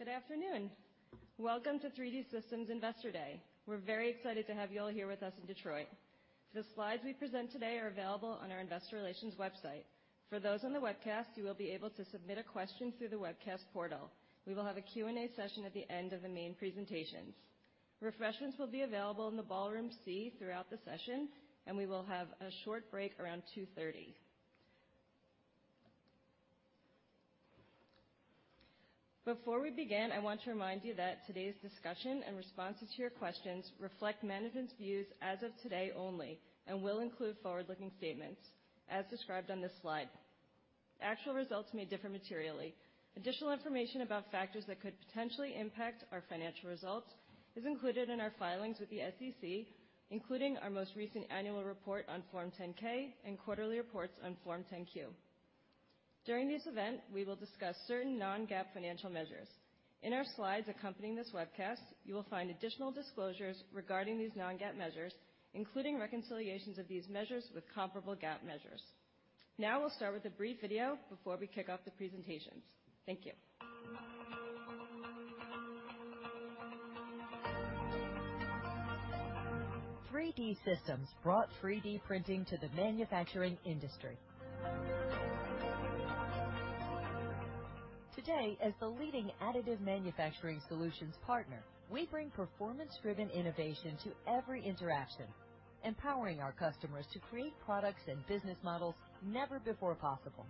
Good afternoon. Welcome to 3D Systems Investor Day. We're very excited To have you all here with us in Detroit. The slides we present today are available on our investor relations website. For those on the webcast, you will be able to submit a question through the webcast portal. We will have a Q&A session at the end of the main presentations. Refreshments will be available in the Ballroom C throughout the session, and we will have a short break around 2:30 P.M. Before we begin, I want to remind you that today's discussion and responses to your questions reflect management's views as of today only and will include forward-looking statements as described on this slide. Actual results may differ materially. Additional information about factors that could potentially impact our financial results is included in our filings with the SEC, including our most recent annual report on Form 10-K and quarterly reports on Form 10-Q. During this event, we will discuss certain non-GAAP financial measures. In our slides accompanying this webcast, you will find additional disclosures regarding these non-GAAP measures, including reconciliations of these measures with comparable GAAP measures. Now, we'll start with a brief video before we kick off the presentations. Thank you. 3D Systems brought 3D printing to the manufacturing industry. Today, as the leading additive manufacturing solutions partner, we bring performance-driven innovation to every interaction, empowering our customers to create products and business models never before possible.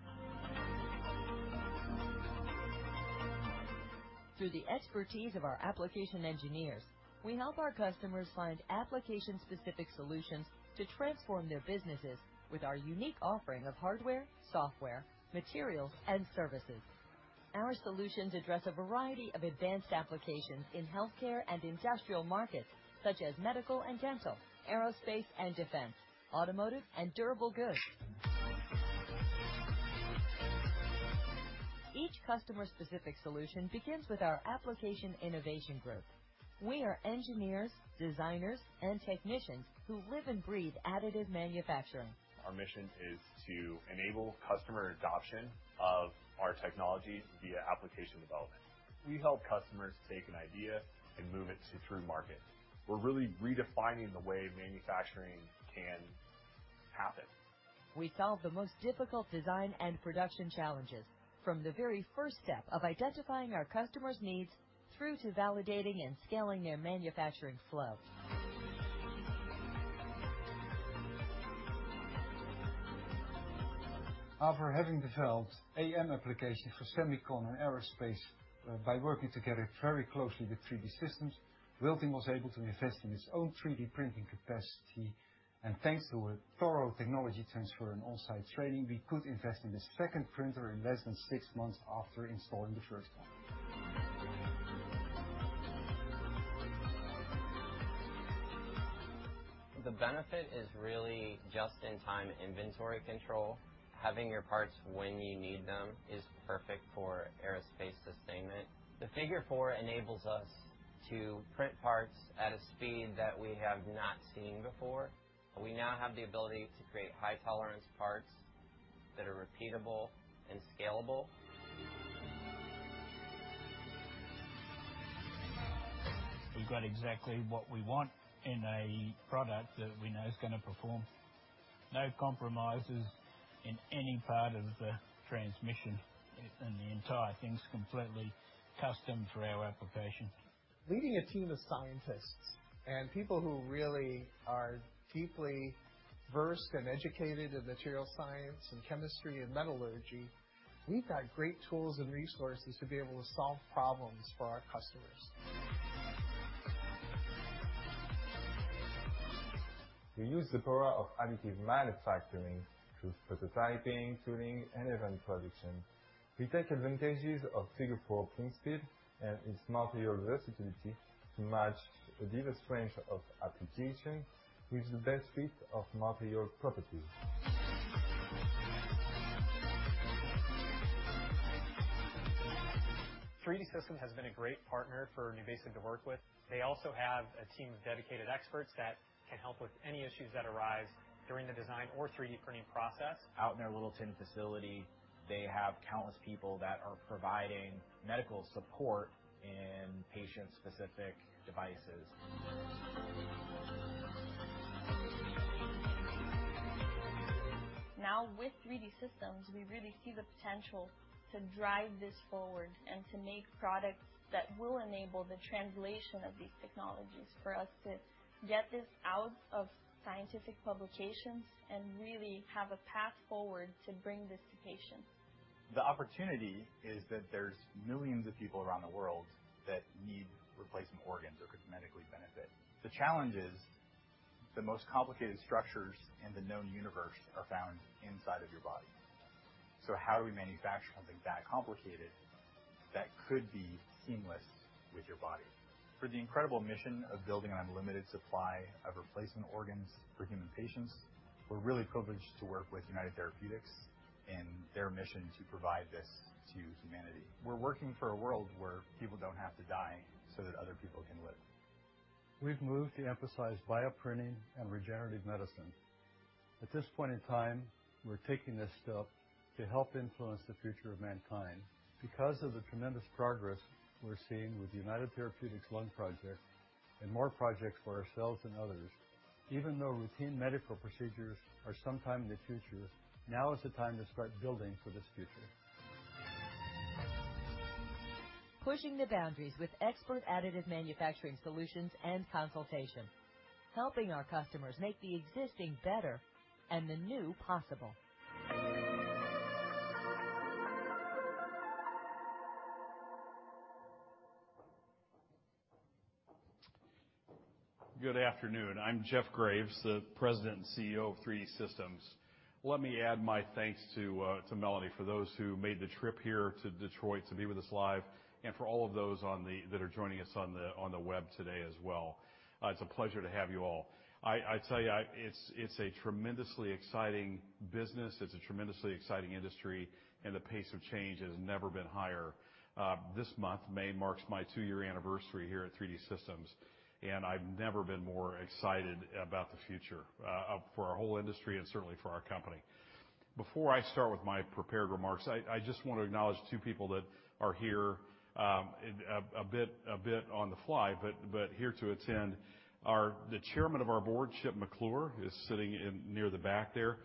Through the expertise of our application engineers, we help our customers find application-specific solutions to transform their businesses with our unique offering of hardware, software, materials, and services. Our solutions address a variety of advanced applications in healthcare and industrial markets such as medical and dental, aerospace and defense, automotive and durable goods. Each customer specific solution begins with our Application Innovation Group. We are engineers, designers, and technicians who live and breathe additive manufacturing. Our mission is to enable customer adoption of our technology via application development. We help customers take an idea and move it through to market. We're really redefining the way manufacturing can happen. We solve the most difficult design and production challenges from the very first step of identifying our customer's needs, through to validating and scaling their manufacturing flow. After having developed AM application for semicon and aerospace by working together very closely with 3D Systems, Wilting was able to invest in its own 3D printing capacity. Thanks to a thorough technology transfer and on-site training, we could invest in the second printer in less than six months after installing the first one. The benefit is really just-in-time inventory control. Having your parts when you need them is perfect for aerospace sustainment. The Figure 4 enables us to print parts at a speed that we have not seen before. We now have the ability to create high tolerance parts that are repeatable and scalable. We've got exactly what we want in a product that we know is going to perform. No compromises in any part of the transmission, and the entire thing's completely custom for our application. Leading a team of scientists and people who really are deeply versed and educated in material science and chemistry and metallurgy, we've got great tools and resources to be able to solve problems for our customers. We use the power of additive manufacturing through prototyping, tooling, and event production. We take advantages of Figure 4 print speed and its material versatility to match the diverse range of applications with the best fit of material properties. 3D Systems has been a great partner for NuVasive to work with. They also have a team of dedicated experts that can help with any issues that arise during the design or 3D printing process. Out in their Littleton facility, they have countless people that are providing medical support in patient-specific devices. Now with 3D Systems, we really see the potential to drive this forward and to make products that will enable the translation of these technologies for us to get this out of scientific publications and really have a path forward to bring this to patients. The opportunity is that there's millions of people around the world that need replacement organs or could medically benefit. The challenge is the most complicated structures in the known universe are found inside of your body. How do we manufacture something that complicated that could be seamless with your body? For the incredible mission of building an unlimited supply of replacement organs for human patients, we're really privileged to work with United Therapeutics and their mission to provide this to humanity. We're working for a world where people don't have to die so that other people can live. We've moved to emphasize bioprinting and regenerative medicine. At this point in time, we're taking this step to help influence the future of mankind. Because of the tremendous progress we're seeing with United Therapeutics' lung project and more projects for ourselves and others, even though routine medical procedures are sometime in the future, now is the time to start building for this future. Pushing the boundaries with expert additive manufacturing solutions and consultation, helping our customers make the existing better and the new possible. Good afternoon. I'm Jeff Graves, the President and CEO of 3D Systems. Let me add my thanks to Melody for those who made the trip here to Detroit to be with us live and for all of those that are joining us on the web today as well. It's a pleasure to have you all. I tell you, it's a tremendously exciting business. It's a tremendously exciting industry, and the pace of change has never been higher. This month, May, marks my two-year anniversary here at 3D Systems, and I've never been more excited about the future for our whole industry and certainly for our company. Before I start with my prepared remarks, I just wanna acknowledge two people that are here, a bit on the fly, but here to attend are the Chairman of our board, Chip McClure, is sitting in near the back there.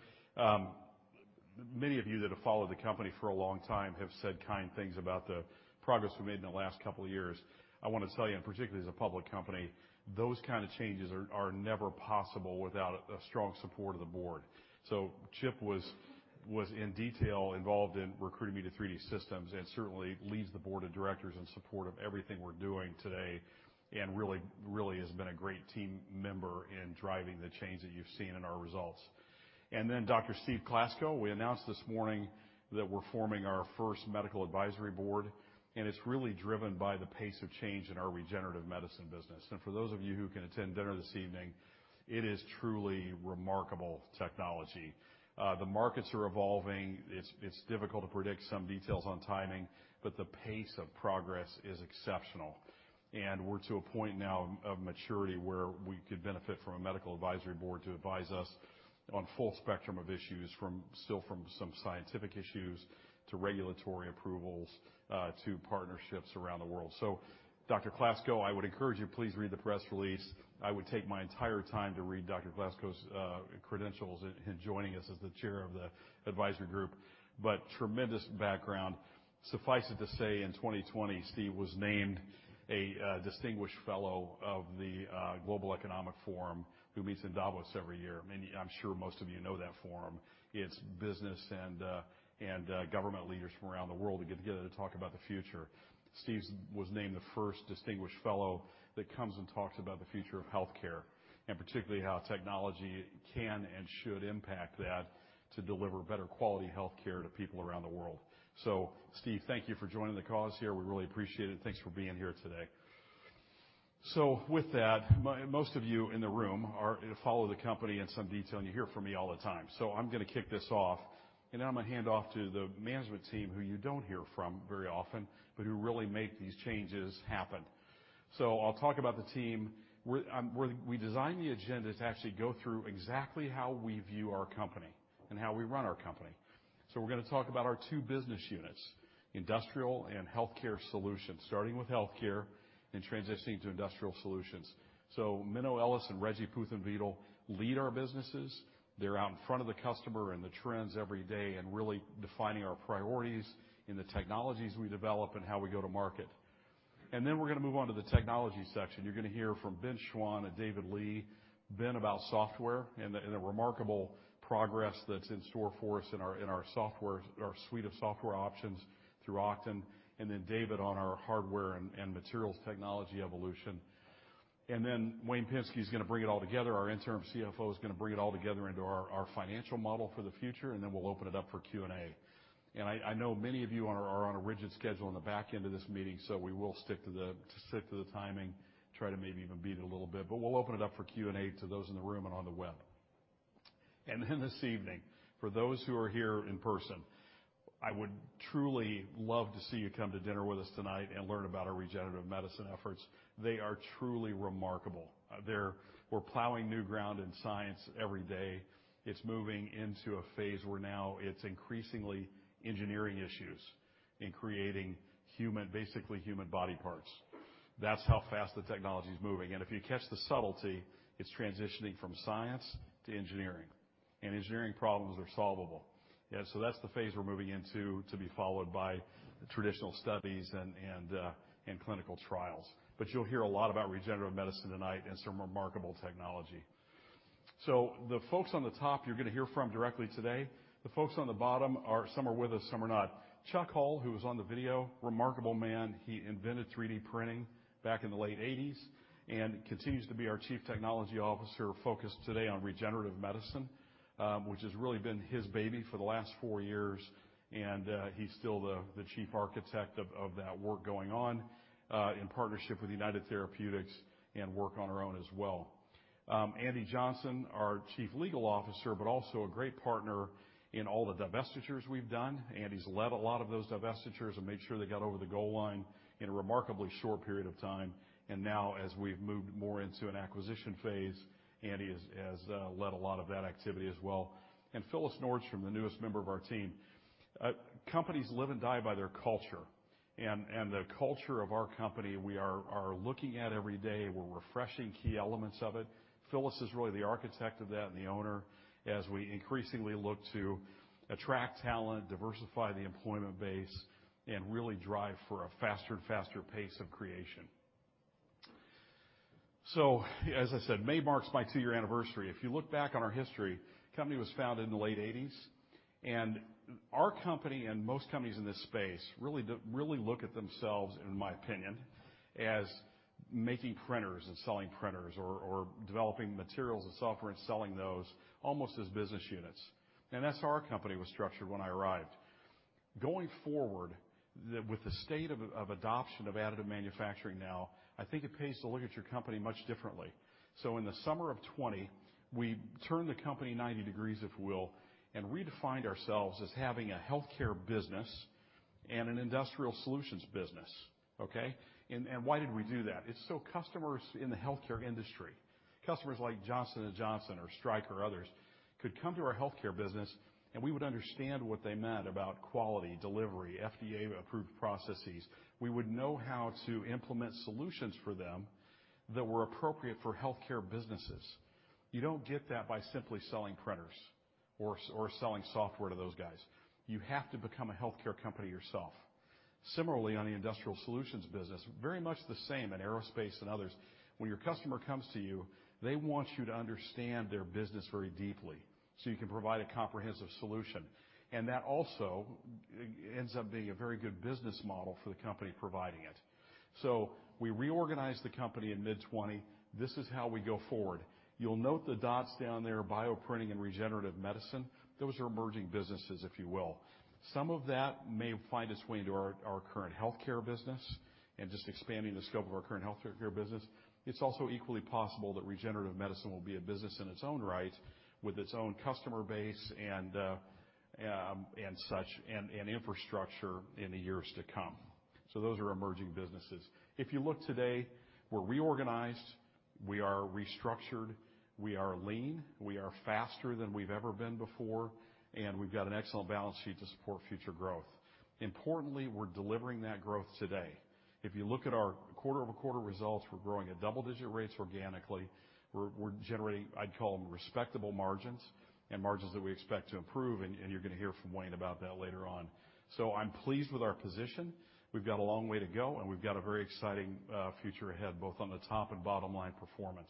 Many of you that have followed the company for a long time have said kind things about the progress we made in the last couple of years. I wanna tell you, and particularly as a public company, those kinda changes are never possible without a strong support of the board. Chip was in detail involved in recruiting me to 3D Systems and certainly leads the Board of Directors in support of everything we're doing today and really has been a great team member in driving the change that you've seen in our results. Then Dr. Steve Klasko. We announced this morning that we're forming our first medical advisory board, and it's really driven by the pace of change in our regenerative medicine business. For those of you who can attend dinner this evening, it is truly remarkable technology. The markets are evolving. It's difficult to predict some details on timing, but the pace of progress is exceptional. We're to a point now of maturity where we could benefit from a medical advisory board to advise us on full spectrum of issues from some scientific issues to regulatory approvals, to partnerships around the world. Dr. Klasko, I would encourage you, please read the press release. I would take my entire time to read Dr. Klasko's credentials in joining us as the chair of the advisory group, but tremendous background. Suffice it to say, in 2020, Steve was named a distinguished fellow of the World Economic Forum, who meets in Davos every year. Many, I'm sure most of you know that forum. It's business and government leaders from around the world who get together to talk about the future. Steve was named the first distinguished fellow that comes and talks about the future of healthcare and particularly how technology can and should impact that to deliver better quality healthcare to people around the world. Steve, thank you for joining the cause here. We really appreciate it. Thanks for being here today. With that, most of you in the room follow the company in some detail, and you hear from me all the time. I'm gonna kick this off, and then I'm gonna hand off to the management team who you don't hear from very often, but who really make these changes happen. I'll talk about the team. We designed the agenda to actually go through exactly how we view our company and how we run our company. We're gonna talk about our two business units, industrial and healthcare solutions, starting with healthcare and transitioning to industrial solutions. Menno Ellis and Reji Puthenveetil lead our businesses. They're out in front of the customer and the trends every day and really defining our priorities in the technologies we develop and how we go to market. Then we're gonna move on to the technology section. You're gonna hear from Benjamin Schrauwen and David Leigh. Ben about software and the remarkable progress that's in store for us in our software, our suite of software options through Oqton, and then David on our hardware and materials technology evolution. Then Wayne Pensky is gonna bring it all together. Our interim CFO is gonna bring it all together into our financial model for the future, and then we'll open it up for Q&A. I know many of you are on a rigid schedule on the back end of this meeting, so we will stick to the timing, try to maybe even beat it a little bit. We'll open it up for Q&A to those in the room and on the web. Then this evening, for those who are here in person, I would truly love to see you come to dinner with us tonight and learn about our regenerative medicine efforts. They are truly remarkable. We're plowing new ground in science every day. It's moving into a phase where now it's increasingly engineering issues in creating basically human body parts. That's how fast the technology is moving. If you catch the subtlety, it's transitioning from science to engineering, and engineering problems are solvable. Yeah. That's the phase we're moving into, to be followed by traditional studies and clinical trials. You'll hear a lot about regenerative medicine tonight and some remarkable technology. The folks on the top, you're gonna hear from directly today. The folks on the bottom are some with us, some are not. Chuck Hull, who was on the video, remarkable man. He invented 3D printing back in the late 1980s and continues to be our chief technology officer focused today on regenerative medicine, which has really been his baby for the last four years. He's still the chief architect of that work going on in partnership with United Therapeutics and work on our own as well. Andy Johnson, our Chief Legal Officer, but also a great partner in all the divestitures we've done. Andy's led a lot of those divestitures and made sure they got over the goal line in a remarkably short period of time. Now, as we've moved more into an acquisition phase, Andy has led a lot of that activity as well. Phyllis Nordstrom, the newest member of our team. Companies live and die by their culture. The culture of our company, we are looking at every day, we're refreshing key elements of it. Phyllis is really the architect of that and the owner, as we increasingly look to attract talent, diversify the employment base, and really drive for a faster and faster pace of creation. As I said, May marks my two-year anniversary. If you look back on our history, the company was founded in the late 1980s. Our company and most companies in this space really look at themselves, in my opinion, as making printers and selling printers or developing materials and software and selling those almost as business units. That's how our company was structured when I arrived. Going forward, with the state of adoption of additive manufacturing now, I think it pays to look at your company much differently. In the summer of 2020, we turned the company ninety degrees, if you will, and redefined ourselves as having a healthcare business and an industrial solutions business. Okay? Why did we do that? It's so customers in the healthcare industry, customers like Johnson & Johnson or Stryker or others, could come to our healthcare business, and we would understand what they meant about quality, delivery, FDA-approved processes. We would know how to implement solutions for them that were appropriate for healthcare businesses. You don't get that by simply selling printers or selling software to those guys. You have to become a healthcare company yourself. Similarly, on the industrial solutions business, very much the same in aerospace and others. When your customer comes to you, they want you to understand their business very deeply, so you can provide a comprehensive solution. That also ends up being a very good business model for the company providing it. We reorganized the company in mid 2020. This is how we go forward. You'll note the dots down there, bioprinting and regenerative medicine. Those are emerging businesses, if you will. Some of that may find its way into our current healthcare business and just expanding the scope of our current healthcare business. It's also equally possible that regenerative medicine will be a business in its own right with its own customer base and such, and infrastructure in the years to come. Those are emerging businesses. If you look today, we're reorganized, we are restructured, we are lean, we are faster than we've ever been before, and we've got an excellent balance sheet to support future growth. Importantly, we're delivering that growth today. If you look at our quarter-over-quarter results, we're growing at double-digit rates organically. We're generating, I'd call them respectable margins and margins that we expect to improve. You're gonna hear from Wayne about that later on. I'm pleased with our position. We've got a long way to go, and we've got a very exciting future ahead, both on the top and bottom line performance.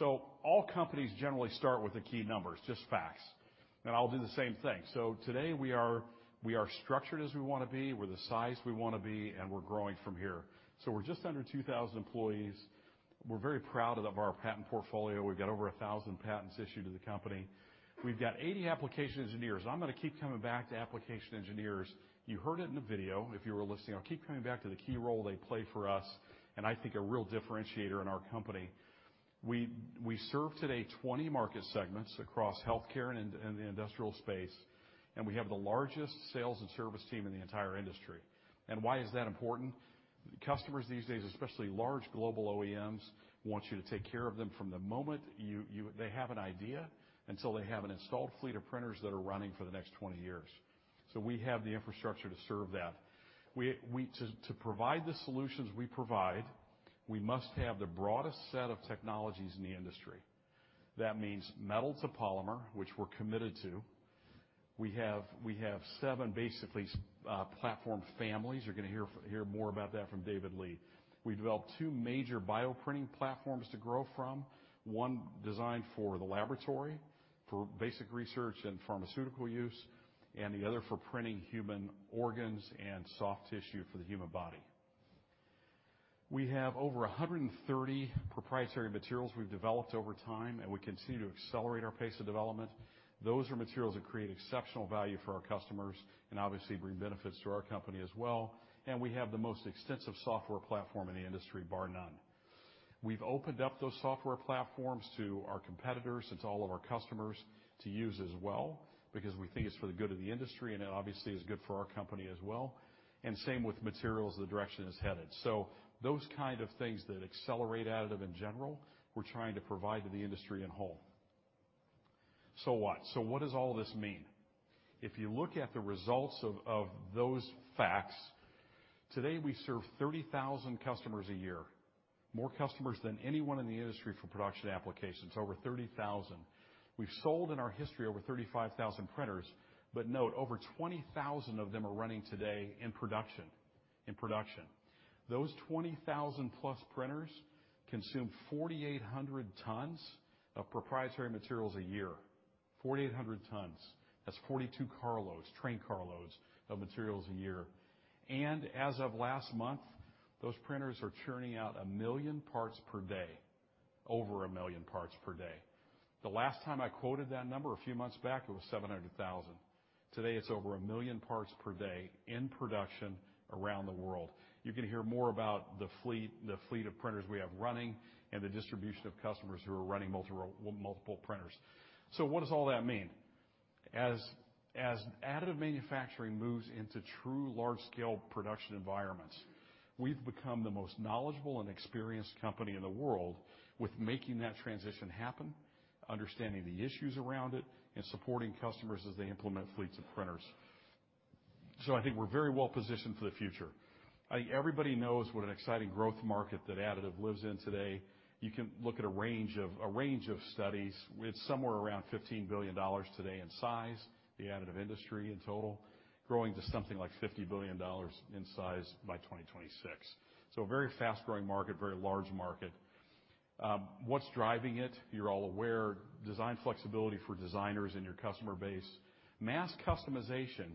All companies generally start with the key numbers, just facts. I'll do the same thing. Today we are structured as we wanna be, we're the size we wanna be, and we're growing from here. We're just under 2,000 employees. We're very proud of our patent portfolio. We've got over 1,000 patents issued to the company. We've got 80 application engineers. I'm gonna keep coming back to application engineers. You heard it in the video, if you were listening. I'll keep coming back to the key role they play for us, and I think a real differentiator in our company. We serve today 20 market segments across healthcare and in the industrial space, and we have the largest sales and service team in the entire industry. Why is that important? Customers these days, especially large global OEMs, want you to take care of them from the moment they have an idea until they have an installed fleet of printers that are running for the next 20 years. We have the infrastructure to serve that. To provide the solutions we provide, we must have the broadest set of technologies in the industry. That means metal to polymer, which we're committed to. We have seven basically platform families. You're gonna hear more about that from David Leigh. We developed two major bioprinting platforms to grow from. One designed for the laboratory for basic research and pharmaceutical use, and the other for printing human organs and soft tissue for the human body. We have over 130 proprietary materials we've developed over time, and we continue to accelerate our pace of development. Those are materials that create exceptional value for our customers and obviously bring benefits to our company as well, and we have the most extensive software platform in the industry, bar none. We've opened up those software platforms to our competitors and to all of our customers to use as well because we think it's for the good of the industry, and it obviously is good for our company as well, and same with materials, the direction it's headed. Those kind of things that accelerate additive in general, we're trying to provide to the industry as a whole. What does all this mean? If you look at the results of those facts, today we serve 30,000 customers a year, more customers than anyone in the industry for production applications, over 30,000. We've sold in our history over 35,000 printers, but note, over 20,000 of them are running today in production. In production. Those 20,000 plus printers consume 4,800 tons of proprietary materials a year. 4,800 tons. That's 42 train car loads of materials a year. As of last month, those printers are churning out 1 million parts per day, over 1 million parts per day. The last time I quoted that number a few months back, it was 700,000. Today it's over 1 million parts per day in production around the world. You're going to hear more about the fleet of printers we have running and the distribution of customers who are running multiple printers. What does all that mean? As additive manufacturing moves into true large-scale production environments, we've become the most knowledgeable and experienced company in the world with making that transition happen, understanding the issues around it, and supporting customers as they implement fleets of printers. I think we're very well positioned for the future. I think everybody knows what an exciting growth market that additive lives in today. You can look at a range of studies with somewhere around $15 billion today in size, the additive industry in total, growing to something like $50 billion in size by 2026. A very fast-growing market, very large market. What's driving it? You're all aware, design flexibility for designers in your customer base. Mass customization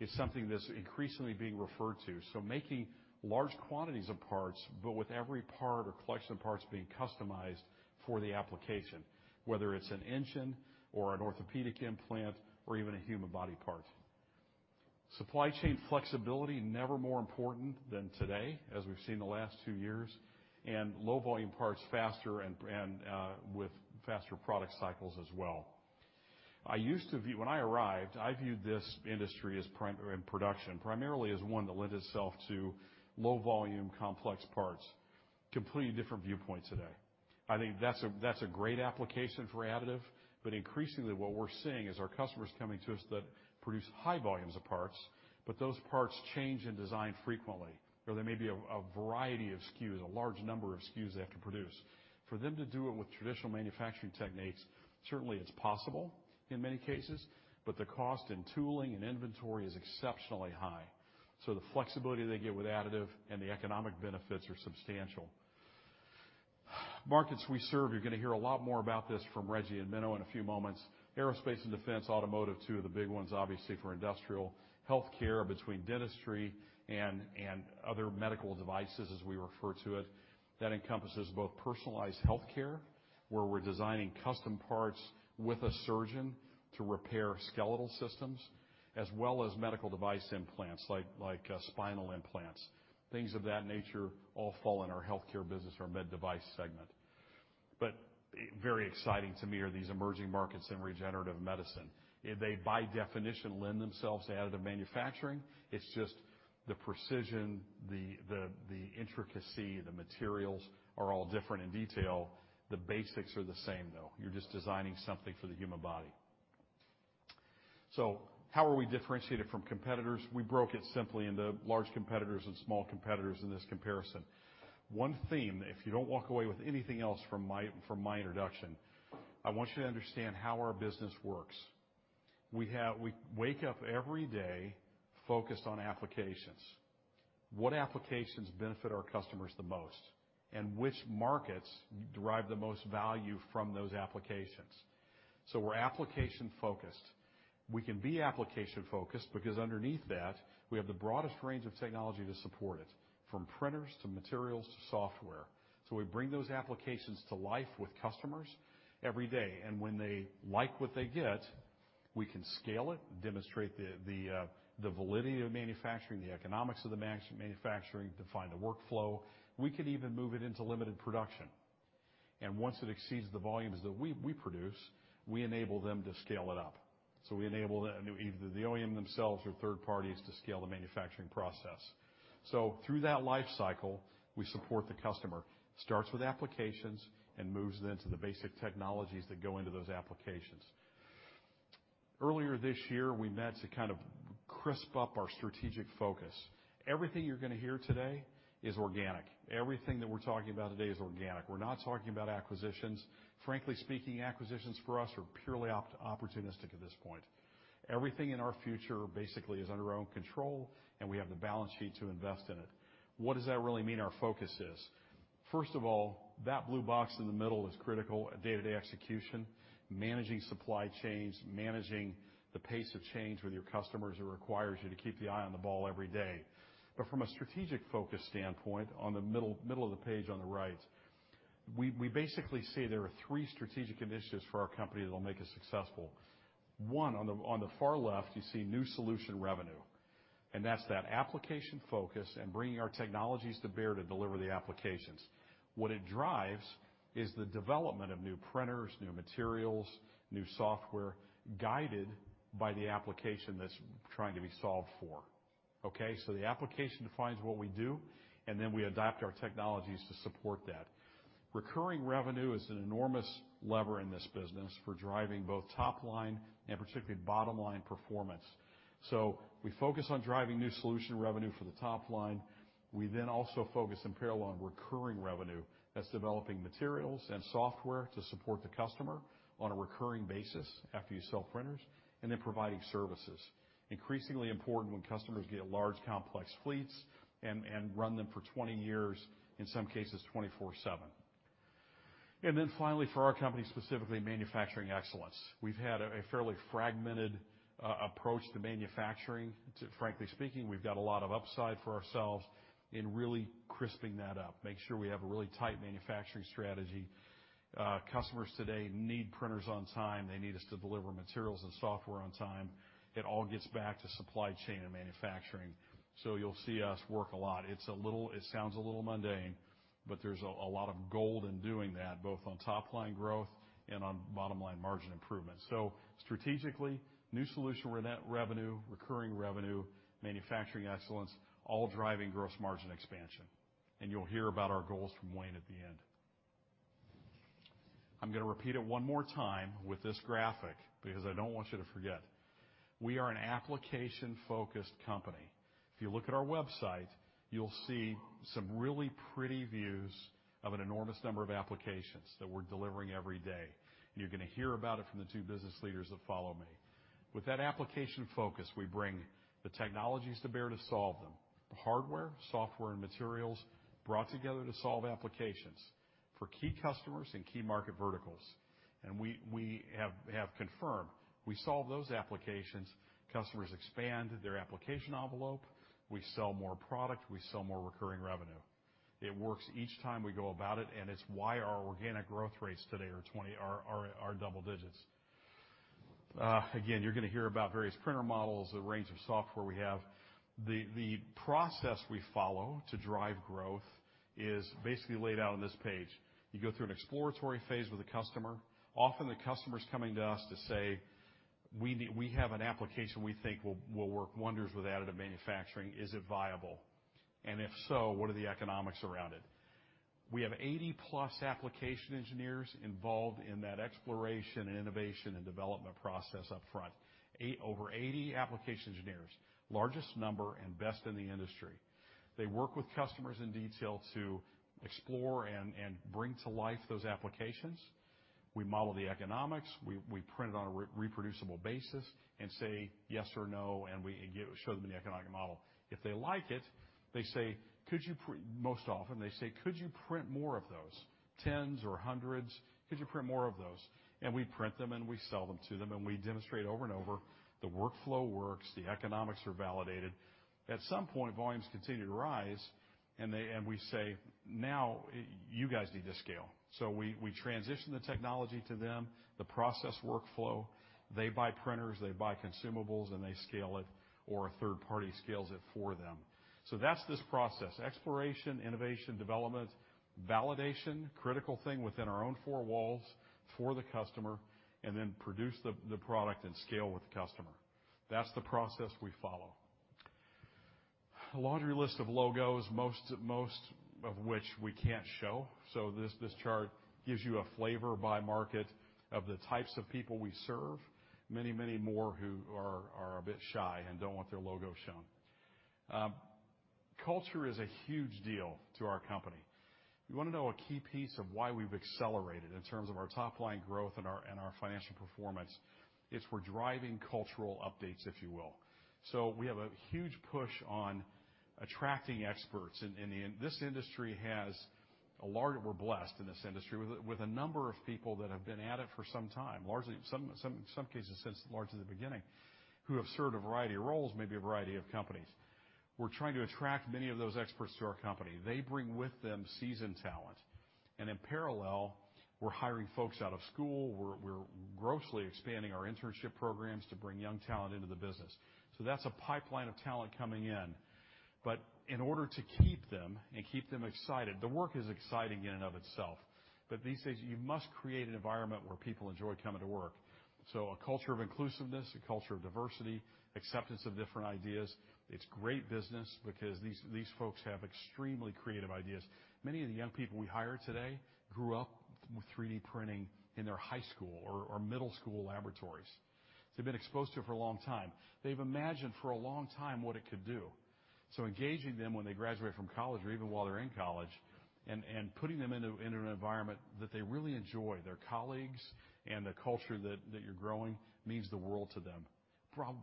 is something that's increasingly being referred to. Making large quantities of parts, but with every part or collection of parts being customized for the application, whether it's an engine or an orthopedic implant or even a human body part. Supply chain flexibility, never more important than today, as we've seen the last two years, and low volume parts faster and with faster product cycles as well. When I arrived, I viewed this industry in production primarily as one that lent itself to low volume, complex parts. Completely different viewpoint today. I think that's a great application for additive. Increasingly what we're seeing is our customers coming to us that produce high volumes of parts, but those parts change in design frequently, or there may be a variety of SKUs, a large number of SKUs they have to produce. For them to do it with traditional manufacturing techniques, certainly it's possible in many cases, but the cost in tooling and inventory is exceptionally high. The flexibility they get with additive and the economic benefits are substantial. Markets we serve, you're going to hear a lot more about this from Reji and Menno in a few moments. Aerospace and defense, automotive, two of the big ones, obviously, for industrial. Healthcare between dentistry and other medical devices, as we refer to it, that encompasses both personalized healthcare, where we're designing custom parts with a surgeon to repair skeletal systems, as well as medical device implants like spinal implants. Things of that nature all fall in our healthcare business or med device segment. Very exciting to me are these emerging markets in regenerative medicine. They, by definition, lend themselves to additive manufacturing. It's just the precision, the intricacy, the materials are all different in detail. The basics are the same, though. You're just designing something for the human body. How are we differentiated from competitors? We broke it simply into large competitors and small competitors in this comparison. One theme, if you don't walk away with anything else from my introduction, I want you to understand how our business works. We wake up every day focused on applications. What applications benefit our customers the most, and which markets derive the most value from those applications? We're application-focused. We can be application-focused because underneath that, we have the broadest range of technology to support it, from printers to materials to software. We bring those applications to life with customers every day, and when they like what they get, we can scale it, demonstrate the validity of manufacturing, the economics of the manufacturing, define the workflow. We could even move it into limited production. Once it exceeds the volumes that we produce, we enable them to scale it up. We enable either the OEM themselves or third parties to scale the manufacturing process. Through that life cycle, we support the customer. Starts with applications and moves into the basic technologies that go into those applications. Earlier this year, we met to kind of crisp up our strategic focus. Everything you're going to hear today is organic. Everything that we're talking about today is organic. We're not talking about acquisitions. Frankly speaking, acquisitions for us are purely opportunistic at this point. Everything in our future basically is under our own control, and we have the balance sheet to invest in it. What does that really mean our focus is? First of all, that blue box in the middle is critical, day-to-day execution, managing supply chains, managing the pace of change with your customers. It requires you to keep the eye on the ball every day. From a strategic focus standpoint, on the middle of the page on the right, we basically say there are three strategic initiatives for our company that'll make us successful. One, on the far left, you see new solution revenue, and that's that application focus and bringing our technologies to bear to deliver the applications. What it drives is the development of new printers, new materials, new software, guided by the application that's trying to be solved for. Okay? The application defines what we do, and then we adapt our technologies to support that. Recurring revenue is an enormous lever in this business for driving both top line and particularly bottom line performance. We focus on driving new solution revenue for the top line. We then also focus in parallel on recurring revenue. That's developing materials and software to support the customer on a recurring basis after you sell printers and then providing services. Increasingly important when customers get large, complex fleets and run them for 20 years, in some cases 24/7. Finally, for our company specifically, manufacturing excellence. We've had a fairly fragmented approach to manufacturing. Frankly speaking, we've got a lot of upside for ourselves in really crisping that up, make sure we have a really tight manufacturing strategy. Customers today need printers on time. They need us to deliver materials and software on time. It all gets back to supply chain and manufacturing. You'll see us work a lot. It sounds a little mundane, but there's a lot of gold in doing that, both on top line growth and on bottom line margin improvement. Strategically, new solution revenue, recurring revenue, manufacturing excellence, all driving gross margin expansion. You'll hear about our goals from Wayne at the end. I'm gonna repeat it one more time with this graphic, because I don't want you to forget. We are an application-focused company. If you look at our website, you'll see some really pretty views of an enormous number of applications that we're delivering every day. You're gonna hear about it from the two business leaders that follow me. With that application focus, we bring the technologies to bear to solve them. The hardware, software and materials brought together to solve applications for key customers and key market verticals. We have confirmed we solve those applications, customers expand their application envelope, we sell more product, we sell more recurring revenue. It works each time we go about it, and it's why our organic growth rates today are double digits. Again, you're gonna hear about various printer models, the range of software we have. The process we follow to drive growth is basically laid out on this page. You go through an exploratory phase with a customer. Often, the customer's coming to us to say, "We have an application we think will work wonders with additive manufacturing. Is it viable? And if so, what are the economics around it?" We have 80-plus application engineers involved in that exploration, and innovation, and development process up front. Over 80 application engineers. Largest number and best in the industry. They work with customers in detail to explore and bring to life those applications. We model the economics. We print it on a reproducible basis and say yes or no, and we show them the economic model. If they like it, most often they say, "Could you print more of those? Tens or hundreds. Could you print more of those?" We print them, and we sell them to them, and we demonstrate over and over the workflow works, the economics are validated. At some point, volumes continue to rise and we say, "Now, you guys need to scale." We transition the technology to them, the process workflow. They buy printers, they buy consumables, and they scale it, or a third party scales it for them. That's this process. Exploration, innovation, development, validation, critical thing within our own four walls for the customer, and then produce the product and scale with the customer. That's the process we follow. A laundry list of logos, most of which we can't show. This chart gives you a flavor by market of the types of people we serve. Many, many more who are a bit shy and don't want their logo shown. Culture is a huge deal to our company. You wanna know a key piece of why we've accelerated in terms of our top-line growth and our financial performance, it's we're driving cultural updates, if you will. We have a huge push on attracting experts. We're blessed in this industry with a number of people that have been at it for some time. Largely, some cases since SLA at the beginning, who have served a variety of roles, maybe a variety of companies. We're trying to attract many of those experts to our company. They bring with them seasoned talent. In parallel, we're hiring folks out of school. We're grossly expanding our internship programs to bring young talent into the business. That's a pipeline of talent coming in. In order to keep them and keep them excited, the work is exciting in and of itself. These days, you must create an environment where people enjoy coming to work. A culture of inclusiveness, a culture of diversity, acceptance of different ideas, it's great business because these folks have extremely creative ideas. Many of the young people we hire today grew up with 3D printing in their high school or middle school laboratories. They've been exposed to it for a long time. They've imagined for a long time what it could do. Engaging them when they graduate from college or even while they're in college and putting them into an environment that they really enjoy, their colleagues and the culture that you're growing means the world to them,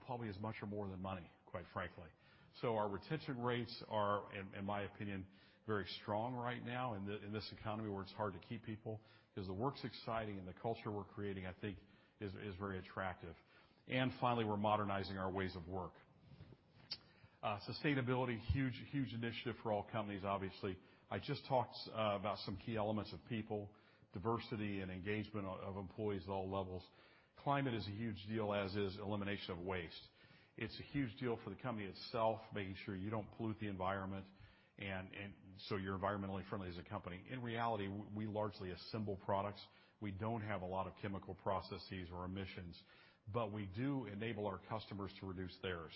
probably as much or more than money, quite frankly. Our retention rates are in my opinion very strong right now in this economy where it's hard to keep people, 'cause the work's exciting and the culture we're creating, I think, is very attractive. Finally, we're modernizing our ways of work. Sustainability, huge initiative for all companies, obviously. I just talked about some key elements of people, diversity and engagement of employees at all levels. Climate is a huge deal, as is elimination of waste. It's a huge deal for the company itself, making sure you don't pollute the environment, so you're environmentally friendly as a company. In reality, we largely assemble products. We don't have a lot of chemical processes or emissions, but we do enable our customers to reduce theirs.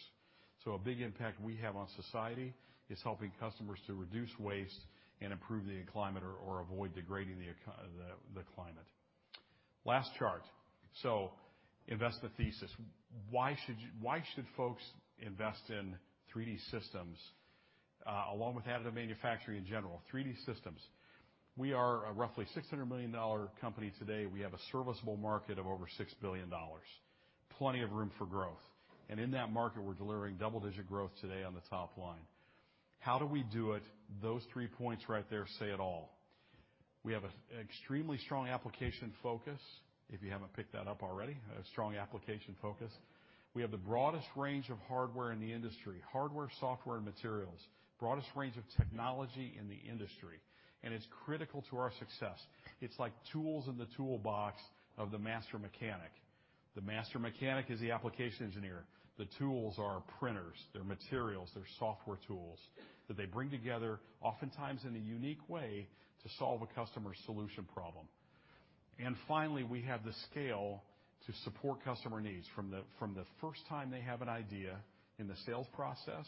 A big impact we have on society is helping customers to reduce waste and improve the climate or avoid degrading the climate. Last chart. Investor thesis. Why should folks invest in 3D Systems, along with additive manufacturing in general? 3D Systems. We are a roughly $600 million company today. We have a serviceable market of over $6 billion. Plenty of room for growth. In that market, we're delivering double-digit growth today on the top line. How do we do it? Those three points right there say it all. We have an extremely strong application focus, if you haven't picked that up already, a strong application focus. We have the broadest range of hardware in the industry. Hardware, software and materials. Broadest range of technology in the industry. It's critical to our success. It's like tools in the toolbox of the master mechanic. The master mechanic is the application engineer. The tools are printers, they're materials, they're software tools that they bring together, oftentimes in a unique way, to solve a customer solution problem. Finally, we have the scale to support customer needs from the, from the first time they have an idea in the sales process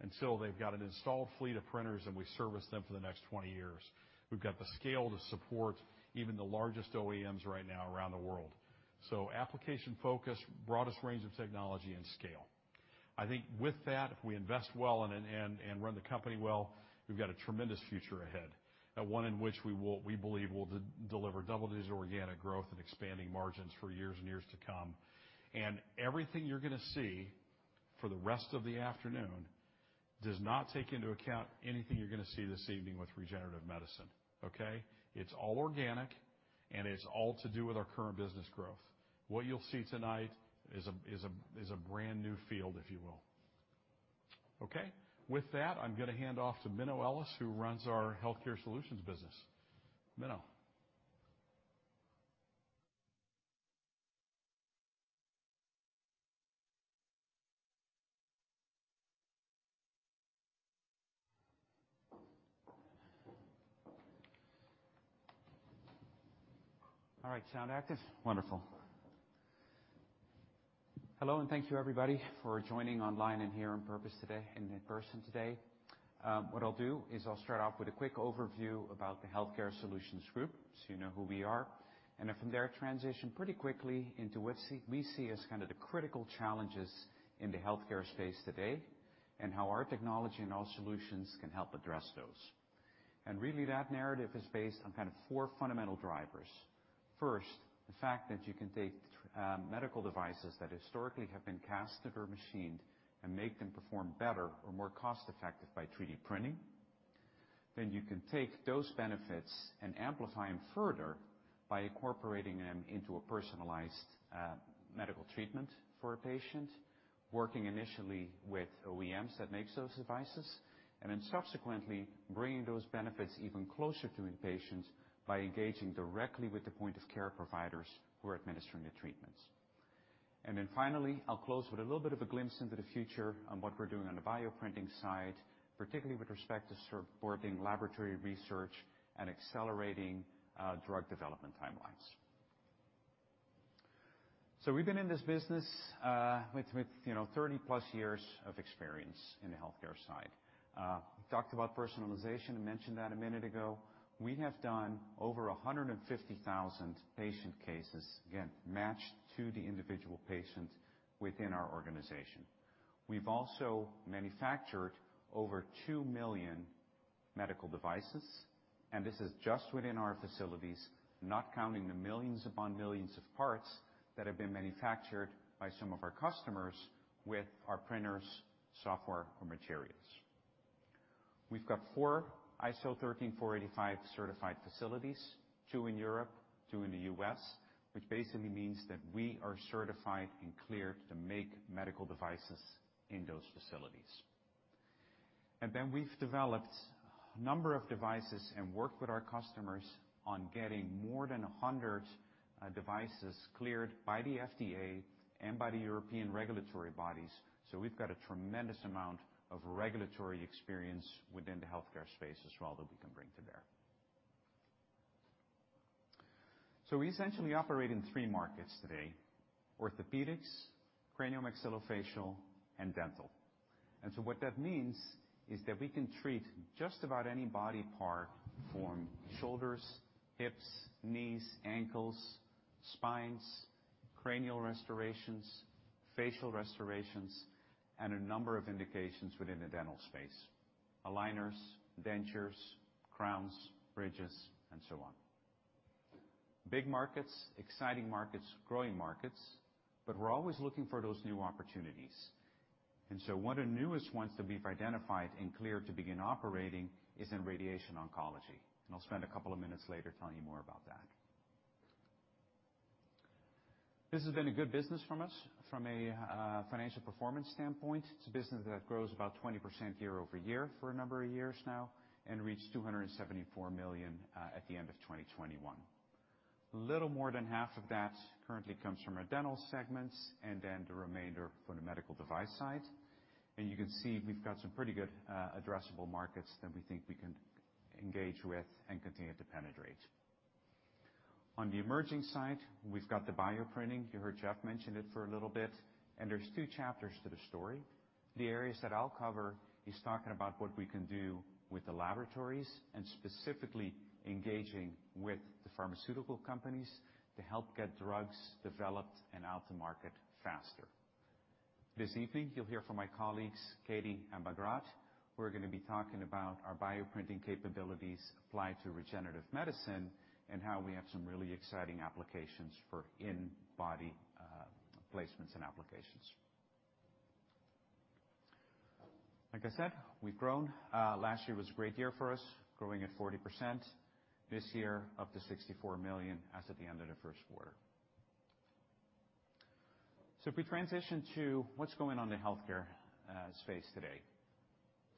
until they've got an installed fleet of printers, and we service them for the next 20 years. We've got the scale to support even the largest OEMs right now around the world. Application focus, broadest range of technology and scale. I think with that, if we invest well and run the company well, we've got a tremendous future ahead, one in which we believe we'll deliver double-digit organic growth and expanding margins for years and years to come. Everything you're gonna see for the rest of the afternoon does not take into account anything you're gonna see this evening with regenerative medicine, okay? It's all organic, and it's all to do with our current business growth. What you'll see tonight is a brand-new field, if you will. Okay? With that, I'm gonna hand off to Menno Ellis, who runs our Healthcare Solutions business. Menno. All right. Sound active? Wonderful. Hello, and thank you everybody for joining online and here in person today. What I'll do is I'll start off with a quick overview about the Healthcare Solutions Group, so you know who we are, and then from there, transition pretty quickly into what we see as kind of the critical challenges in the healthcare space today and how our technology and our solutions can help address those. Really, that narrative is based on kind of four fundamental drivers. First, the fact that you can take medical devices that historically have been cast or machined and make them perform better or more cost-effective by 3D printing. You can take those benefits and amplify them further by incorporating them into a personalized medical treatment for a patient, working initially with OEMs that makes those devices, and then subsequently bringing those benefits even closer to the patients by engaging directly with the point of care providers who are administering the treatments. Finally, I'll close with a little bit of a glimpse into the future on what we're doing on the bioprinting side, particularly with respect to supporting laboratory research and accelerating drug development timelines. We've been in this business with you know, 30+ years of experience in the healthcare side. We talked about personalization. I mentioned that a minute ago. We have done over 150,000 patient cases, again, matched to the individual patient within our organization. We've also manufactured over 2 million medical devices, and this is just within our facilities, not counting the millions upon millions of parts that have been manufactured by some of our customers with our printers, software or materials. We've got 4 ISO 13485 certified facilities, two in Europe, two in the US, which basically means that we are certified and cleared to make medical devices in those facilities. We've developed a number of devices and worked with our customers on getting more than 100 devices cleared by the FDA and by the European regulatory bodies. We've got a tremendous amount of regulatory experience within the healthcare space as well that we can bring to bear. We essentially operate in 3 markets today, orthopedics, craniomaxillofacial, and dental. What that means is that we can treat just about any body part, from shoulders, hips, knees, ankles, spines, cranial restorations, facial restorations, and a number of indications within the dental space. Aligners, dentures, crowns, bridges, and so on. Big markets, exciting markets, growing markets, but we're always looking for those new opportunities. One of the newest ones that we've identified and cleared to begin operating is in radiation oncology, and I'll spend a couple of minutes later telling you more about that. This has been a good business from us from a financial performance standpoint. It's a business that grows about 20% year-over-year for a number of years now and reached $274 million at the end of 2021. A little more than half of that currently comes from our dental segments and then the remainder from the medical device side. You can see we've got some pretty good addressable markets that we think we can engage with and continue to penetrate. On the emerging side, we've got the bioprinting. You heard Jeff mention it for a little bit, and there's two chapters to the story. The areas that I'll cover is talking about what we can do with the laboratories and specifically engaging with the pharmaceutical companies to help get drugs developed and out to market faster. This evening, you'll hear from my colleagues, Katie and Bhagat, who are gonna be talking about our bioprinting capabilities applied to regenerative medicine and how we have some really exciting applications for in-body placements and applications. Like I said, we've grown. Last year was a great year for us, growing at 40%. This year, up to $64 million as of the end of the first quarter. If we transition to what's going on in the healthcare space today.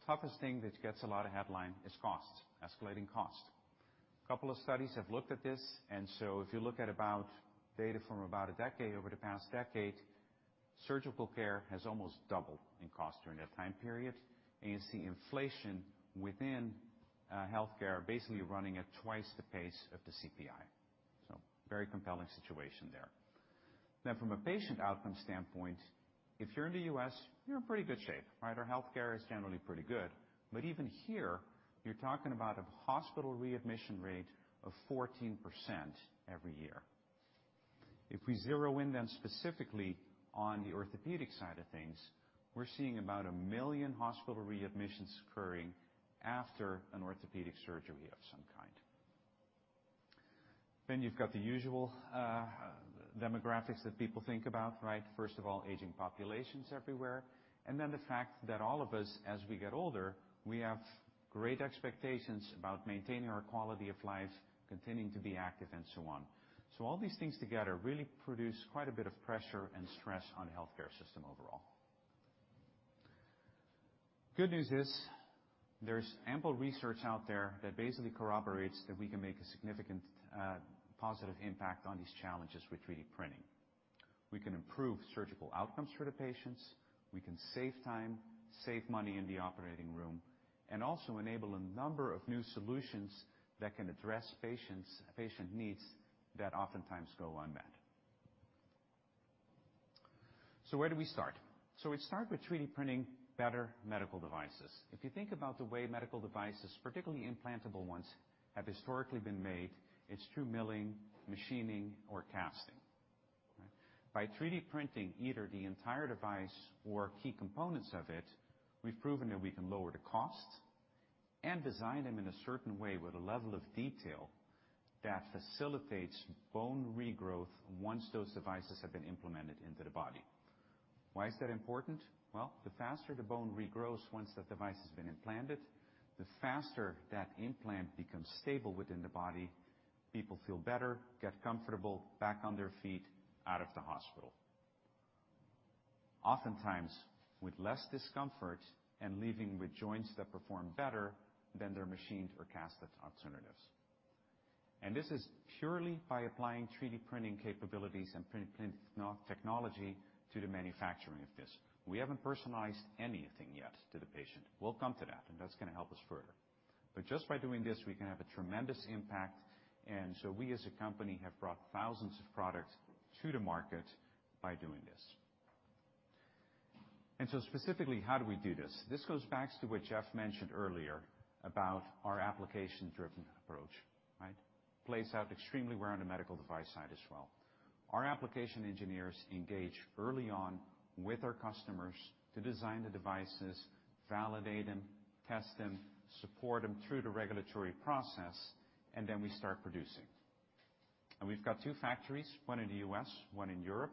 Toughest thing that gets a lot of headline is cost, escalating cost. Couple of studies have looked at this, and if you look at data from about a decade, over the past decade, surgical care has almost doubled in cost during that time period. You see inflation within healthcare basically running at twice the pace of the CPI. Very compelling situation there. Now, from a patient outcome standpoint, if you're in the U.S., you're in pretty good shape, right? Our healthcare is generally pretty good, but even here you're talking about a hospital readmission rate of 14% every year. If we zero in specifically on the orthopedic side of things, we're seeing about 1 million hospital readmissions occurring after an orthopedic surgery of some kind. You've got the usual, demographics that people think about, right? First of all, aging populations everywhere, and then the fact that all of us, as we get older, we have great expectations about maintaining our quality of life, continuing to be active and so on. All these things together really produce quite a bit of pressure and stress on the healthcare system overall. Good news is there's ample research out there that basically corroborates that we can make a significant, positive impact on these challenges with 3D printing. We can improve surgical outcomes for the patients, we can save time, save money in the operating room, and also enable a number of new solutions that can address patient's. Patient needs that oftentimes go unmet. Where do we start? We start with 3D printing better medical devices. If you think about the way medical devices, particularly implantable ones, have historically been made, it's through milling, machining or casting. By 3D printing either the entire device or key components of it, we've proven that we can lower the cost and design them in a certain way with a level of detail that facilitates bone regrowth once those devices have been implemented into the body. Why is that important? Well, the faster the bone regrows, once that device has been implanted, the faster that implant becomes stable within the body, people feel better, get comfortable, back on their feet, out of the hospital, oftentimes with less discomfort and leaving with joints that perform better than their machined or cast alternatives. This is purely by applying 3D printing capabilities and print prep technology to the manufacturing of this. We haven't personalized anything yet to the patient. We'll come to that, and that's going to help us further. Just by doing this, we can have a tremendous impact. We as a company have brought thousands of products to the market by doing this. Specifically, how do we do this? This goes back to what Jeff mentioned earlier about our application-driven approach. Right? Plays out extremely well on the medical device side as well. Our application engineers engage early on with our customers to design the devices, validate them, test them, support them through the regulatory process, and then we start producing. We've got two factories, one in the U.S., one in Europe,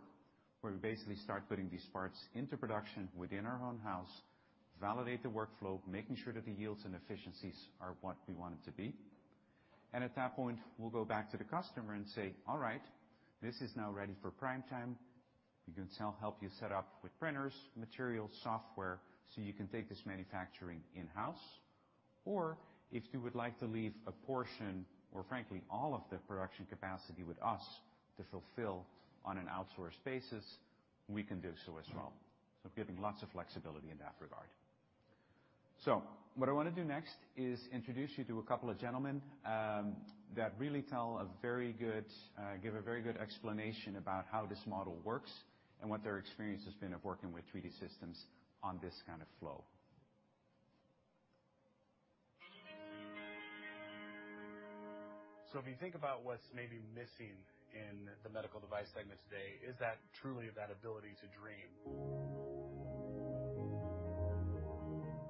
where we basically start putting these parts into production within our own house, validate the workflow, making sure that the yields and efficiencies are what we want it to be. At that point, we'll go back to the customer and say, "All right, this is now ready for prime time. We can help you set up with printers, materials, software, so you can take this manufacturing in-house. Or if you would like to leave a portion or frankly all of the production capacity with us to fulfill on an outsourced basis, we can do so as well." Giving lots of flexibility in that regard. What I want to do next is introduce you to a couple of gentlemen that really give a very good explanation about how this model works and what their experience has been of working with 3D Systems on this kind of flow. If you think about what's maybe missing in the medical device segment today, is that truly that ability to dream.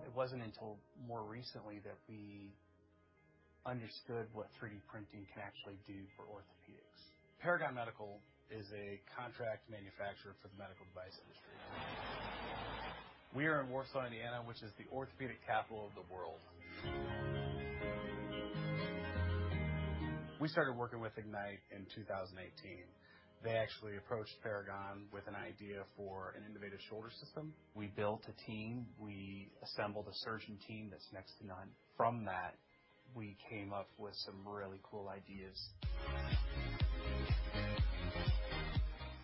It wasn't until more recently that we understood what 3D printing can actually do for orthopedics. Paragon Medical is a contract manufacturer for the medical device industry. We are in Warsaw, Indiana, which is the orthopedic capital of the world. We started working with Ignyte in 2018. They actually approached Paragon with an idea for an innovative shoulder system. We built a team. We assembled a surgeon team that's next to none. From that, we came up with some really cool ideas.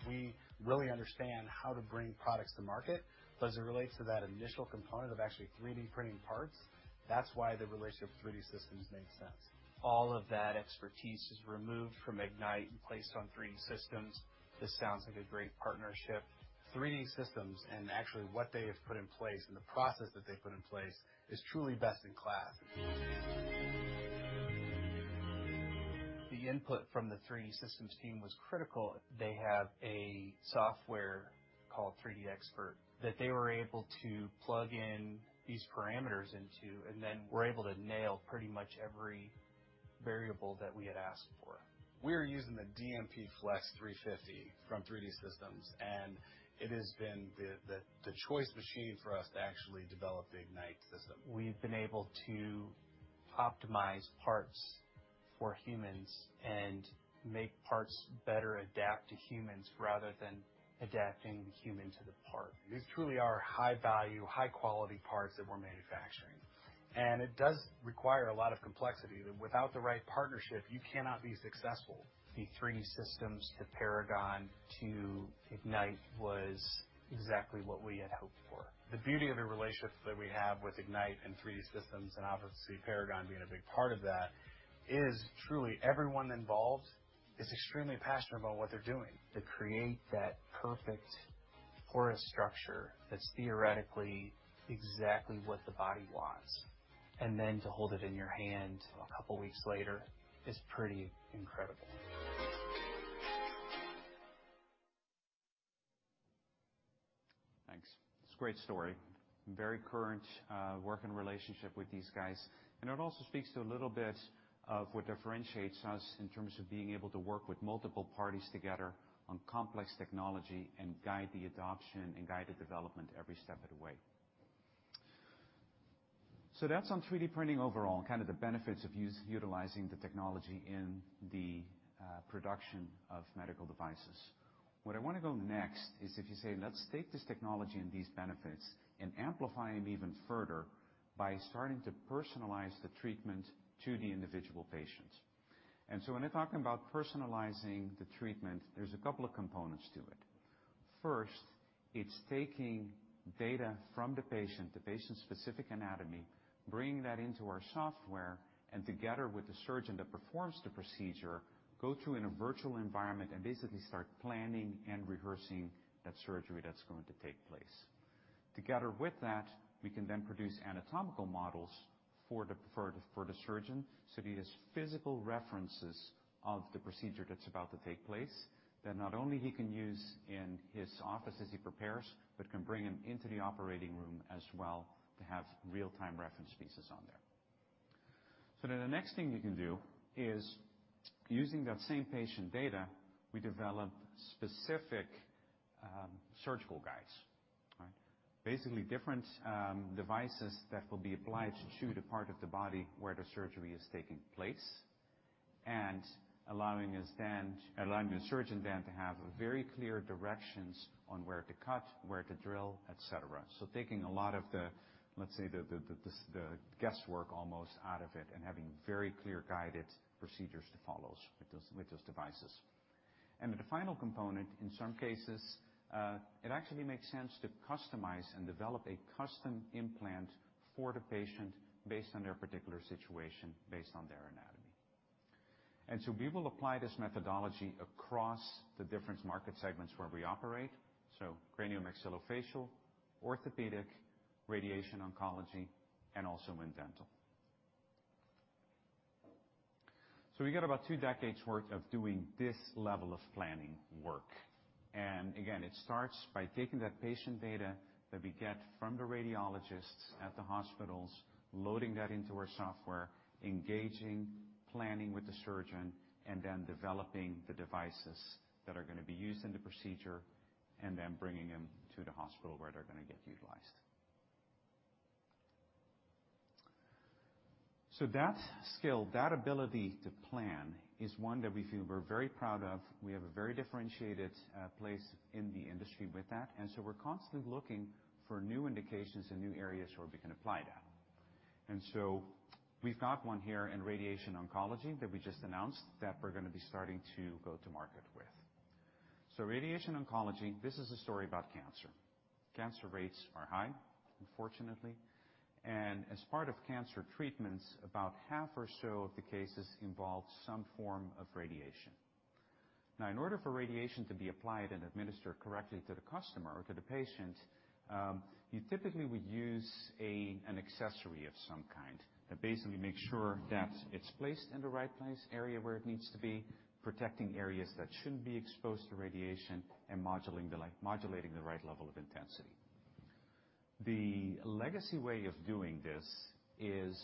We really understand how to bring products to market as it relates to that initial component of actually 3D printing parts. That's why the relationship with 3D Systems makes sense. All of that expertise is removed from Ignyte and placed on 3D Systems. This sounds like a great partnership. 3D Systems and actually what they have put in place, and the process that they put in place is truly best in class. The input from the 3D Systems team was critical. They have a software called 3DXpert that they were able to plug in these parameters into and then were able to nail pretty much every variable that we had asked for. We are using the DMP Flex 350 from 3D Systems, and it has been the choice machine for us to actually develop the Ignyte system. We've been able to optimize parts for humans and make parts better adapt to humans rather than adapting the human to the part. These truly are high value, high quality parts that we're manufacturing. It does require a lot of complexity that without the right partnership, you cannot be successful. The 3D Systems to Paragon to Ignyte was exactly what we had hoped for. The beauty of the relationship that we have with Ignyte and 3D Systems, and obviously Paragon being a big part of that, is truly everyone involved is extremely passionate about what they're doing. To create that perfect porous structure that's theoretically exactly what the body wants, and then to hold it in your hand a couple weeks later is pretty incredible. Thanks. It's a great story. Very current working relationship with these guys. It also speaks to a little bit of what differentiates us in terms of being able to work with multiple parties together on complex technology and guide the adoption and guide the development every step of the way. That's on 3D printing overall, kind of the benefits of us utilizing the technology in the production of medical devices. What I wanna go next is if you say, let's take this technology and these benefits and amplify them even further by starting to personalize the treatment to the individual patients. When we're talking about personalizing the treatment, there's a couple of components to it. First, it's taking data from the patient, the patient's specific anatomy, bringing that into our software, and together with the surgeon that performs the procedure, go through in a virtual environment and basically start planning and rehearsing that surgery that's going to take place. Together with that, we can then produce anatomical models for the surgeon, so he has physical references of the procedure that's about to take place, that not only he can use in his office as he prepares, but can bring him into the operating room as well to have real-time reference pieces on there. The next thing you can do is using that same patient data, we develop specific surgical guides. All right. Basically different devices that will be applied to the part of the body where the surgery is taking place, allowing the surgeon then to have very clear directions on where to cut, where to drill, etc. Taking a lot of the, let's say, the guesswork almost out of it and having very clear guided procedures to follow with those devices. The final component, in some cases, it actually makes sense to customize and develop a custom implant for the patient based on their particular situation, based on their anatomy. We will apply this methodology across the different market segments where we operate, so cranio-maxillofacial, orthopedic, radiation oncology, and also in dental. We got about two decades worth of doing this level of planning work. It starts by taking that patient data that we get from the radiologists at the hospitals, loading that into our software, engaging, planning with the surgeon, and then developing the devices that are gonna be used in the procedure, and then bringing them to the hospital where they're gonna get utilized. That skill, that ability to plan is one that we feel we're very proud of. We have a very differentiated place in the industry with that, and so we're constantly looking for new indications and new areas where we can apply that. We've got one here in radiation oncology that we just announced that we're gonna be starting to go to market with. Radiation oncology, this is a story about cancer. Cancer rates are high, unfortunately. As part of cancer treatments, about half or so of the cases involve some form of radiation. Now, in order for radiation to be applied and administered correctly to the customer or to the patient, you typically would use an accessory of some kind that basically makes sure that it's placed in the right place, area where it needs to be, protecting areas that shouldn't be exposed to radiation, and modulating the right level of intensity. The legacy way of doing this is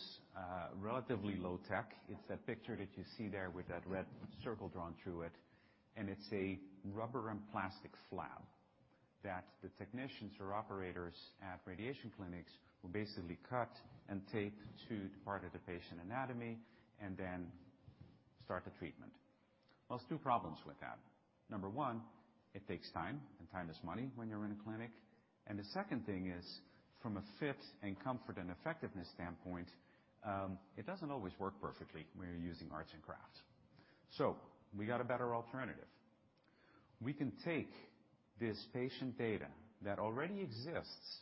relatively low tech. It's that picture that you see there with that red circle drawn through it, and it's a rubber and plastic flap that the technicians or operators at radiation clinics will basically cut and tape to part of the patient anatomy and then start the treatment. Well, there's two problems with that. Number one, it takes time, and time is money when you're in a clinic. The second thing is, from a fit and comfort and effectiveness standpoint, it doesn't always work perfectly when you're using arts and craft. We got a better alternative. We can take this patient data that already exists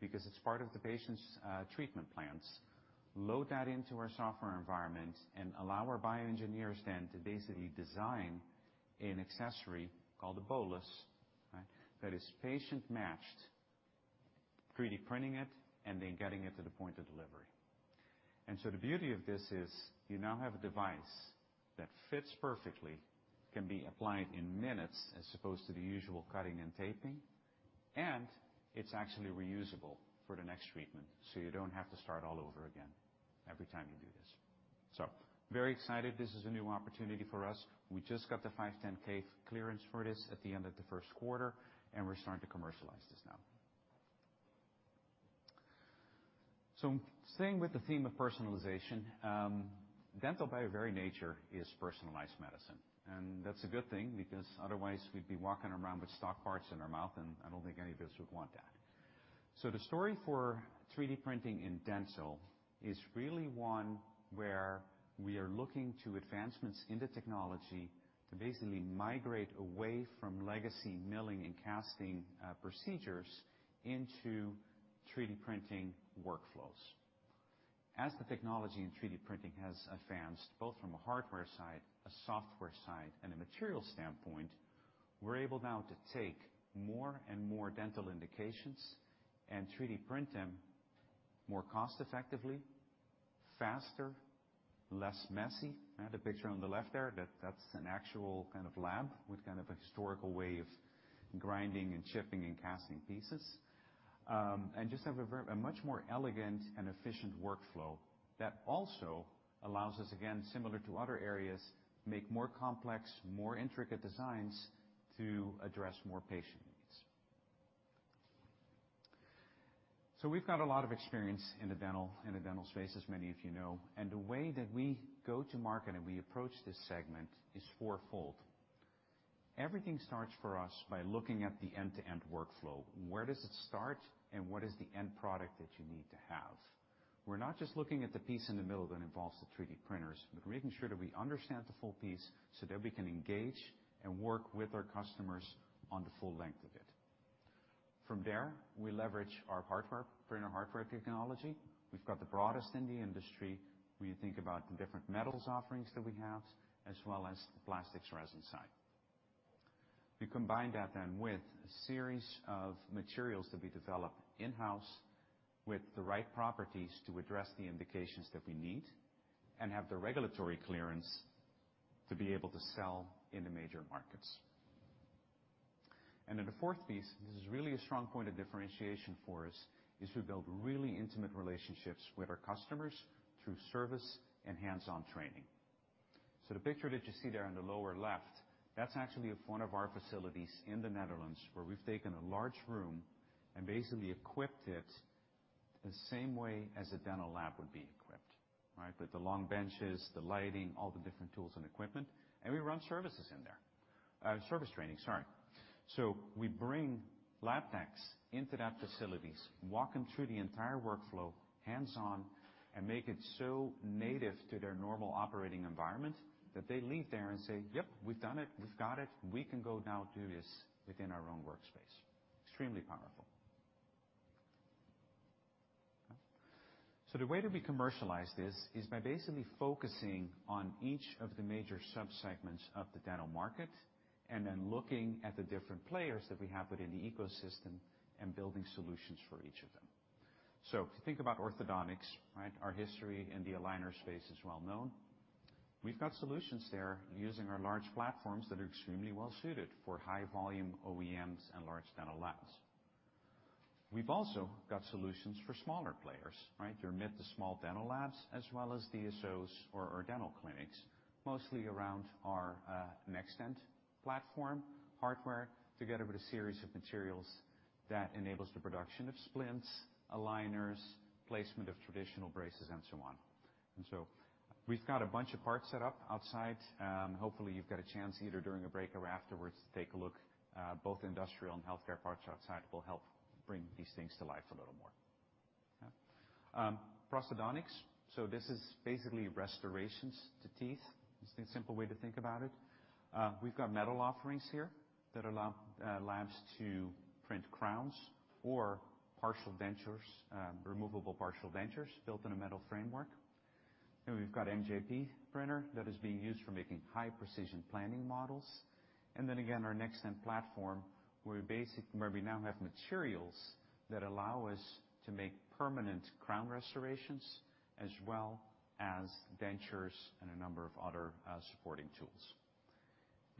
because it's part of the patient's treatment plans, load that into our software environment, and allow our bioengineers then to basically design an accessory called a bolus, right? That is patient-matched, 3D printing it, and then getting it to the point of delivery. The beauty of this is you now have a device that fits perfectly, can be applied in minutes as opposed to the usual cutting and taping, and it's actually reusable for the next treatment, so you don't have to start all over again every time you do this. Very excited. This is a new opportunity for us. We just got the 510(k) clearance for this at the end of the first quarter, and we're starting to commercialize this now. Staying with the theme of personalization, dental by very nature is personalized medicine. That's a good thing because otherwise we'd be walking around with stock parts in our mouth, and I don't think any of us would want that. The story for 3D printing in dental is really one where we are looking to advancements in the technology to basically migrate away from legacy milling and casting procedures into 3D printing workflows. As the technology in 3D printing has advanced, both from a hardware side, a software side, and a material standpoint, we're able now to take more and more dental indications and 3D print them more cost-effectively, faster, less messy. The picture on the left there, that's an actual kind of lab with kind of a historical way of grinding and chipping and casting pieces. Just have a much more elegant and efficient workflow that also allows us, again, similar to other areas, make more complex, more intricate designs to address more patient needs. We've got a lot of experience in the dental space, as many of you know. The way that we go to market and we approach this segment is four-fold. Everything starts for us by looking at the end-to-end workflow. Where does it start, and what is the end product that you need to have? We're not just looking at the piece in the middle that involves the 3D printers, but making sure that we understand the full piece so that we can engage and work with our customers on the full length of it. From there, we leverage our hardware, printer hardware technology. We've got the broadest in the industry when you think about the different metals offerings that we have, as well as the plastics resin side. We combine that then with a series of materials that we develop in-house with the right properties to address the indications that we need and have the regulatory clearance to be able to sell in the major markets. The fourth piece, this is really a strong point of differentiation for us, is we build really intimate relationships with our customers through service and hands-on training. The picture that you see there on the lower left, that's actually of one of our facilities in the Netherlands, where we've taken a large room and basically equipped it the same way as a dental lab would be equipped, right? With the long benches, the lighting, all the different tools and equipment, and we run service training in there. We bring lab techs into that facilities, walk them through the entire workflow hands-on and make it so native to their normal operating environment that they leave there and say, "Yep, we've done it. We've got it. We can go now do this within our own workspace." Extremely powerful. The way that we commercialize this is by basically focusing on each of the major subsegments of the dental market and then looking at the different players that we have within the ecosystem and building solutions for each of them. If you think about orthodontics, right, our history in the aligner space is well known. We've got solutions there using our large platforms that are extremely well suited for high volume OEMs and large dental labs. We've also got solutions for smaller players, right? Your mid to small dental labs, as well as DSOs or dental clinics, mostly around our NextDent platform hardware, together with a series of materials that enables the production of splints, aligners, placement of traditional braces and so on. We've got a bunch of parts set up outside. Hopefully, you've got a chance either during a break or afterwards to take a look. Both industrial and healthcare parts outside will help bring these things to life a little more. Prosthodontics, so this is basically restorations to teeth. It's the simple way to think about it. We've got metal offerings here that allow labs to print crowns or partial dentures, removable partial dentures built in a metal framework. We've got MJP printer that is being used for making high-precision planning models. Our NextDent platform, where we now have materials that allow us to make permanent crown restorations as well as dentures and a number of other, supporting tools.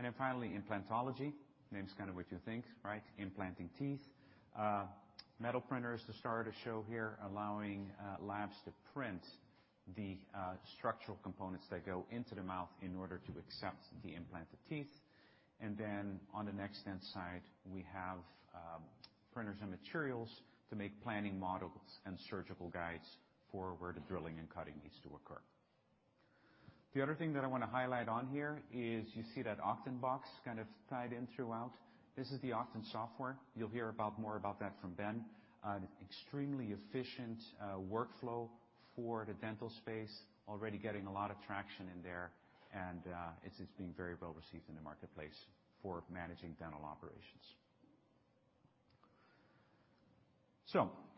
Implantology. Name's kind of what you think, right? Implanting teeth. Metal printers to start a show here, allowing labs to print the structural components that go into the mouth in order to accept the implanted teeth. On the NextDent side, we have printers and materials to make planning models and surgical guides for where the drilling and cutting needs to occur. The other thing that I wanna highlight on here is you see that Oqton box kind of tied in throughout. This is the Oqton software. You'll hear more about that from Ben. Extremely efficient workflow for the dental space. Already getting a lot of traction in there, and it's being very well received in the marketplace for managing dental operations.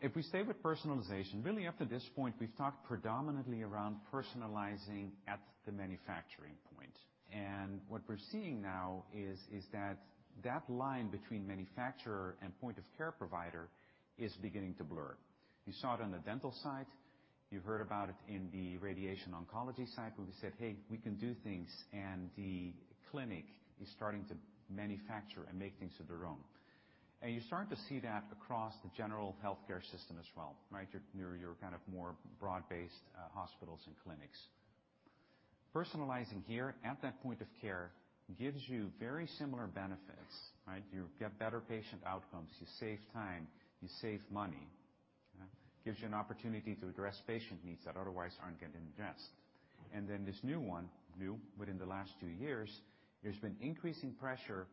If we stay with personalization, really up to this point, we've talked predominantly around personalizing at the manufacturing point. What we're seeing now is that line between manufacturer and point-of-care provider is beginning to blur. You saw it on the dental side. You've heard about it in the radiation oncology side, where we said, "Hey, we can do things," and the clinic is starting to manufacture and make things of their own. You're starting to see that across the general healthcare system as well, right? Your kind of more broad-based hospitals and clinics. Personalizing here at that point of care gives you very similar benefits, right? You get better patient outcomes, you save time, you save money, yeah? Gives you an opportunity to address patient needs that otherwise aren't getting addressed. Then this new one, new within the last two years, there's been increasing pressure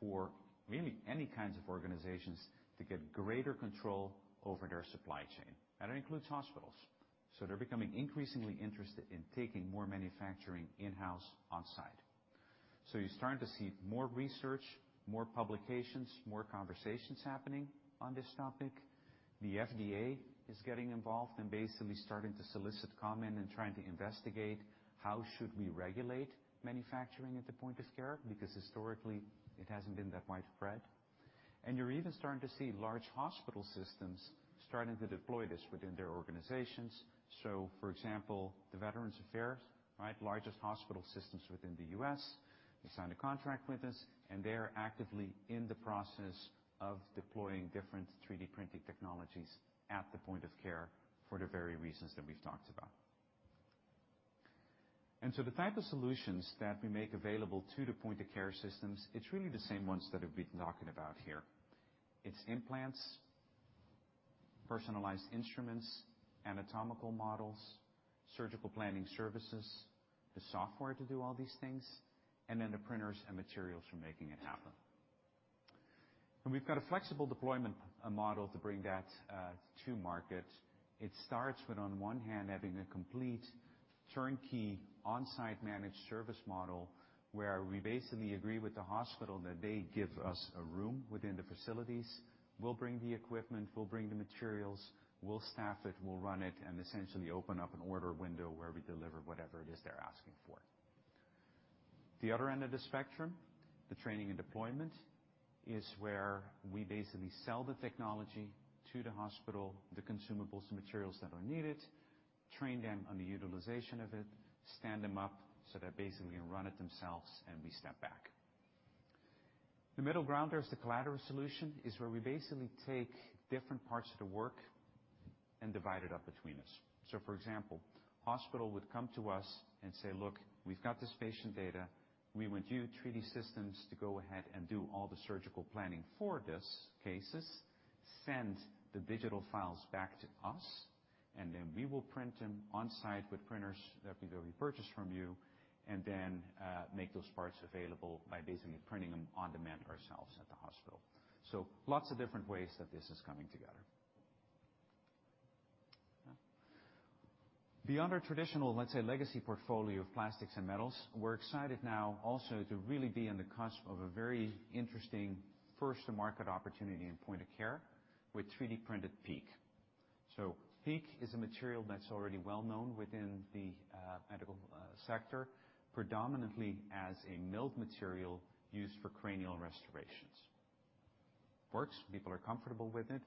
for really any kinds of organizations to get greater control over their supply chain, and it includes hospitals. They're becoming increasingly interested in taking more manufacturing in-house, on-site. You're starting to see more research, more publications, more conversations happening on this topic. The FDA is getting involved and basically starting to solicit comment and trying to investigate how should we regulate manufacturing at the point of care, because historically it hasn't been that widespread. You're even starting to see large hospital systems starting to deploy this within their organizations. For example, the Veterans Affairs, right? Largest hospital systems within the U.S., they signed a contract with us, and they are actively in the process of deploying different 3D printing technologies at the point of care for the very reasons that we've talked about. The type of solutions that we make available to the point of care systems, it's really the same ones that we've been talking about here. It's implants, personalized instruments, anatomical models, surgical planning services, the software to do all these things, and then the printers and materials for making it happen. We've got a flexible deployment model to bring that to market. It starts with, on one hand, having a complete turnkey on-site managed service model, where we basically agree with the hospital that they give us a room within the facilities. We'll bring the equipment, we'll bring the materials, we'll staff it, we'll run it, and essentially open up an order window where we deliver whatever it is they're asking for. The other end of the spectrum, the training and deployment, is where we basically sell the technology to the hospital, the consumables and materials that are needed, train them on the utilization of it, stand them up, so they basically run it themselves, and we step back. The middle ground, there's the collateral solution, is where we basically take different parts of the work and divide it up between us. For example, hospital would come to us and say, "Look, we've got this patient data. We want you, 3D Systems, to go ahead and do all the surgical planning for this cases. Send the digital files back to us, and then we will print them on-site with printers that we will purchase from you, and then make those parts available by basically printing them on-demand ourselves at the hospital." Lots of different ways that this is coming together. Yeah. Beyond our traditional, let's say, legacy portfolio of plastics and metals, we're excited now also to really be on the cusp of a very interesting first-to-market opportunity in point of care with 3D-printed PEEK. PEEK is a material that's already well-known within the medical sector, predominantly as a milled material used for cranial restorations. Works, people are comfortable with it,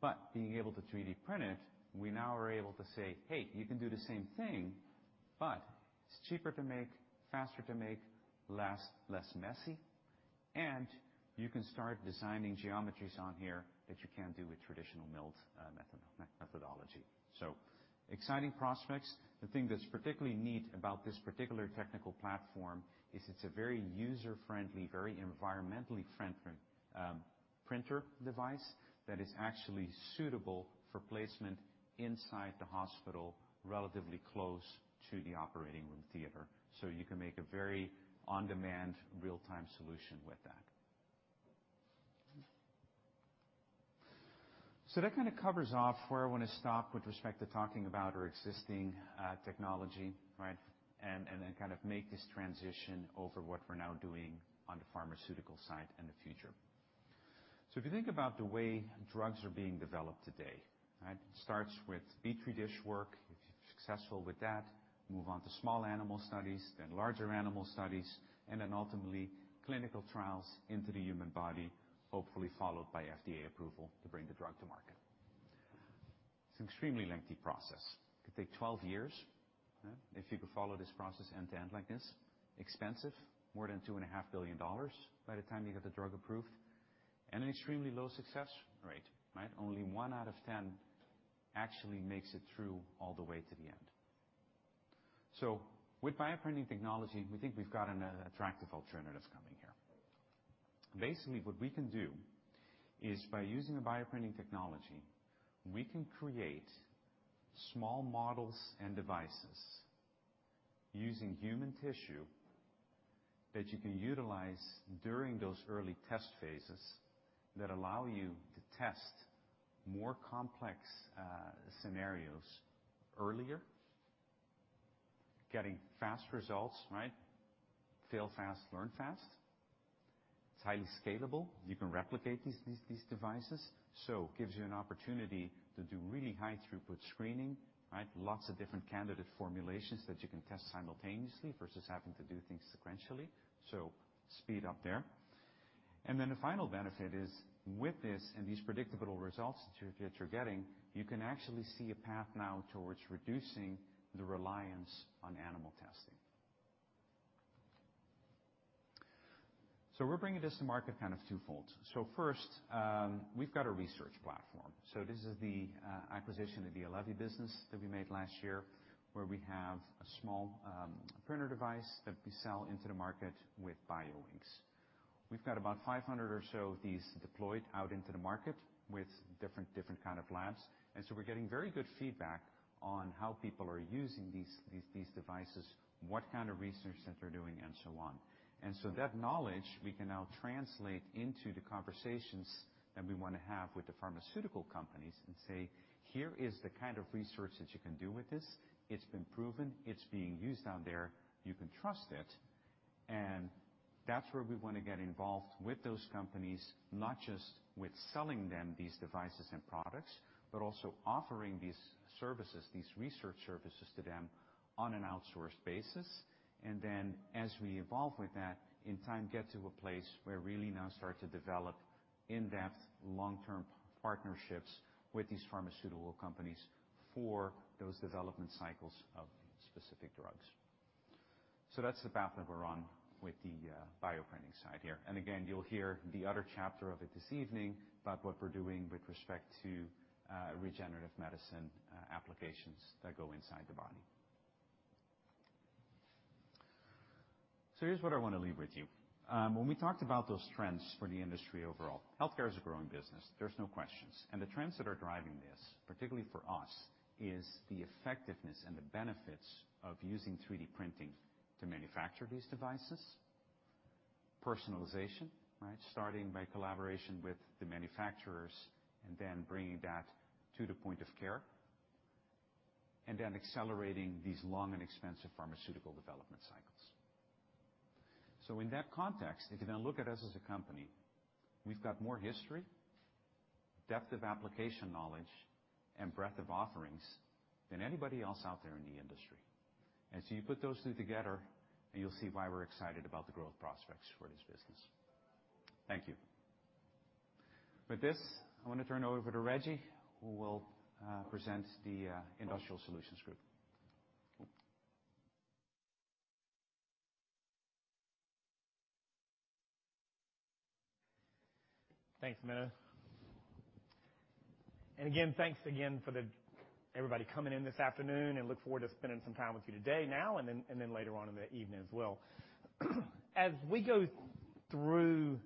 but being able to 3D print it, we now are able to say, "Hey, you can do the same thing, but it's cheaper to make, faster to make, lasts less messy, and you can start designing geometries on here that you can't do with traditional milled methodology." Exciting prospects. The thing that's particularly neat about this particular technical platform is it's a very user-friendly, very environmentally friendly printer device that is actually suitable for placement inside the hospital, relatively close to the operating room theater. You can make a very on-demand, real-time solution with that. That kinda covers off where I wanna stop with respect to talking about our existing technology, right? And then kind of make this transition over what we're now doing on the pharmaceutical side in the future. If you think about the way drugs are being developed today, right? It starts with Petri dish work. If you're successful with that, move on to small animal studies, then larger animal studies, and then ultimately clinical trials into the human body, hopefully followed by FDA approval to bring the drug to market. It's an extremely lengthy process. It could take 12 years, yeah, if you could follow this process end to end like this. Expensive, more than $2.5 billion by the time you get the drug approved. An extremely low success rate. Right? Only one out of ten actually makes it through all the way to the end. With bioprinting technology, we think we've got an attractive alternative coming here. Basically, what we can do is by using a bioprinting technology, we can create small models and devices using human tissue that you can utilize during those early test phases that allow you to test more complex scenarios earlier, getting fast results, right? Fail fast, learn fast. It's highly scalable. You can replicate these devices. Gives you an opportunity to do really high throughput screening. Right? Lots of different candidate formulations that you can test simultaneously versus having to do things sequentially. Speed up there. The final benefit is with this and these predictable results that you're getting, you can actually see a path now towards reducing the reliance on animal testing. We're bringing this to market kind of twofold. First, we've got a research platform. This is the acquisition of the Allevi business that we made last year, where we have a small printer device that we sell into the market with bioinks. We've got about 500 or so these deployed out into the market with different kind of labs. We're getting very good feedback on how people are using these devices, what kind of research that they're doing and so on. That knowledge, we can now translate into the conversations that we wanna have with the pharmaceutical companies and say, "Here is the kind of research that you can do with this. It's been proven. It's being used out there. You can trust it." That's where we wanna get involved with those companies, not just with selling them these devices and products, but also offering these services, these research services to them on an outsourced basis. As we evolve with that, in time, get to a place where really now start to develop in-depth, long-term partnerships with these pharmaceutical companies for those development cycles of specific drugs. That's the path that we're on with the bioprinting side here. Again, you'll hear the other chapter of it this evening about what we're doing with respect to regenerative medicine applications that go inside the body. Here's what I wanna leave with you. When we talked about those trends for the industry overall, healthcare is a growing business. There's no questions. The trends that are driving this, particularly for us, is the effectiveness and the benefits of using 3D printing to manufacture these devices. Personalization, right? Starting by collaboration with the manufacturers, and then bringing that to the point of care, and then accelerating these long and expensive pharmaceutical development cycles. In that context, if you now look at us as a company, we've got more history, depth of application knowledge, and breadth of offerings than anybody else out there in the industry. You put those two together, and you'll see why we're excited about the growth prospects for this business. Thank you. With this, I wanna turn it over to Reji, who will present the Industrial Solutions Group. Thanks, Menno. Again, thanks again for everybody coming in this afternoon, and look forward to spending some time with you today now and then, and then later on in the evening as well. As we go through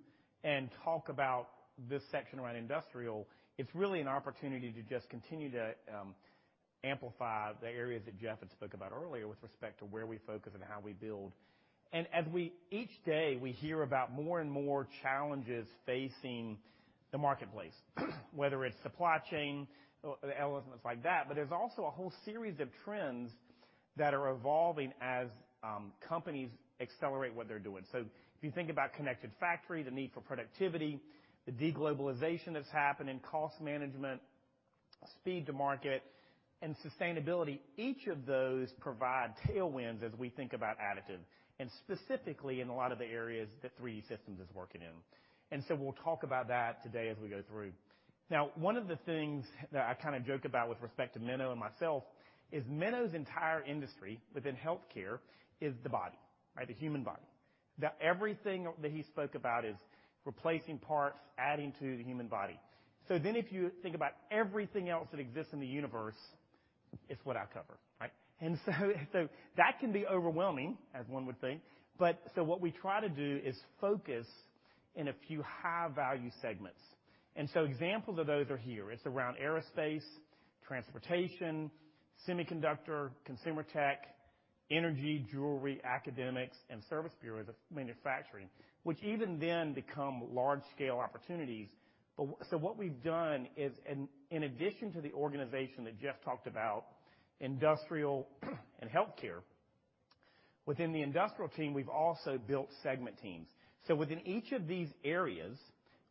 and talk about this section around industrial, it's really an opportunity to just continue to amplify the areas that Jeff had spoke about earlier with respect to where we focus and how we build. Each day, we hear about more and more challenges facing the marketplace, whether it's supply chain or elements like that. There's also a whole series of trends that are evolving as companies accelerate what they're doing. If you think about connected factory, the need for productivity, the de-globalization that's happening, cost management, speed to market, and sustainability, each of those provide tailwinds as we think about additive, and specifically in a lot of the areas that 3D Systems is working in. We'll talk about that today as we go through. Now, one of the things that I kind of joke about with respect to Menno and myself is Menno's entire industry within healthcare is the body, right? The human body. That everything that he spoke about is replacing parts, adding to the human body. If you think about everything else that exists in the universe, it's what I cover, right? That can be overwhelming, as one would think. What we try to do is focus in a few high-value segments. Examples of those are here. It's around aerospace, transportation, semiconductor, consumer tech, energy, jewelry, academics, and service bureaus of manufacturing, which even then become large-scale opportunities. What we've done is in addition to the organization that Jeff talked about, industrial and healthcare, within the industrial team, we've also built segment teams. Within each of these areas,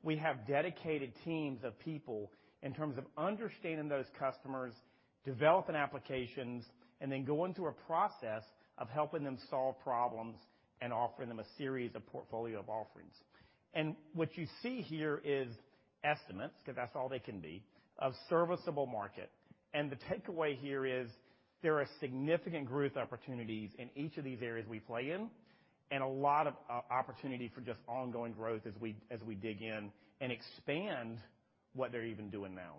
we have dedicated teams of people in terms of understanding those customers, developing applications, and then going through a process of helping them solve problems and offering them a series of portfolio of offerings. What you see here is estimates, 'cause that's all they can be, of serviceable market. The takeaway here is there are significant growth opportunities in each of these areas we play in, and a lot of opportunity for just ongoing growth as we dig in and expand what they're even doing now.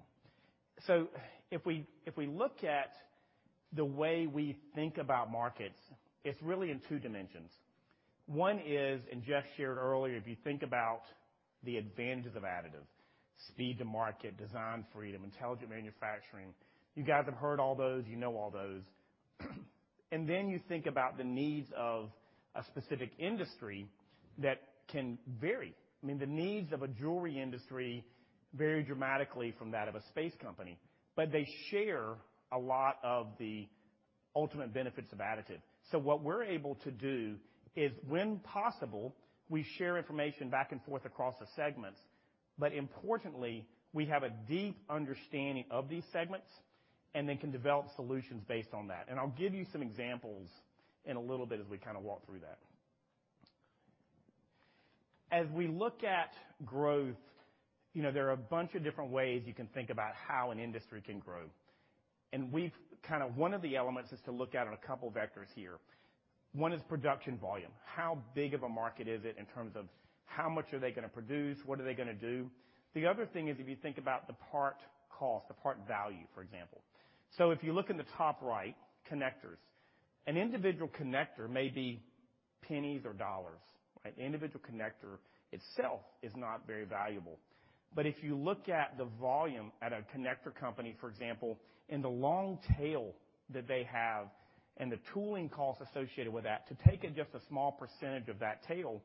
If we look at the way we think about markets, it's really in two dimensions. One is, and Jeff shared earlier, if you think about the advantages of additive, speed to market, design freedom, intelligent manufacturing. You guys have heard all those. You know all those. Then you think about the needs of a specific industry that can vary. I mean, the needs of a jewelry industry vary dramatically from that of a space company, but they share a lot of the ultimate benefits of additive. What we're able to do is, when possible, we share information back and forth across the segments. Importantly, we have a deep understanding of these segments and then can develop solutions based on that. I'll give you some examples in a little bit as we kinda walk through that. As we look at growth. You know, there are a bunch of different ways you can think about how an industry can grow. We've kind of one of the elements is to look at a couple vectors here. One is production volume. How big of a market is it in terms of how much are they gonna produce? What are they gonna do? The other thing is, if you think about the part cost, the part value, for example. If you look in the top right, connectors. An individual connector may be pennies or dollars. Right? Individual connector itself is not very valuable. If you look at the volume at a connector company, for example, and the long tail that they have and the tooling costs associated with that, to take just a small percentage of that tail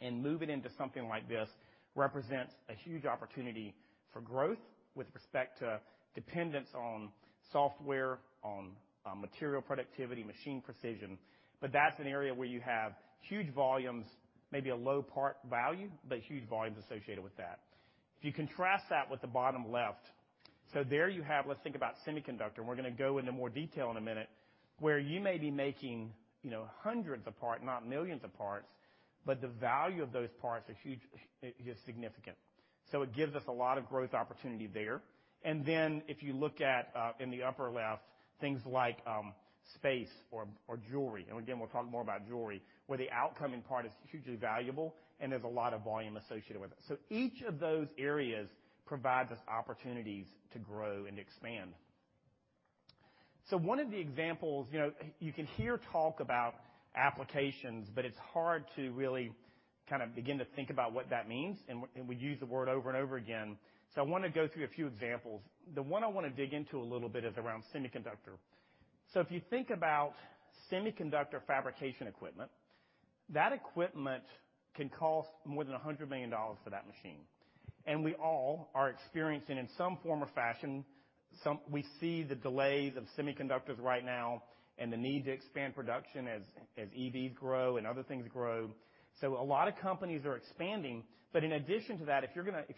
and move it into something like this, represents a huge opportunity for growth with respect to dependence on software, on, material productivity, machine precision. That's an area where you have huge volumes, maybe a low part value, but huge volumes associated with that. If you contrast that with the bottom left, there you have let's think about semiconductor, and we're gonna go into more detail in a minute, where you may be making, you know, hundreds of part, not millions of parts, but the value of those parts are huge, is significant. It gives us a lot of growth opportunity there. If you look at in the upper left, things like space or jewelry. Again, we'll talk more about jewelry, where the outcome part is hugely valuable, and there's a lot of volume associated with it. Each of those areas provides us opportunities to grow and expand. One of the examples, you know, you can hear talk about applications, but it's hard to really kind of begin to think about what that means, and we use the word over and over again. I want to go through a few examples. The one I want to dig into a little bit is around semiconductor. If you think about semiconductor fabrication equipment, that equipment can cost more than $100 million for that machine. We all are experiencing, in some form or fashion, some. We see the delays of semiconductors right now and the need to expand production as EVs grow and other things grow. A lot of companies are expanding. In addition to that, if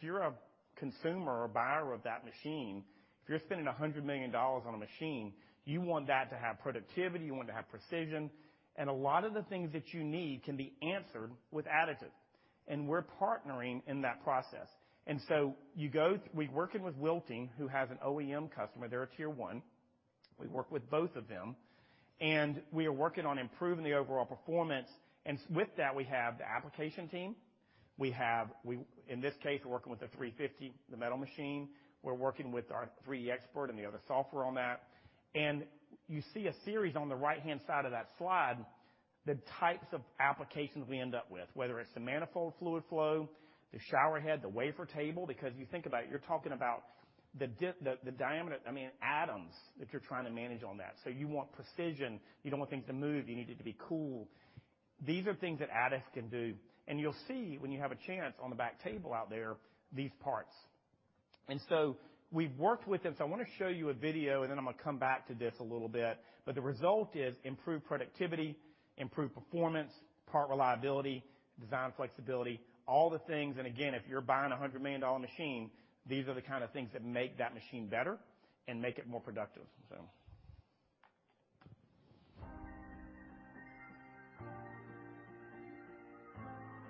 you're a consumer or buyer of that machine, if you're spending $100 million on a machine, you want that to have productivity, you want it to have precision, and a lot of the things that you need can be answered with additive. We're partnering in that process. We're working with Wilting who has an OEM customer. They're a tier one. We work with both of them, and we are working on improving the overall performance. With that, we have the application team. We, in this case, are working with the 350, the metal machine. We're working with our 3DXpert and the other software on that. You see a series on the right-hand side of that slide, the types of applications we end up with, whether it's the manifold fluid flow, the shower head, the wafer table. Because you think about it, you're talking about the diameter, I mean, atoms that you're trying to manage on that. You want precision. You don't want things to move. You need it to be cool. These are things that additive can do. You'll see when you have a chance on the back table out there, these parts. We've worked with them. I wanna show you a video, and then I'm gonna come back to this a little bit. The result is improved productivity, improved performance, part reliability, design flexibility, all the things. Again, if you're buying a $100 million machine, these are the kind of things that make that machine better and make it more productive, so.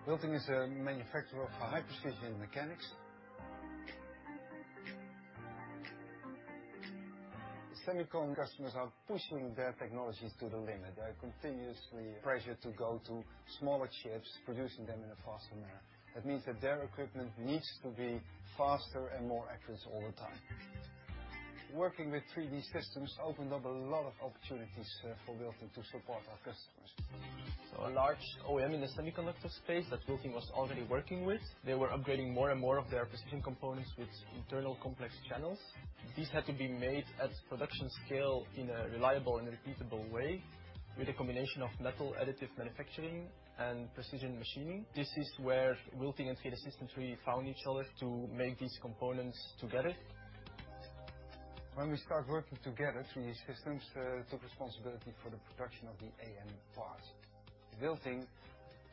Wilting is a manufacturer of high precision mechanics. Semiconductor customers are pushing their technologies to the limit. They are continuously pressured to go to smaller chips, producing them in a faster manner. That means that their equipment needs to be faster and more accurate all the time. Working with 3D Systems opened up a lot of opportunities for Wilting to support our customers. A large OEM in the semiconductor space that Wilting was already working with, they were upgrading more and more of their precision components with internal complex channels. These had to be made at production scale in a reliable and repeatable way with a combination of metal additive manufacturing and precision machining. This is where Wilting and 3D Systems really found each other to make these components together. When we start working together, 3D Systems took responsibility for the production of the AM parts. Wilting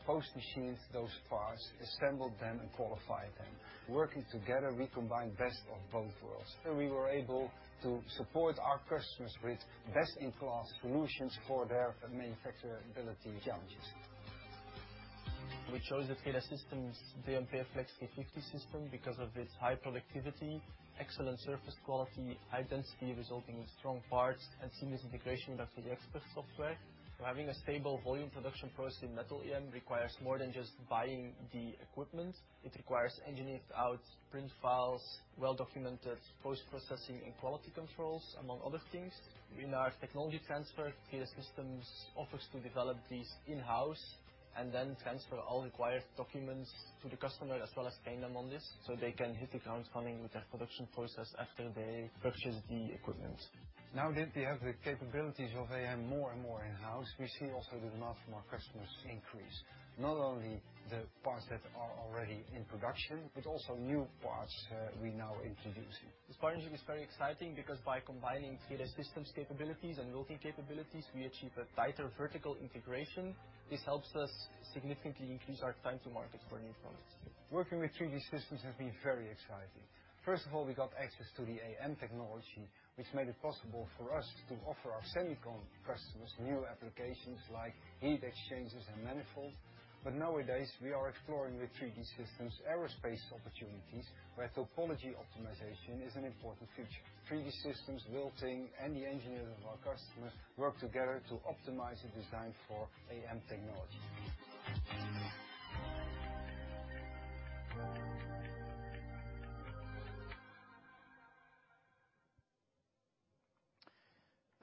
post-machines those parts, assembled them, and qualified them. Working together, we combine best of both worlds. Here we were able to support our customers with best-in-class solutions for their manufacturability challenges. We chose the 3D Systems DMP Flex 350 system because of its high productivity, excellent surface quality, high density, resulting in strong parts and seamless integration of the 3DXpert software. Having a stable volume production process in metal AM requires more than just buying the equipment. It requires engineered out print files, well-documented post-processing and quality controls, among other things. In our technology transfer, 3D Systems offers to develop these in-house and then transfer all required documents to the customer, as well as train them on this, so they can hit the ground running with their production process after they purchase the equipment. Now that we have the capabilities of AM more and more in-house, we see also the demand from our customers increase, not only the parts that are already in production, but also new parts we now introduce. This partnership is very exciting because by combining 3D Systems capabilities and Wilting capabilities, we achieve a tighter vertical integration. This helps us significantly increase our time to market for new products. Working with 3D Systems has been very exciting. First of all, we got access to the AM technology, which made it possible for us to offer our semicon customers new applications like heat exchangers and manifolds. Nowadays, we are exploring with 3D Systems aerospace opportunities, where topology optimization is an important feature. 3D Systems, Wilting, and the engineers of our customers work together to optimize the design for AM technology.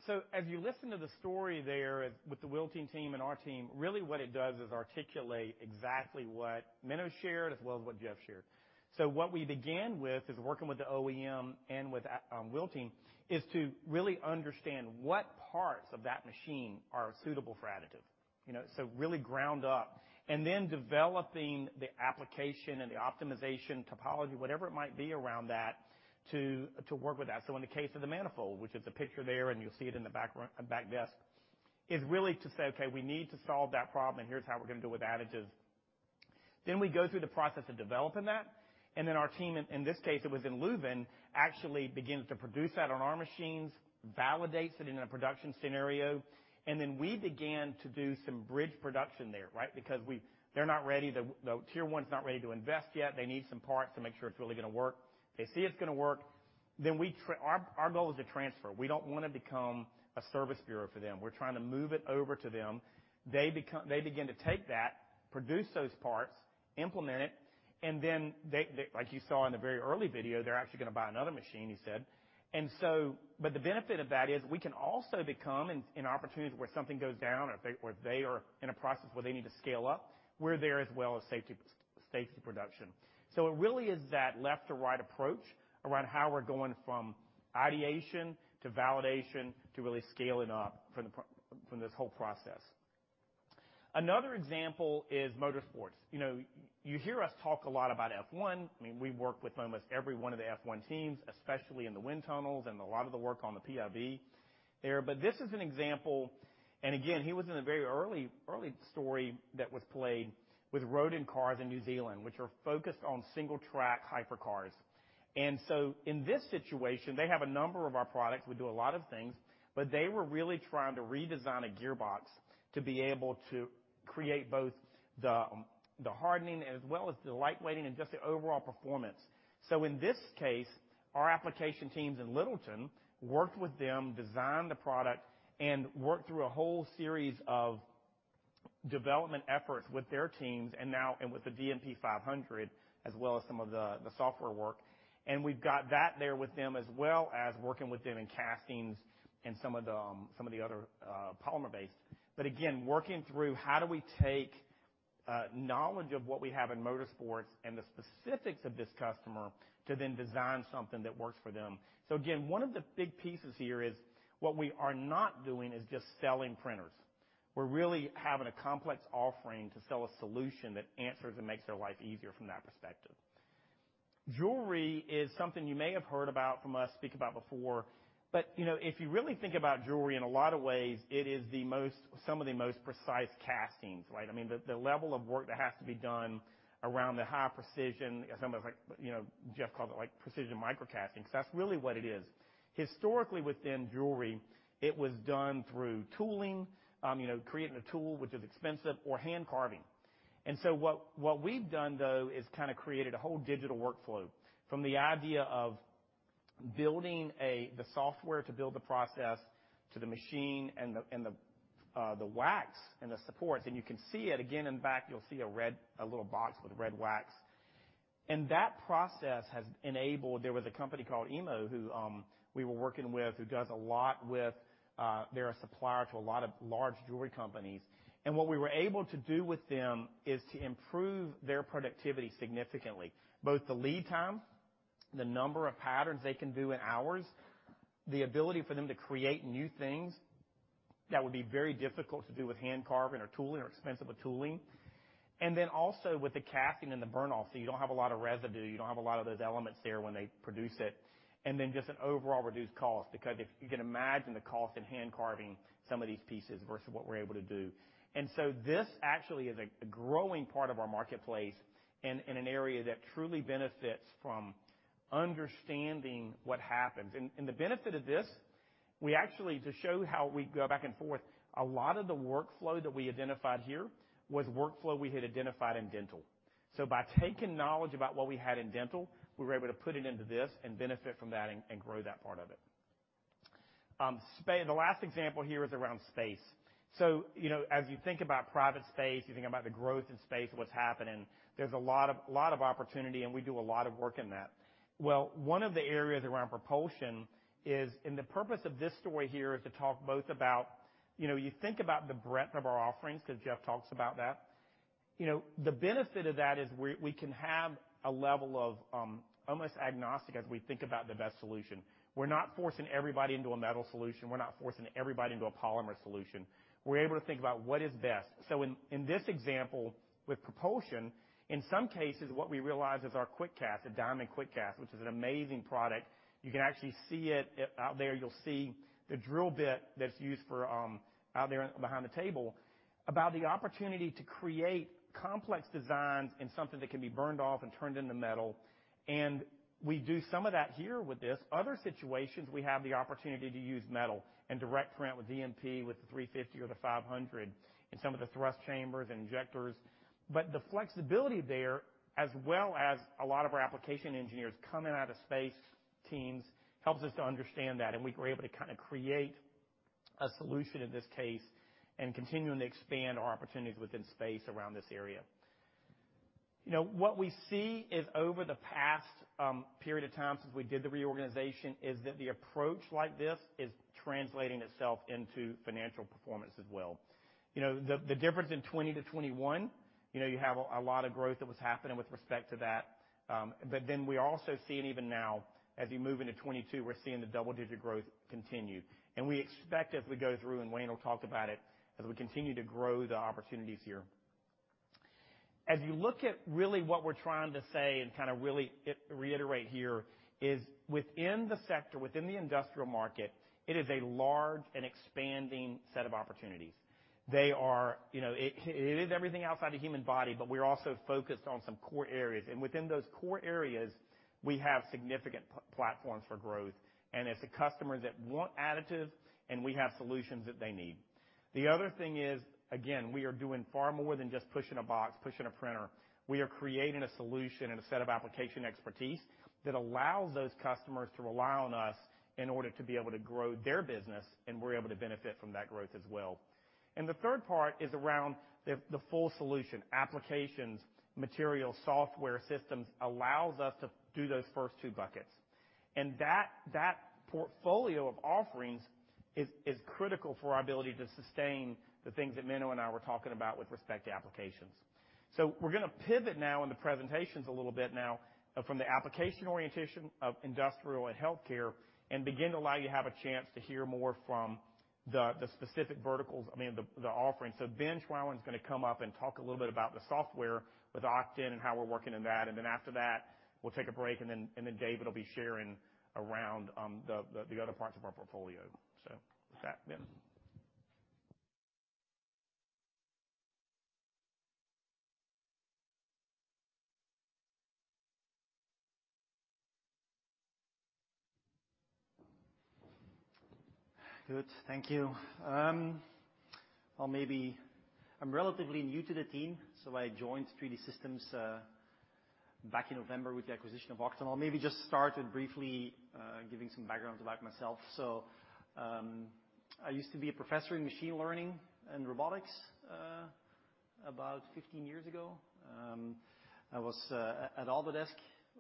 As you listen to the story there with the Wilting team and our team, really what it does is articulate exactly what Menno shared as well as what Jeff shared. What we began with is working with the OEM and with Wilting is to really understand what parts of that machine are suitable for additive. You know, really ground up. Developing the application and the topology optimization, whatever it might be around that to work with that. In the case of the manifold, which is the picture there, and you'll see it in the back desk, is really to say, "Okay, we need to solve that problem, and here's how we're gonna do it with additives." We go through the process of developing that. Our team, in this case, it was in Leuven, actually begins to produce that on our machines, validates it in a production scenario, and then we began to do some bridge production there, right? Because they're not ready. The Tier one is not ready to invest yet. They need some parts to make sure it's really gonna work. They see it's gonna work, then our goal is to transfer. We don't wanna become a service bureau for them. We're trying to move it over to them. They begin to take that, produce those parts, implement it, and then they, like you saw in the very early video, they're actually gonna buy another machine, he said. The benefit of that is we can also become an opportunity where something goes down or they are in a process where they need to scale up. We're there as well as safety production. It really is that left to right approach around how we're going from ideation to validation to really scaling up from this whole process. Another example is motorsports. You know, you hear us talk a lot about F1. I mean, we work with almost every one of the F1 teams, especially in the wind tunnels and a lot of the work on the PIV there. This is an example, and again, he was in a very early story that was played with Rodin Cars in New Zealand, which are focused on single track hypercars. In this situation, they have a number of our products. We do a lot of things, but they were really trying to redesign a gearbox to be able to create both the hardening as well as the lightweighting and just the overall performance. In this case, our application teams in Littleton worked with them, designed the product, and worked through a whole series of development efforts with their teams, and now with the DMP 500 as well as some of the software work. We've got that there with them as well as working with them in castings and some of the other polymer base. Again, working through how do we take knowledge of what we have in motorsports and the specifics of this customer to then design something that works for them. One of the big pieces here is what we are not doing is just selling printers. We're really having a complex offering to sell a solution that answers and makes their life easier from that perspective. Jewelry is something you may have heard about from us speak about before, but you know, if you really think about jewelry in a lot of ways, it is the most some of the most precise castings, right? I mean, the level of work that has to be done around the high precision, some of like, you know, Jeff called it like precision micro casting, because that's really what it is. Historically, within jewelry, it was done through tooling, you know, creating a tool which is expensive or hand carving. What we've done though is kinda created a whole digital workflow from the idea of building the software to build the process to the machine and the wax and the supports. You can see it again in the back. You'll see a little box with red wax. That process has enabled. There was a company called Emo who we were working with who does a lot with. They're a supplier to a lot of large jewelry companies. What we were able to do with them is to improve their productivity significantly. Both the lead time, the number of patterns they can do in hours, the ability for them to create new things that would be very difficult to do with hand carving or tooling or expensive with tooling. Also with the casting and the burn off, so you don't have a lot of residue, you don't have a lot of those elements there when they produce it. Just an overall reduced cost, because if you can imagine the cost in hand carving some of these pieces versus what we're able to do. This actually is a growing part of our marketplace in an area that truly benefits from understanding what happens. The benefit of this, we actually, to show how we go back and forth, a lot of the workflow that we identified here was workflow we had identified in dental. By taking knowledge about what we had in dental, we were able to put it into this and benefit from that and grow that part of it. The last example here is around space. You know, as you think about private space, you think about the growth in space and what's happening, there's a lot of opportunity, and we do a lot of work in that. Well, one of the areas around propulsion is. The purpose of this story here is to talk both about, you know, you think about the breadth of our offerings, 'cause Jeff talks about that. You know, the benefit of that is we can have a level of almost agnostic as we think about the best solution. We're not forcing everybody into a metal solution. We're not forcing everybody into a polymer solution. We're able to think about what is best. In this example with propulsion, in some cases, what we realize is our QuickCast Diamond, which is an amazing product. You can actually see it out there. You'll see the drill bit that's used for out there behind the table, about the opportunity to create complex designs in something that can be burned off and turned into metal. We do some of that here with this. Other situations, we have the opportunity to use metal and direct print with DMP, with the 350 or the 500 in some of the thrust chambers and injectors. The flexibility there, as well as a lot of our application engineers coming out of space teams, helps us to understand that. We were able to kinda create a solution in this case, and continuing to expand our opportunities within space around this area. You know, what we see is over the past period of time since we did the reorganization, is that the approach like this is translating itself into financial performance as well. You know, the difference in 2020-2021, you know, you have a lot of growth that was happening with respect to that. But then we also see it even now as we move into 2022, we're seeing the double-digit growth continue. We expect as we go through, and Wayne will talk about it, as we continue to grow the opportunities here. As you look at really what we're trying to say and kind of really reiterate here, is within the sector, within the industrial market, it is a large and expanding set of opportunities. They are, you know, it is everything outside the human body, but we're also focused on some core areas. Within those core areas, we have significant platforms for growth. It's the customers that want additives, and we have solutions that they need. The other thing is, again, we are doing far more than just pushing a box, pushing a printer. We are creating a solution and a set of application expertise that allows those customers to rely on us in order to be able to grow their business, and we're able to benefit from that growth as well. The third part is around the full solution. Applications, materials, software, systems allows us to do those first two buckets. That portfolio of offerings is critical for our ability to sustain the things that Menno and I were talking about with respect to applications. We're gonna pivot now in the presentations a little bit now from the application orientation of industrial and healthcare, and begin to allow you to have a chance to hear more from the specific verticals, I mean the offerings. Ben Schrauwen is gonna come up and talk a little bit about the software with Oqton and how we're working in that. Then after that, we'll take a break, and then David Leigh will be sharing around the other parts of our portfolio. With that, Ben. Good. Thank you. Well, maybe I'm relatively new to the team, so I joined 3D Systems back in November with the acquisition of Oqton. I'll maybe just start it briefly giving some background about myself. I used to be a professor in machine learning and robotics about 15 years ago. I was at Autodesk,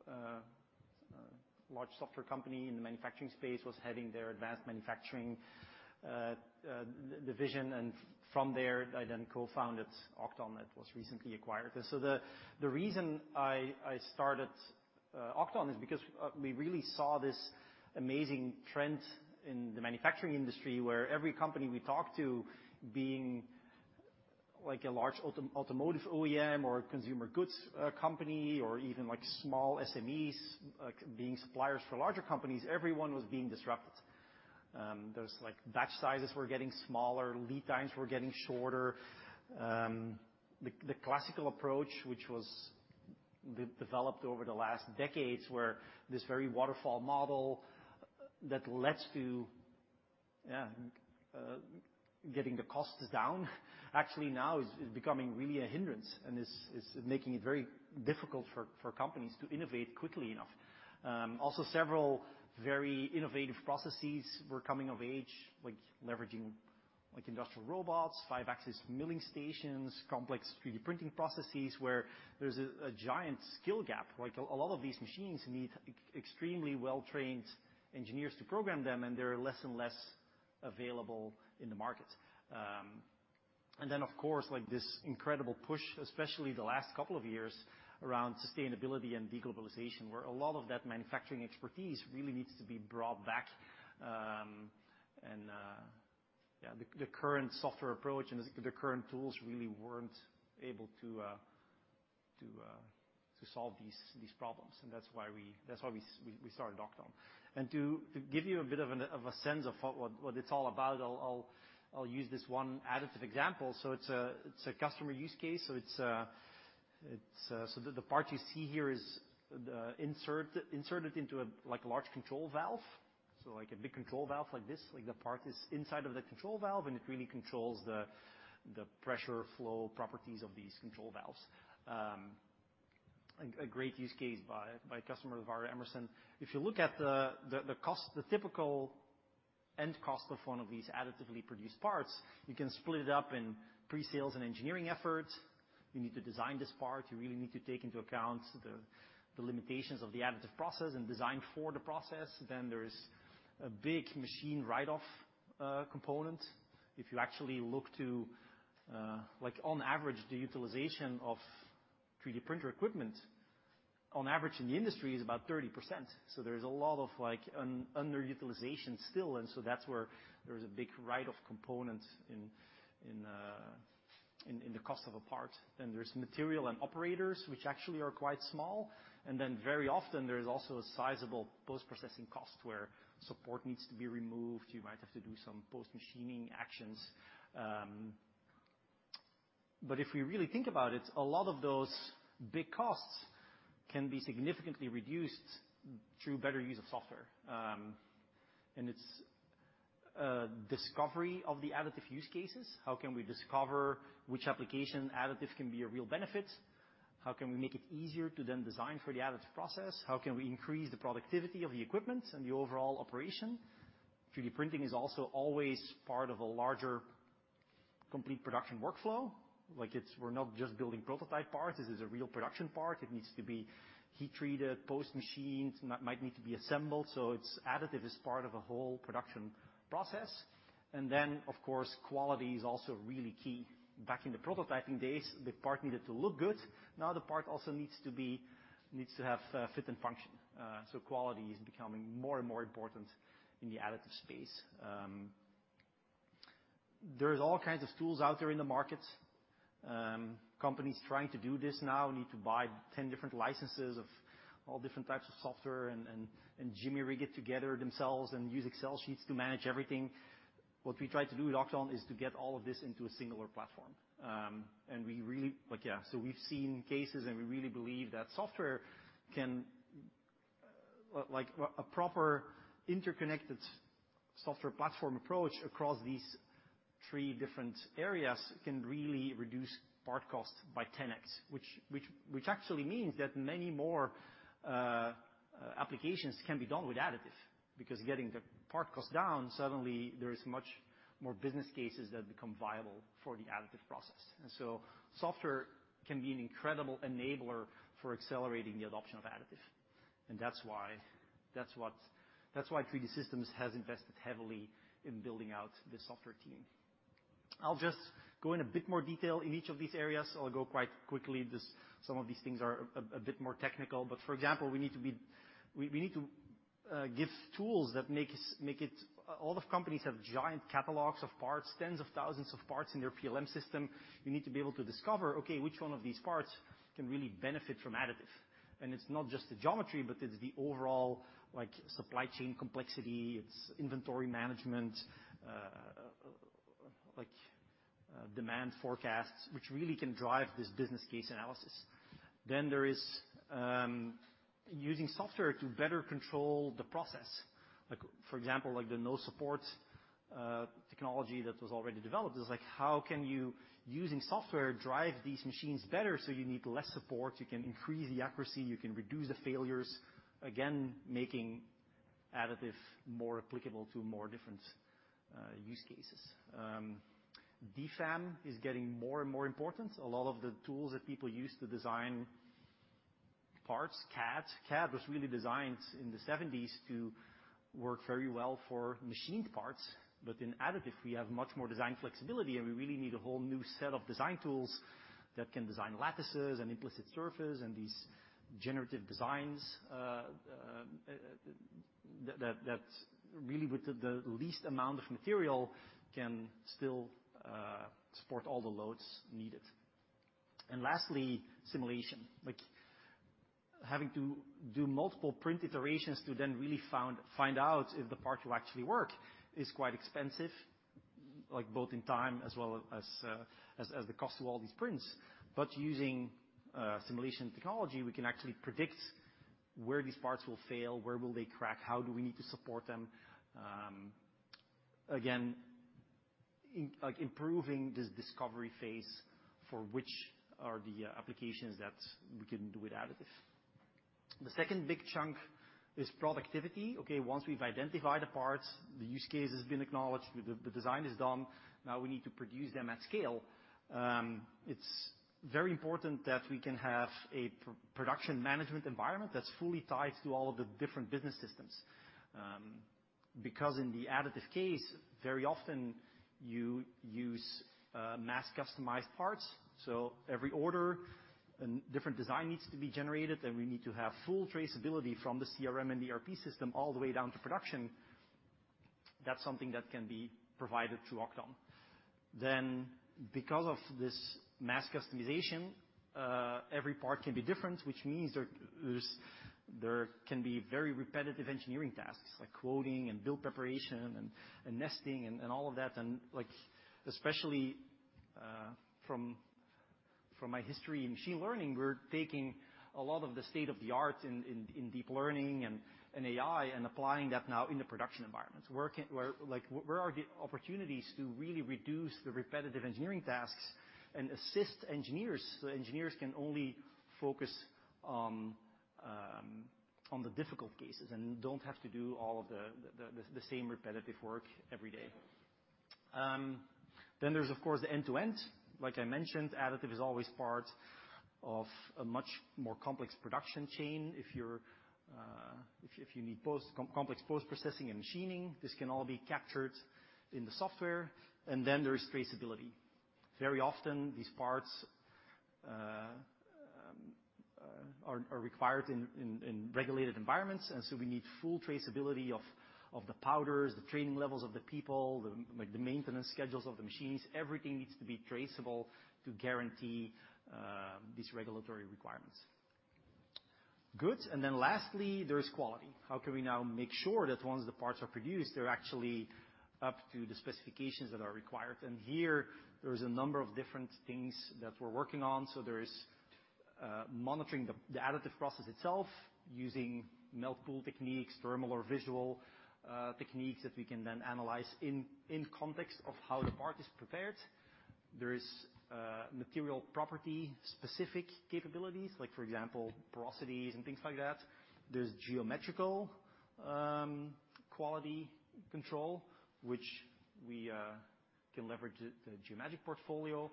a large software company in the manufacturing space, was heading their advanced manufacturing division. From there, I then co-founded Oqton that was recently acquired. The reason I started Oqton is because we really saw this amazing trend in the manufacturing industry where every company we talked to being like a large automotive OEM or a consumer goods company or even like small SMEs, like being suppliers for larger companies, everyone was being disrupted. Those, like, batch sizes were getting smaller, lead times were getting shorter. The classical approach, which was developed over the last decades, where this very waterfall model that led to getting the costs down, actually now is becoming really a hindrance and is making it very difficult for companies to innovate quickly enough. Also several very innovative processes were coming of age, like leveraging, like industrial robots, five-axis milling stations, complex 3D printing processes where there's a giant skill gap. Like a lot of these machines need extremely well-trained engineers to program them, and they are less and less available in the market. Of course, like this incredible push, especially the last couple of years, around sustainability and de-globalization, where a lot of that manufacturing expertise really needs to be brought back, the current software approach and the current tools really weren't able to solve these problems. That's why we started Oqton. To give you a bit of a sense of what it's all about, I'll use this one additive example. It's a customer use case. The part you see here is the insert inserted into a large control valve. Like a big control valve like this. Like the part is inside of the control valve, and it really controls the pressure flow properties of these control valves. A great use case by a customer of ours, Emerson. If you look at the typical end cost of one of these additively produced parts, you can split it up in pre-sales and engineering efforts. You need to design this part. You really need to take into account the limitations of the additive process and design for the process. There is a big machine write-off component. If you actually look to like on average, the utilization of 3D printer equipment, on average in the industry is about 30%. There's a lot of like underutilization still, and that's where there's a big write-off component in the cost of a part. There's material and operators, which actually are quite small. Very often there is also a sizable post-processing cost where support needs to be removed. You might have to do some post-machining actions. If we really think about it, a lot of those big costs can be significantly reduced through better use of software. It's discovery of the additive use cases. How can we discover which application additive can be a real benefit? How can we make it easier to then design for the additive process? How can we increase the productivity of the equipment and the overall operation? 3D printing is also always part of a larger complete production workflow. Like it's, we're not just building prototype parts. This is a real production part. It needs to be heat-treated, post-machined, and that might need to be assembled. It's additive as part of a whole production process. Then, of course, quality is also really key. Back in the prototyping days, the part needed to look good. Now the part also needs to have fit and function. Quality is becoming more and more important in the additive space. There's all kinds of tools out there in the market. Companies trying to do this now need to buy 10 different licenses of all different types of software and jury-rig it together themselves and use Excel sheets to manage everything. What we try to do with Oqton is to get all of this into a singular platform. Like, yeah, so we've seen cases, and we really believe that software can, like a proper interconnected software platform approach across these three different areas can really reduce part cost by 10x. Which actually means that many more applications can be done with additive, because getting the part cost down, suddenly there is much more business cases that become viable for the additive process. Software can be an incredible enabler for accelerating the adoption of additive. That's why 3D Systems has invested heavily in building out the software team. I'll just go in a bit more detail in each of these areas. I'll go quite quickly, some of these things are a bit more technical. For example, we need to be... We need to give tools that make it. All companies have giant catalogs of parts, tens of thousands of parts in their PLM system. You need to be able to discover, okay, which one of these parts can really benefit from additive. It's not just the geometry, but it's the overall, like, supply chain complexity, it's inventory management, like, demand forecasts, which really can drive this business case analysis. There is using software to better control the process. Like, for example, the no support technology that was already developed. It's like, how can you, using software, drive these machines better so you need less support, you can increase the accuracy, you can reduce the failures? Making additive more applicable to more different use cases. DFAM is getting more and more important. A lot of the tools that people use to design parts, CAD. CAD was really designed in the seventies to work very well for machined parts. In additive, we have much more design flexibility, and we really need a whole new set of design tools that can design lattices and implicit surface and these generative designs that really with the least amount of material can still support all the loads needed. Lastly, simulation. Like, having to do multiple print iterations to then really find out if the part will actually work is quite expensive, like, both in time as well as the cost of all these prints. Using simulation technology, we can actually predict where these parts will fail, where will they crack, how do we need to support them. Again, like improving this discovery phase for which are the applications that we can do with additive. The second big chunk is productivity. Okay, once we've identified the parts, the use case has been acknowledged, the design is done, now we need to produce them at scale. It's very important that we can have a production management environment that's fully tied to all of the different business systems. Because in the additive case, very often you use mass customized parts. Every order and different design needs to be generated, and we need to have full traceability from the CRM and ERP system all the way down to production. That's something that can be provided through Oqton. Because of this mass customization, every part can be different, which means there can be very repetitive engineering tasks, like quoting and bill preparation and nesting and all of that. Like, especially from my history in machine learning, we're taking a lot of the state-of-the-art in deep learning and AI and applying that now in the production environment. Like, where are the opportunities to really reduce the repetitive engineering tasks and assist engineers, so engineers can only focus on the difficult cases and don't have to do all of the same repetitive work every day. There's of course the end-to-end. Like I mentioned, additive is always part of a much more complex production chain. If you need post... complex post-processing and machining, this can all be captured in the software. Then there's traceability. Very often these parts are required in regulated environments, and so we need full traceability of the powders, the training levels of the people, like the maintenance schedules of the machines. Everything needs to be traceable to guarantee these regulatory requirements. Good. Then lastly, there's quality. How can we now make sure that once the parts are produced, they're actually up to the specifications that are required? Here there is a number of different things that we're working on. There is monitoring the additive process itself using melt pool techniques, thermal or visual techniques that we can then analyze in context of how the part is prepared. There is material property-specific capabilities, like for example, porosities and things like that. There's geometrical quality control, which we can leverage the Geomagic portfolio.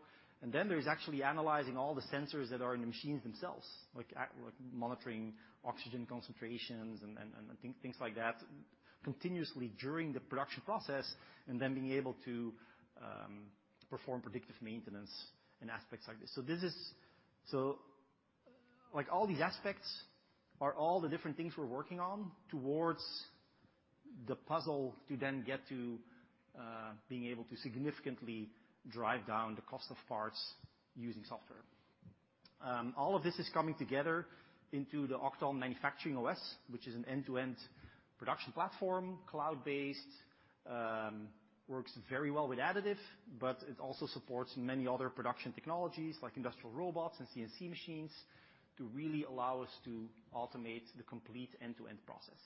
Then there's actually analyzing all the sensors that are in the machines themselves, like monitoring oxygen concentrations and things like that continuously during the production process, and then being able to perform predictive maintenance in aspects like this. Like, all these aspects are all the different things we're working on towards the puzzle to then get to being able to significantly drive down the cost of parts using software. All of this is coming together into the Oqton Manufacturing OS, which is an end-to-end production platform, cloud-based, works very well with additive, but it also supports many other production technologies like industrial robots and CNC machines to really allow us to automate the complete end-to-end process.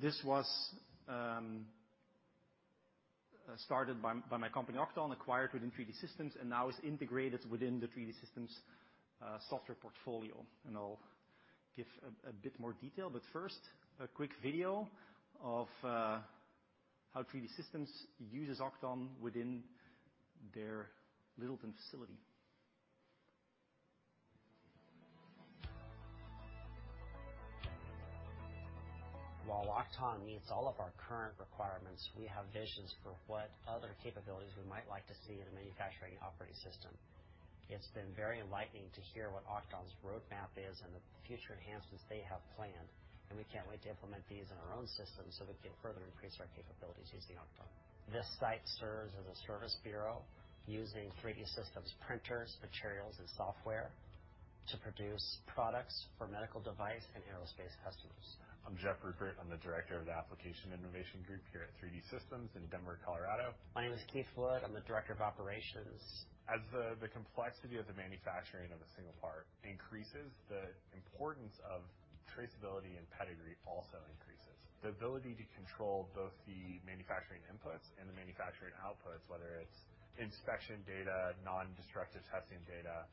This was started by my company, Oqton, acquired within 3D Systems, and now is integrated within the 3D Systems software portfolio. I'll give a bit more detail. First, a quick video of how 3D Systems uses Oqton within their Littleton facility. While Oqton meets all of our current requirements, we have visions for what other capabilities we might like to see in a manufacturing operating system. It's been very enlightening to hear what Oqton's roadmap is and the future enhancements they have planned, and we can't wait to implement these in our own system so we can further increase our capabilities using Oqton. This site serves as a service bureau using 3D Systems printers, materials, and software to produce products for medical device and aerospace customers. I'm Jeph Ruppert. I'm the Director of the Application Innovation Group here at 3D Systems in Denver, Colorado. My name is Keith Flood. I'm the Director of Operations. As the complexity of the manufacturing of a single part increases, the importance of traceability and pedigree also increases. The ability to control both the manufacturing inputs and the manufacturing outputs, whether it's inspection data, nondestructive testing data,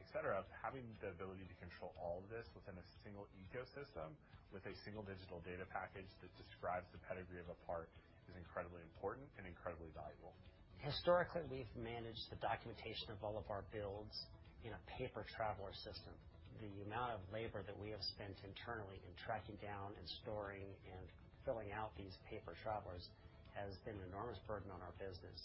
etc, having the ability to control all of this within a single ecosystem, with a single digital data package that describes the pedigree of a part, is incredibly important and incredibly valuable. Historically, we've managed the documentation of all of our builds in a paper traveler system. The amount of labor that we have spent internally in tracking down and storing and filling out these paper travelers has been an enormous burden on our business.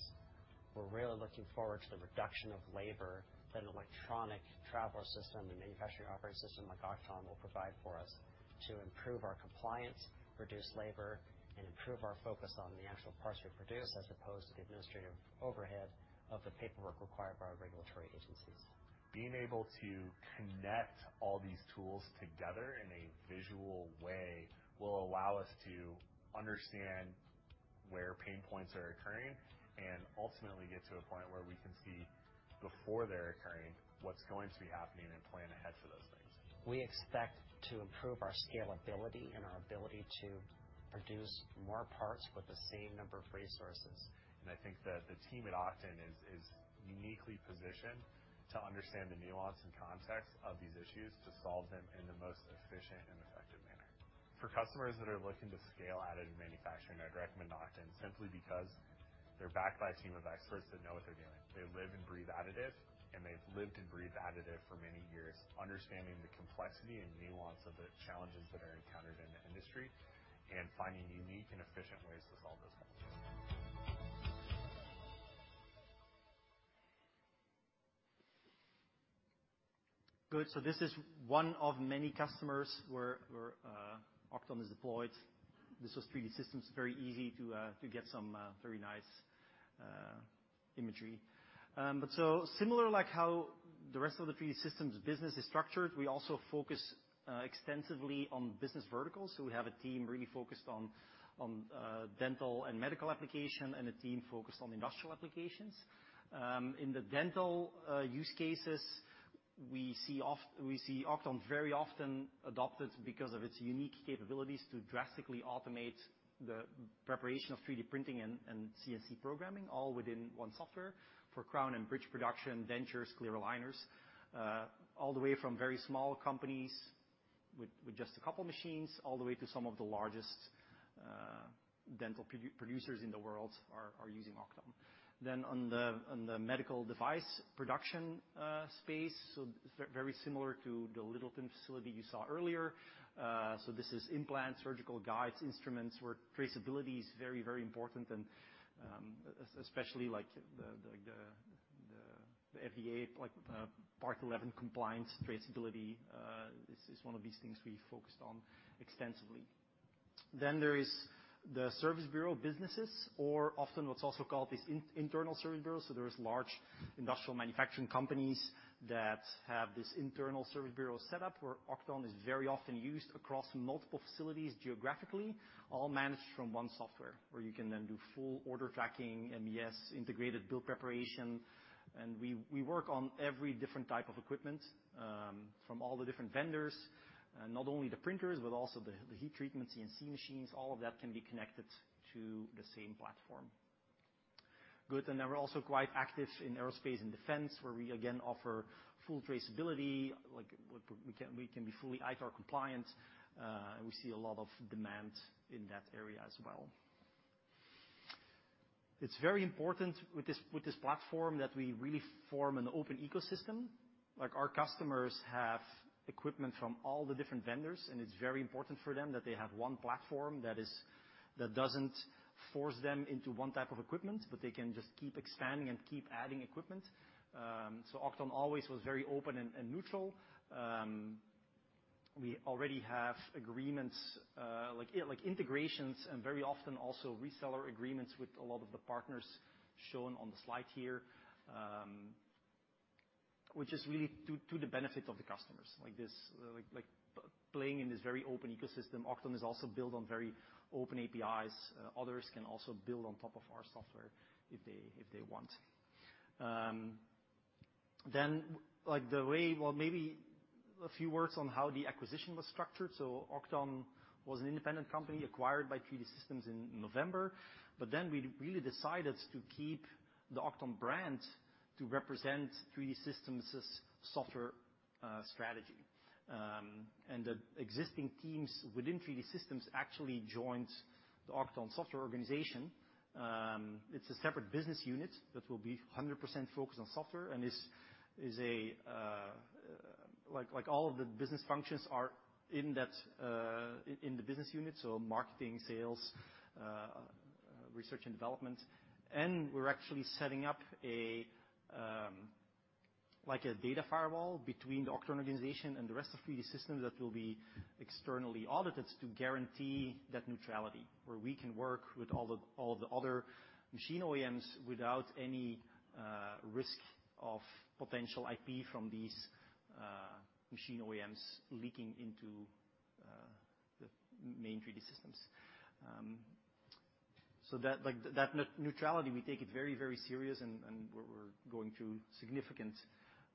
We're really looking forward to the reduction of labor that an electronic traveler system, the manufacturing operating system like Oqton, will provide for us to improve our compliance, reduce labor, and improve our focus on the actual parts we produce, as opposed to the administrative overhead of the paperwork required by our regulatory agencies. Being able to connect all these tools together in a visual way will allow us to understand where pain points are occurring and ultimately get to a point where we can see before they're occurring what's going to be happening and plan ahead for those things. We expect to improve our scalability and our ability to produce more parts with the same number of resources. I think that the team at Oqton is uniquely positioned to understand the nuance and context of these issues, to solve them in the most efficient and effective manner. For customers that are looking to scale additive manufacturing, I'd recommend Oqton simply because they're backed by a team of experts that know what they're doing. They live and breathe additive, and they've lived and breathed additive for many years, understanding the complexity and nuance of the challenges that are encountered in the industry and finding unique and efficient ways to solve those challenges. Good. This is one of many customers where Oqton is deployed. This was 3D Systems. Very easy to get some very nice imagery. Similar, like how the rest of the 3D Systems business is structured, we also focus extensively on business verticals. We have a team really focused on dental and medical application and a team focused on industrial applications. In the dental use cases, we see Oqton very often adopted because of its unique capabilities to drastically automate the preparation of 3D printing and CNC programming, all within one software for crown and bridge production, dentures, clear aligners. All the way from very small companies with just a couple machines, all the way to some of the largest dental producers in the world are using Oqton. On the medical device production space, so very similar to the Littleton facility you saw earlier. This is implant surgical guides, instruments where traceability is very, very important and especially like the FDA, like with Part 11 compliance traceability. This is one of these things we focused on extensively. There is the service bureau businesses or often what's also called these internal service bureaus. There are large industrial manufacturing companies that have this internal service bureau set up, where Oqton is very often used across multiple facilities geographically, all managed from one software, where you can then do full order tracking, MES, integrated bill preparation. We work on every different type of equipment from all the different vendors, not only the printers but also the heat treatment CNC machines. All of that can be connected to the same platform. Good. We're also quite active in aerospace and defense, where we again offer full traceability, we can be fully ITAR compliant, and we see a lot of demand in that area as well. It's very important with this platform that we really form an open ecosystem. Like our customers have equipment from all the different vendors, and it's very important for them that they have one platform that doesn't force them into one type of equipment, but they can just keep expanding and keep adding equipment. So Oqton always was very open and neutral. We already have agreements, like integrations and very often also reseller agreements with a lot of the partners shown on the slide here, which is really to the benefit of the customers. Like this, like playing in this very open ecosystem, Oqton is also built on very open APIs. Others can also build on top of our software if they want. Well, maybe a few words on how the acquisition was structured. Oqton was an independent company acquired by 3D Systems in November, but then we really decided to keep the Oqton brand to represent 3D Systems' software strategy. The existing teams within 3D Systems actually joined the Oqton software organization. It's a separate business unit that will be 100% focused on software and is like all of the business functions are in that business unit, so marketing, sales, research and development. We're actually setting up like a data firewall between the Oqton organization and the rest of 3D Systems that will be externally audited to guarantee that neutrality, where we can work with all the other machine OEMs without any risk of potential IP from these machine OEMs leaking into the main 3D Systems. That neutrality, we take it very serious and we're going to significant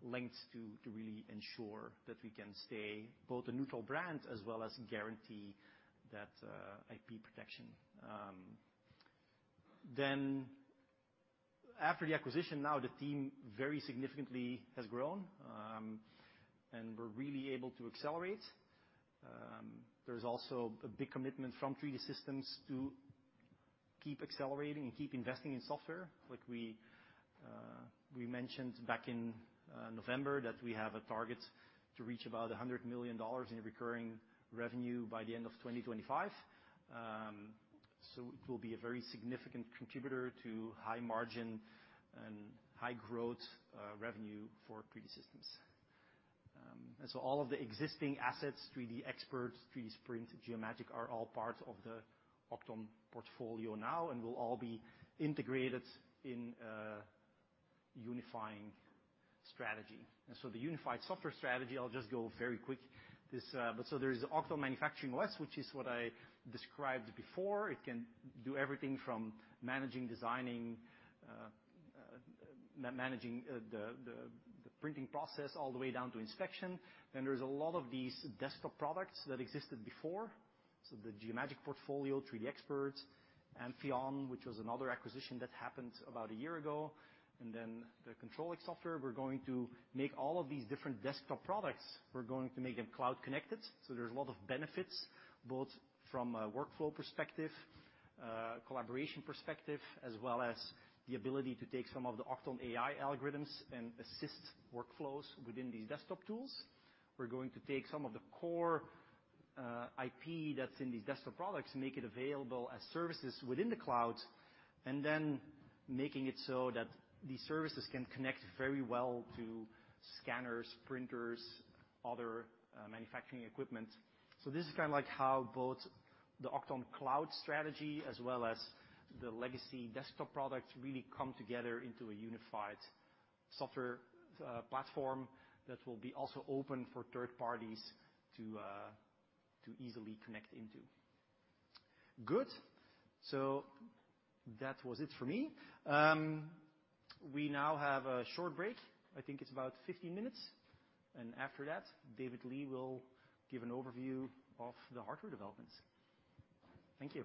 lengths to really ensure that we can stay both a neutral brand as well as guarantee that IP protection. After the acquisition, now the team very significantly has grown, and we're really able to accelerate. There's also a big commitment from 3D Systems to keep accelerating and keep investing in software. Like we mentioned back in November that we have a target to reach about $100 million in recurring revenue by the end of 2025. It will be a very significant contributor to high margin and high growth revenue for 3D Systems. All of the existing assets, 3DXpert, 3D Sprint, Geomagic, are all part of the Oqton portfolio now and will all be integrated in a unifying strategy. The unified software strategy, I'll just go very quick. This, there's Oqton Manufacturing OS, which is what I described before. It can do everything from managing, designing, managing the printing process all the way down to inspection. There's a lot of these desktop products that existed before, so the Geomagic portfolio, 3DXpert, Amphyon, which was another acquisition that happened about a year ago, and then the Control X software. We're going to make all of these different desktop products, we're going to make them cloud connected. There's a lot of benefits, both from a workflow perspective, collaboration perspective, as well as the ability to take some of the Oqton AI algorithms and assist workflows within these desktop tools. We're going to take some of the core IP that's in these desktop products, make it available as services within the cloud, and then making it so that these services can connect very well to scanners, printers, other manufacturing equipment. This is kind of like how both the Oqton cloud strategy as well as the legacy desktop products really come together into a unified software platform that will be also open for third parties to easily connect into. Good. That was it for me. We now have a short break. I think it's about 15 minutes. After that, David Leigh will give an overview of the hardware developments. Thank you.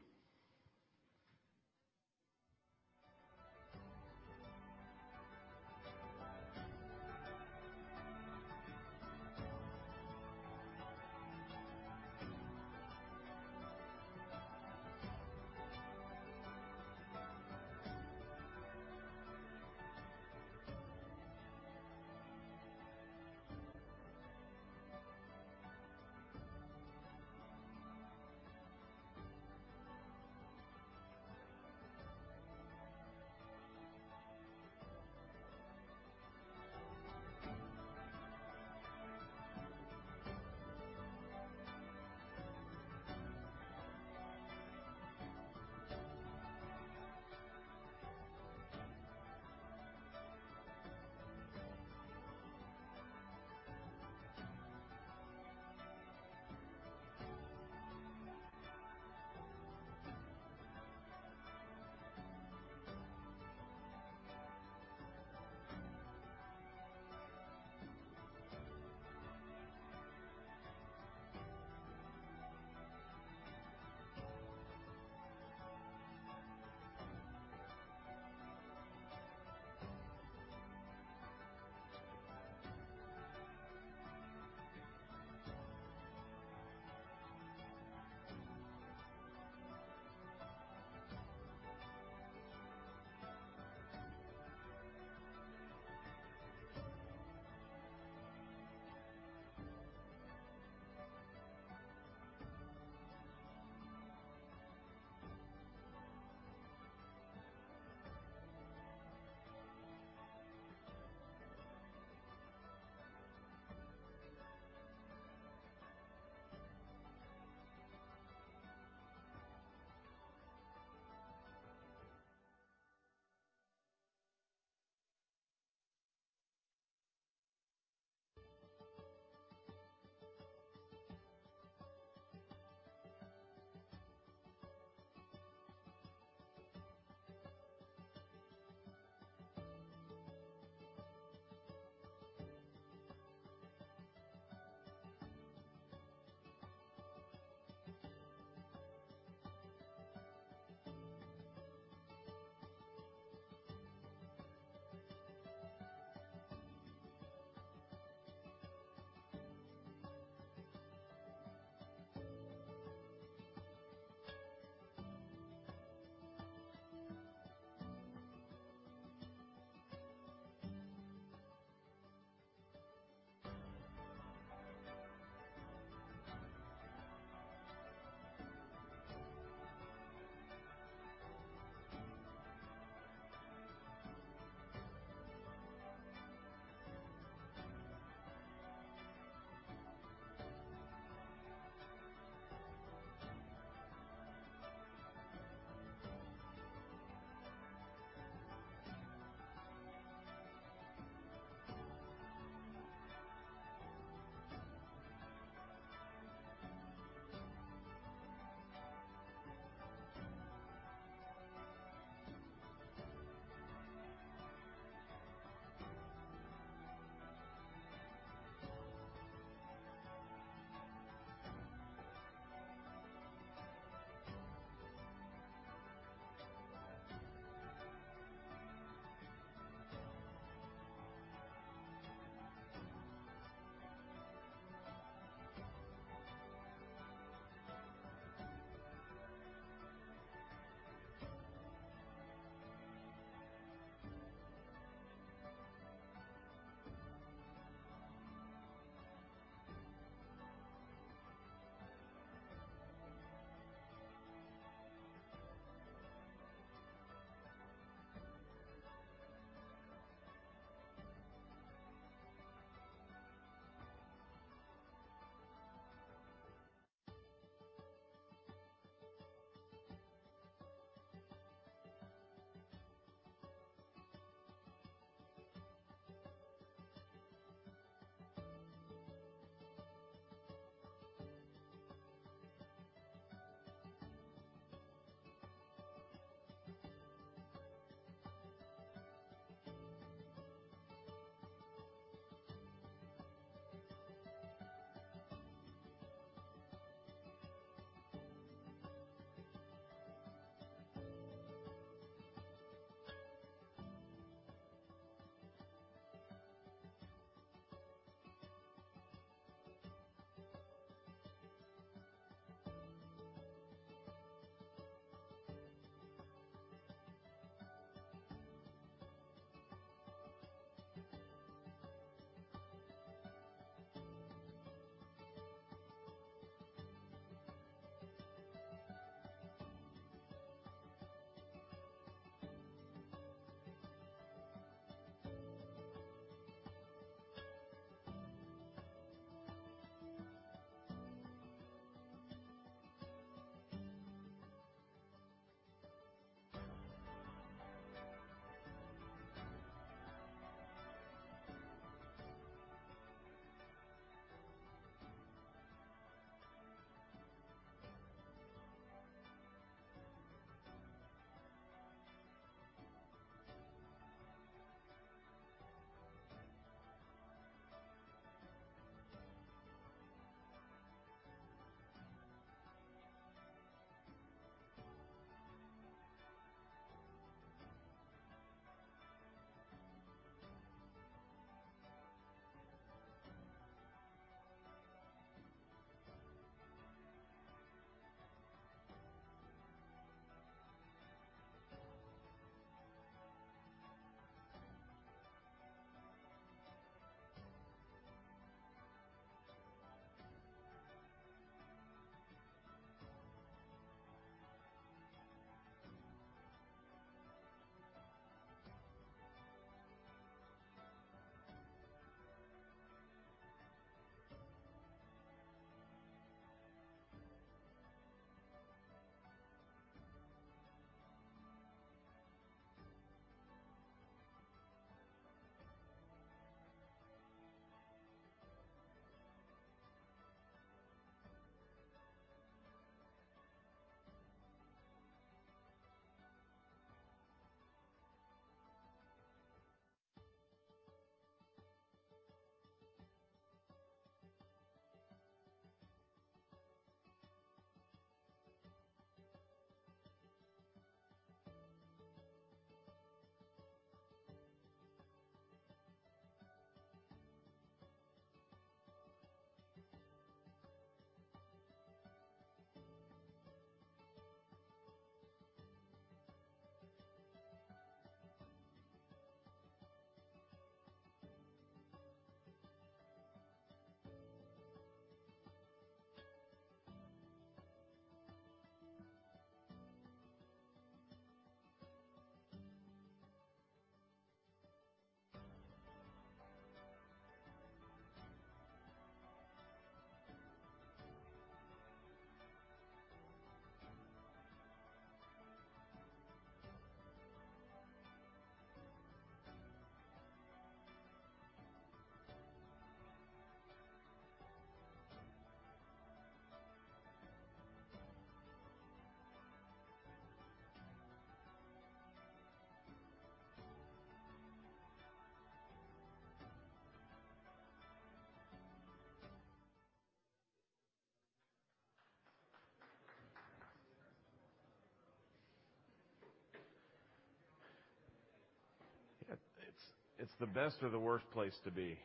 It's the best or the worst place to be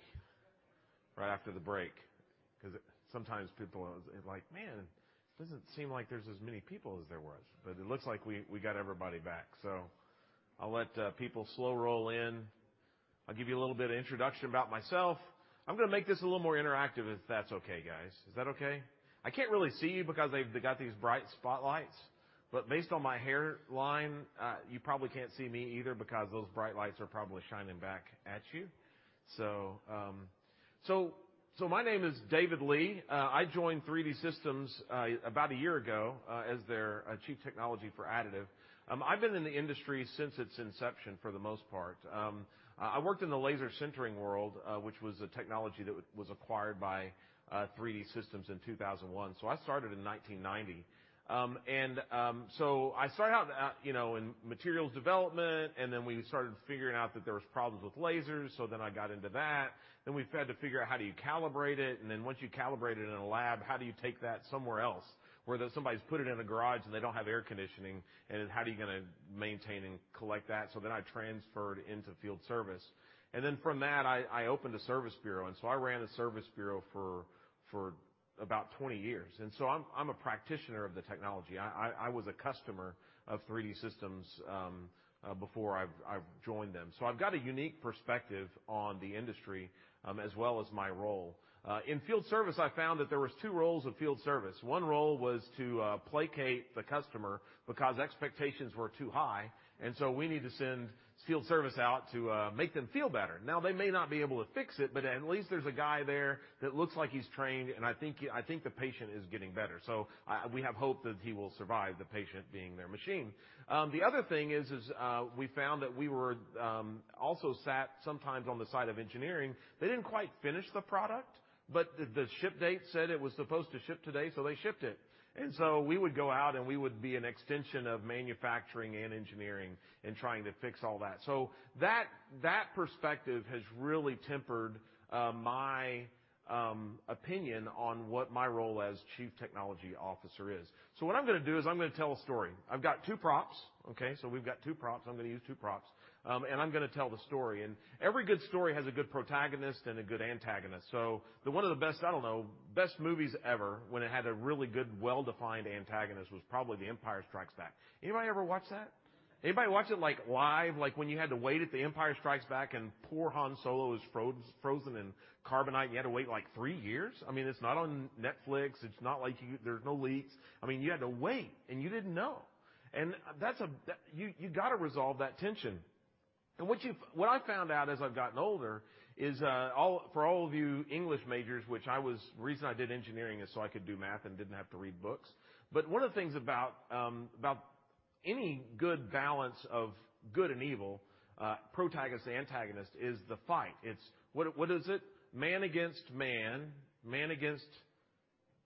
right after the break, 'cause sometimes people are like, "Man, it doesn't seem like there's as many people as there was." But it looks like we got everybody back. I'll let people slow roll in. I'll give you a little bit of introduction about myself. I'm gonna make this a little more interactive if that's okay, guys. Is that okay? I can't really see you because they've got these bright spotlights. But based on my hairline, you probably can't see me either because those bright lights are probably shining back at you. So my name is David Leigh. I joined 3D Systems about a year ago as their Chief Technology for Additive. I've been in the industry since its inception, for the most part. I worked in the laser sintering world, which was a technology that was acquired by 3D Systems in 2001. I started in 1990. I started out, you know, in materials development, and then we started figuring out that there was problems with lasers, so then I got into that. We've had to figure out how do you calibrate it, and then once you calibrate it in a lab, how do you take that somewhere else, where somebody's put it in a garage and they don't have air conditioning, and how are you gonna maintain and calibrate that? I transferred into field service. From that, I opened a service bureau. I ran a service bureau for about 20 years. I'm a practitioner of the technology. I was a customer of 3D Systems before I've joined them. I've got a unique perspective on the industry as well as my role. In field service, I found that there was two roles of field service. One role was to placate the customer because expectations were too high, and so we need to send field service out to make them feel better. Now, they may not be able to fix it, but at least there's a guy there that looks like he's trained, and I think the patient is getting better. We have hope that he will survive the patient being their machine. The other thing is we found that we were also sat sometimes on the side of engineering. They didn't quite finish the product, but the ship date said it was supposed to ship today, so they shipped it. We would go out, and we would be an extension of manufacturing and engineering and trying to fix all that. That perspective has really tempered my opinion on what my role as chief technology officer is. What I'm gonna do is I'm gonna tell a story. I've got two props. Okay? We've got two props. I'm gonna use two props, and I'm gonna tell the story. Every good story has a good protagonist and a good antagonist. One of the best, I don't know, best movies ever when it had a really good, well-defined antagonist was probably The Empire Strikes Back. Anybody ever watch that? Anybody watch it, like, live? Like when you had to wait at The Empire Strikes Back and poor Han Solo is frozen in carbonite, and you had to wait, like, three years. I mean, it's not on Netflix. It's not like you. There's no leaks. I mean, you had to wait, and you didn't know. You gotta resolve that tension. What I found out as I've gotten older is, for all of you English majors, which I was. Reason I did engineering is so I could do math and didn't have to read books. One of the things about about any good balance of good and evil, protagonist, antagonist is the fight. It's What is it? Man against man against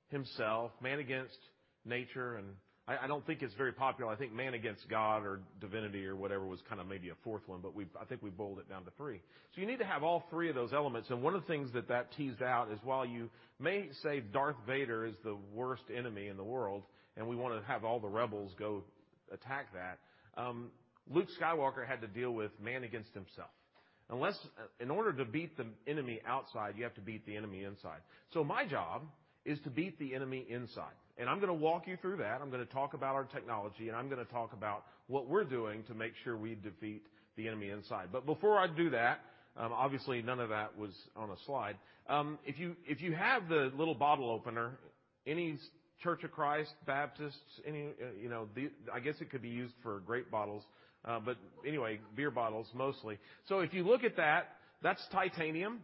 himself, man against nature. I don't think it's very popular. I think man against God or divinity or whatever was kinda maybe a fourth one, but I think we boiled it down to three. You need to have all three of those elements, and one of the things that that teased out is while you may say Darth Vader is the worst enemy in the world, and we wanna have all the rebels go attack that, Luke Skywalker had to deal with man against himself. In order to beat the enemy outside, you have to beat the enemy inside. My job is to beat the enemy inside. I'm gonna walk you through that. I'm gonna talk about our technology, and I'm gonna talk about what we're doing to make sure we defeat the enemy inside. Before I do that, obviously none of that was on a slide. If you have the little bottle opener, any Church of Christ, Baptists, any, you know, the I guess it could be used for grape bottles. But anyway, beer bottles mostly. If you look at that's titanium.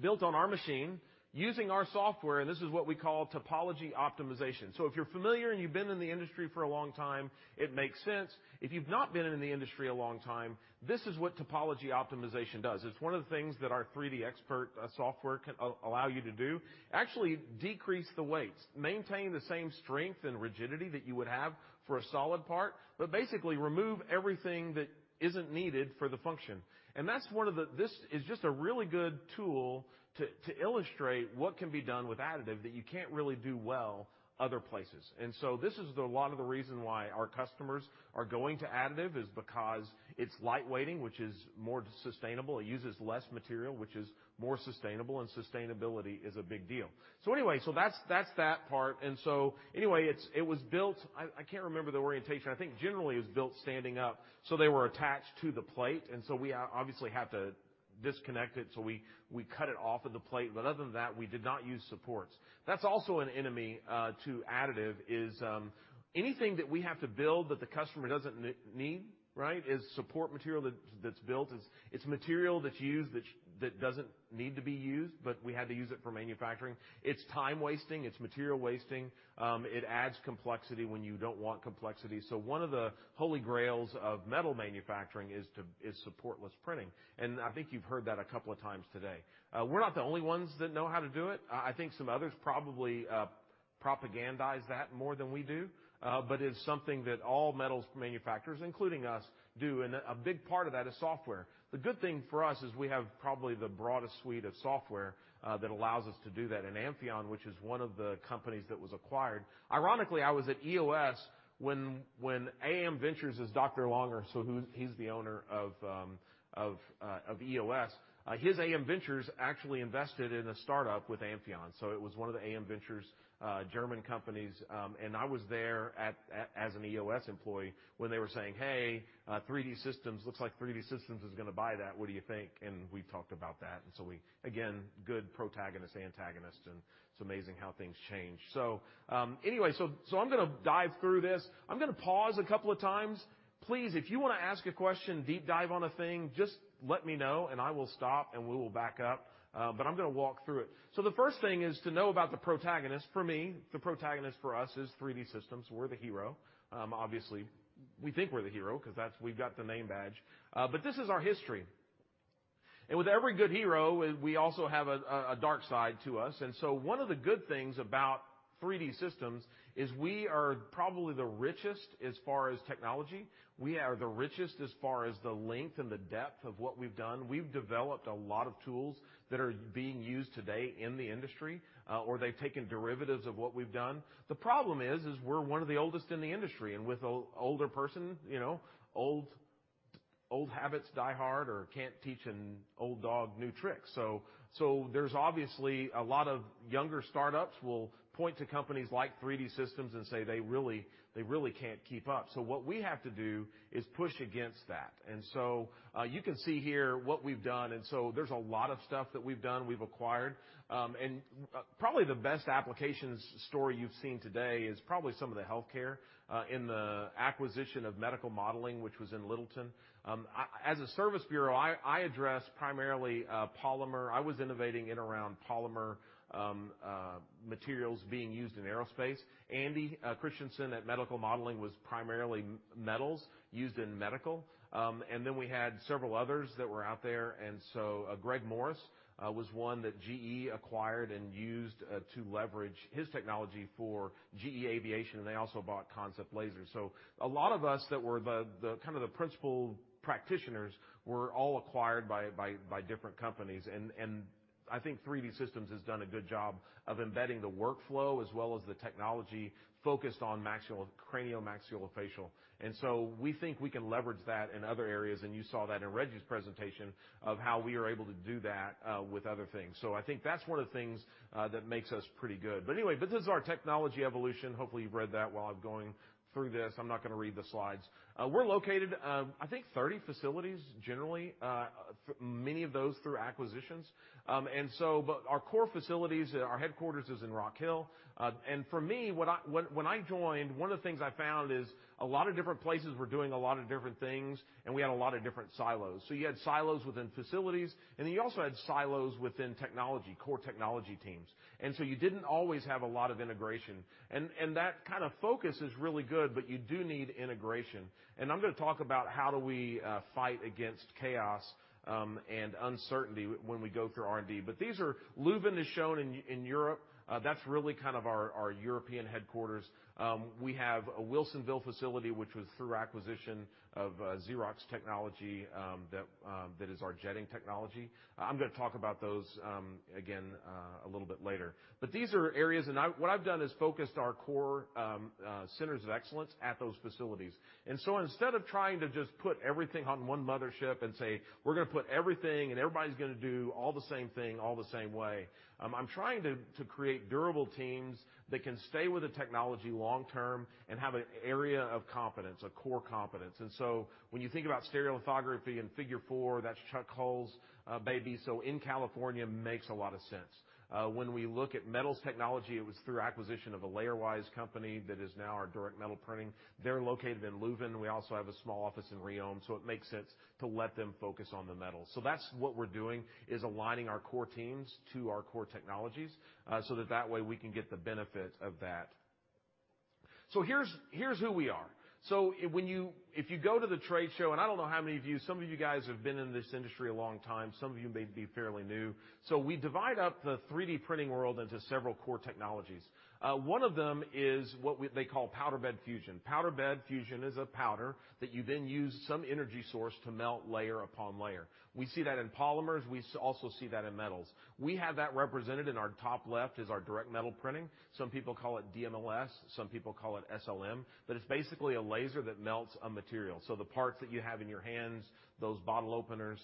Built on our machine using our software, and this is what we call topology optimization. If you're familiar and you've been in the industry for a long time, it makes sense. If you've not been in the industry a long time, this is what topology optimization does. It's one of the things that our 3DXpert software can allow you to do. Actually decrease the weights, maintain the same strength and rigidity that you would have for a solid part, but basically remove everything that isn't needed for the function. This is just a really good tool to illustrate what can be done with additive that you can't really do well other places. This is a lot of the reason why our customers are going to additive is because it's lightweighting, which is more sustainable. It uses less material, which is more sustainable, and sustainability is a big deal. Anyway, that's that part. Anyway, it was built. I can't remember the orientation. I think generally it was built standing up, so they were attached to the plate, and so we obviously have to disconnect it. We cut it off of the plate, but other than that, we did not use supports. That's also an enemy to additive is anything that we have to build that the customer doesn't need, right? It's support material that's built. It's material that's used that doesn't need to be used, but we had to use it for manufacturing. It's time-wasting. It's material wasting. It adds complexity when you don't want complexity. One of the holy grails of metal manufacturing is supportless printing, and I think you've heard that a couple of times today. We're not the only ones that know how to do it. I think some others probably propagandize that more than we do. But it's something that all metal manufacturers, including us, do, and a big part of that is software. The good thing for us is we have probably the broadest suite of software that allows us to do that. Amphyon, which is one of the companies that was acquired. Ironically, I was at EOS when AM Ventures, it's Dr. Langer, so he's the owner of EOS. His AM Ventures actually invested in a start-up with Amphyon, so it was one of the AM Ventures German companies. I was there as an EOS employee when they were saying, "Hey, 3D Systems looks like 3D Systems is gonna buy that. What do you think?" We talked about that. We, again, good protagonist, antagonist, and it's amazing how things change. Anyway, I'm gonna dive through this. I'm gonna pause a couple of times. Please, if you wanna ask a question, deep dive on a thing, just let me know, and I will stop, and we will back up. I'm gonna walk through it. The first thing is to know about the protagonist. For me, the protagonist for us is 3D Systems. We're the hero. Obviously, we think we're the hero 'cause that's we've got the name badge. But this is our history. With every good hero, we also have a dark side to us. One of the good things about 3D Systems is we are probably the richest as far as technology. We are the richest as far as the length and the depth of what we've done. We've developed a lot of tools that are being used today in the industry, or they've taken derivatives of what we've done. The problem is we're one of the oldest in the industry. With an older person, you know, old habits die hard or can't teach an old dog new tricks. There's obviously a lot of younger startups will point to companies like 3D Systems and say they really can't keep up. What we have to do is push against that. You can see here what we've done, and there's a lot of stuff that we've done, we've acquired. Probably the best applications story you've seen today is probably some of the healthcare in the acquisition of Medical Modeling, which was in Littleton. As a service bureau, I address primarily polymer. I was innovating in around polymer materials being used in aerospace. Andy Christensen at Medical Modeling was primarily metals used in medical. Then we had several others that were out there. Greg Morris was one that GE acquired and used to leverage his technology for GE Aviation, and they also bought Concept Laser. A lot of us that were the kind of the principal practitioners were all acquired by different companies. I think 3D Systems has done a good job of embedding the workflow as well as the technology focused on cranio-maxillofacial. We think we can leverage that in other areas, and you saw that in Reji's presentation of how we are able to do that with other things. I think that's one of the things that makes us pretty good. This is our technology evolution. Hopefully, you've read that while I'm going through this. I'm not gonna read the slides. We're located, I think 30 facilities generally, many of those through acquisitions. Our core facilities, our headquarters is in Rock Hill. For me, when I joined, one of the things I found is a lot of different places were doing a lot of different things, and we had a lot of different silos. You had silos within facilities, and you also had silos within technology, core technology teams. You didn't always have a lot of integration. That kind of focus is really good, but you do need integration. I'm gonna talk about how do we fight against chaos and uncertainty when we go through R&D. These are. Leuven is shown in Europe. That's really kind of our European headquarters. We have a Wilsonville facility, which was through acquisition of Xerox technology, that is our jetting technology. I'm gonna talk about those again a little bit later. But these are areas what I've done is focused our core centers of excellence at those facilities. Instead of trying to just put everything on one mothership and say, "We're gonna put everything, and everybody's gonna do all the same thing all the same way," I'm trying to create durable teams that can stay with the technology long term and have an area of competence, a core competence. When you think about stereolithography in Figure four, that's Chuck Hull's baby, so in California makes a lot of sense. When we look at metals technology, it was through acquisition of a LayerWise company that is now our Direct Metal Printing. They're located in Leuven. We also have a small office in Riom, so it makes sense to let them focus on the metal. That's what we're doing, is aligning our core teams to our core technologies, so that way we can get the benefit of that. Here's who we are. When you if you go to the trade show, and I don't know how many of you, some of you guys have been in this industry a long time, some of you may be fairly new. We divide up the 3D printing world into several core technologies. One of them is what they call powder bed fusion. Powder bed fusion is a powder that you then use some energy source to melt layer upon layer. We see that in polymers. We also see that in metals. We have that represented in our top left, is our Direct Metal Printing. Some people call it DMLS, some people call it SLM, but it's basically a laser that melts a material. The parts that you have in your hands, those bottle openers,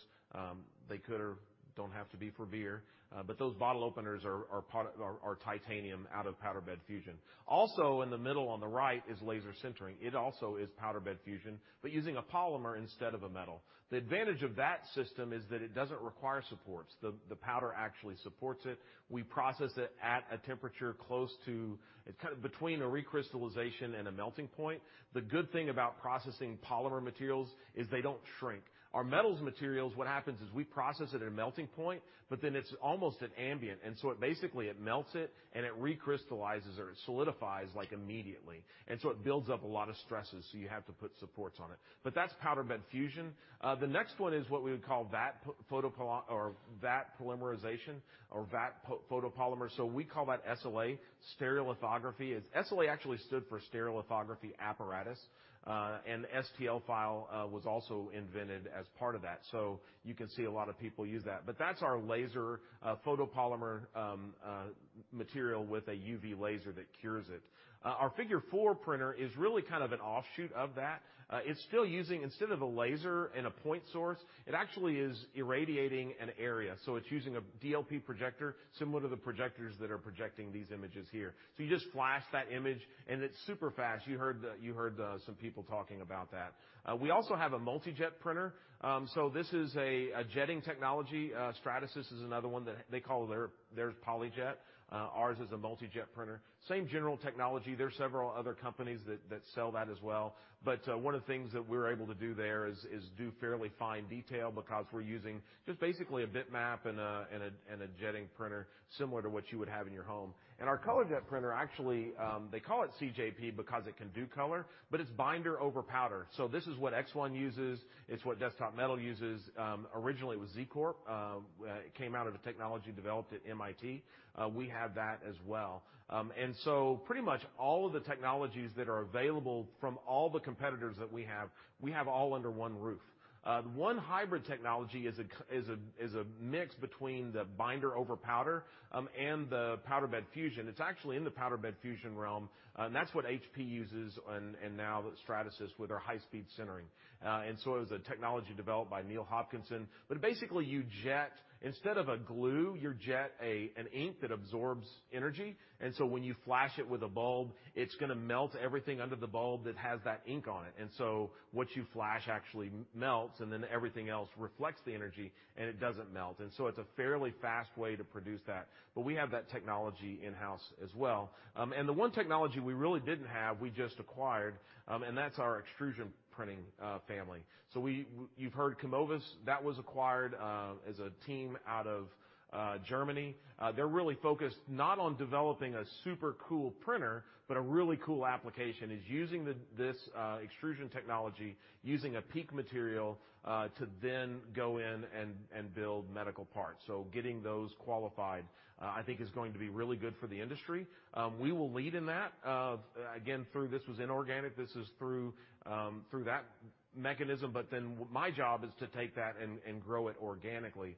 they could or don't have to be for beer, but those bottle openers are titanium out of powder bed fusion. Also in the middle on the right is laser sintering. It also is powder bed fusion, but using a polymer instead of a metal. The advantage of that system is that it doesn't require supports. The powder actually supports it. We process it at a temperature close to. It's kind of between a recrystallization and a melting point. The good thing about processing polymer materials is they don't shrink. Our metals materials, what happens is we process it at a melting point, but then it's almost at ambient, and so it basically melts it, and it recrystallizes or it solidifies like immediately. It builds up a lot of stresses, so you have to put supports on it. That's powder bed fusion. The next one is what we would call vat polymerization or vat photopolymer. We call that SLA, stereolithography. SLA actually stood for stereolithography apparatus. STL file was also invented as part of that. You can see a lot of people use that, but that's our laser photopolymer material with a UV laser that cures it. Our Figure 4 printer is really kind of an offshoot of that. It's still using, instead of a laser and a point source, it actually is irradiating an area, so it's using a DLP projector similar to the projectors that are projecting these images here. You just flash that image, and it's super fast. You heard some people talking about that. We also have a MultiJet printer. This is a jetting technology. Stratasys is another one that they call theirs PolyJet. Ours is a MultiJet printer. Same general technology. There are several other companies that sell that as well. One of the things that we're able to do there is do fairly fine detail because we're using just basically a bitmap and a jetting printer similar to what you would have in your home. Our ColorJet printer, actually, they call it CJP because it can do color, but it's binder over powder. This is what ExOne uses. It's what Desktop Metal uses. Originally it was ZCorp. It came out of a technology developed at MIT. We have that as well. Pretty much all of the technologies that are available from all the competitors that we have, we have all under one roof. One hybrid technology is a mix between the binder over powder and the powder bed fusion. It's actually in the powder bed fusion realm. That's what HP uses and now Stratasys with our high-speed sintering. It was a technology developed by Neil Hopkinson. Basically you jet an ink that absorbs energy instead of a glue. When you flash it with a bulb, it's gonna melt everything under the bulb that has that ink on it. What you flash actually melts, and then everything else reflects the energy, and it doesn't melt. It's a fairly fast way to produce that, but we have that technology in-house as well. The one technology we really didn't have, we just acquired, and that's our extrusion printing family. You've heard Kumovis, that was acquired as a team out of Germany. They're really focused not on developing a super cool printer, but a really cool application. Is using this extrusion technology, using a PEEK material, to then go in and build medical parts. Getting those qualified, I think is going to be really good for the industry. We will lead in that. Again, through this was inorganic, this is through that mechanism, but then my job is to take that and grow it organically.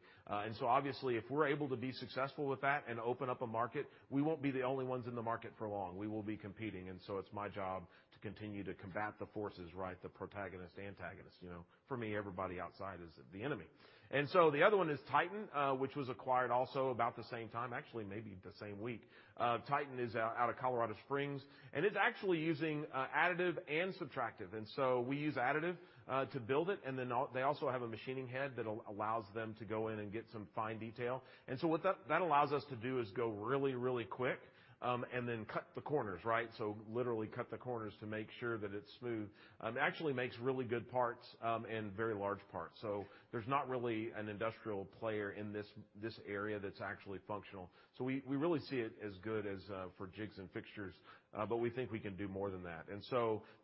Obviously, if we're able to be successful with that and open up a market, we won't be the only ones in the market for long. We will be competing, it's my job to continue to combat the forces, right? The protagonist, antagonist, you know. For me, everybody outside is the enemy. The other one is Titan Robotics, which was acquired also about the same time, actually, maybe the same week. Titan is out of Colorado Springs, and it's actually using additive and subtractive. We use additive to build it, and then they also have a machining head that allows them to go in and get some fine detail. What that allows us to do is go really quick and then cut the corners, right? Literally cut the corners to make sure that it's smooth. It actually makes really good parts and very large parts. There's not really an industrial player in this area that's actually functional. We really see it as good for jigs and fixtures, but we think we can do more than that.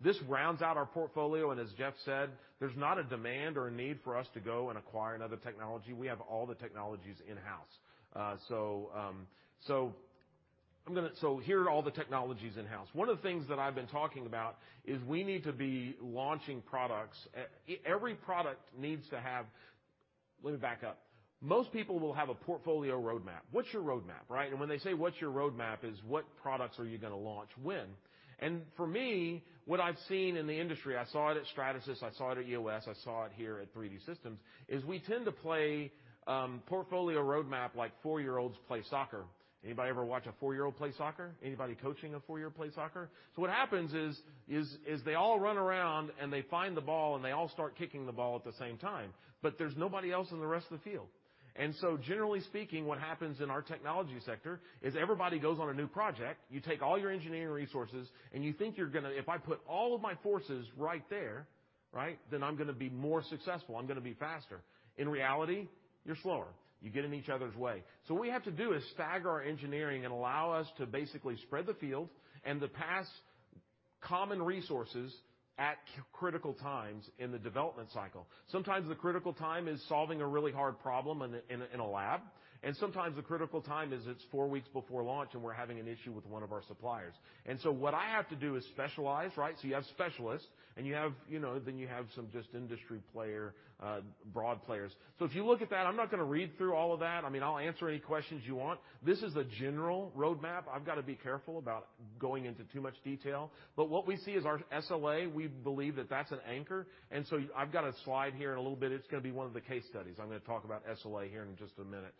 This rounds out our portfolio, and as Jeff said, there's not a demand or a need for us to go and acquire another technology. We have all the technologies in-house. I'm gonna. Here are all the technologies in-house. One of the things that I've been talking about is we need to be launching products. Every product needs to have. Let me back up. Most people will have a portfolio roadmap. What's your roadmap, right? And when they say, "What's your roadmap?" is what products are you gonna launch when. And for me, what I've seen in the industry, I saw it at Stratasys, I saw it at EOS, I saw it here at 3D Systems, is we tend to play portfolio roadmap like four-year-olds play soccer. Anybody ever watch a four-year-old play soccer? Anybody coaching a four-year-old play soccer? What happens is they all run around, and they find the ball, and they all start kicking the ball at the same time. There's nobody else in the rest of the field. Generally speaking, what happens in our technology sector is everybody goes on a new project. You take all your engineering resources, and you think you're gonna. If I put all of my forces right there, right? I'm gonna be more successful. I'm gonna be faster. In reality, you're slower. You get in each other's way. What we have to do is stage our engineering and allow us to basically spread the field and to pass common resources at critical times in the development cycle. Sometimes the critical time is solving a really hard problem in a lab, and sometimes the critical time is it's four weeks before launch and we're having an issue with one of our suppliers. What I have to do is specialize, right? You have specialists, and you have then some just industry player, broad players. If you look at that, I'm not going to read through all of that. I mean, I'll answer any questions you want. This is a general roadmap. I've got to be careful about going into too much detail. What we see is our SLA, we believe that that's an anchor. I've got a slide here in a little bit. It's going to be one of the case studies. I'm going to talk about SLA here in just a minute.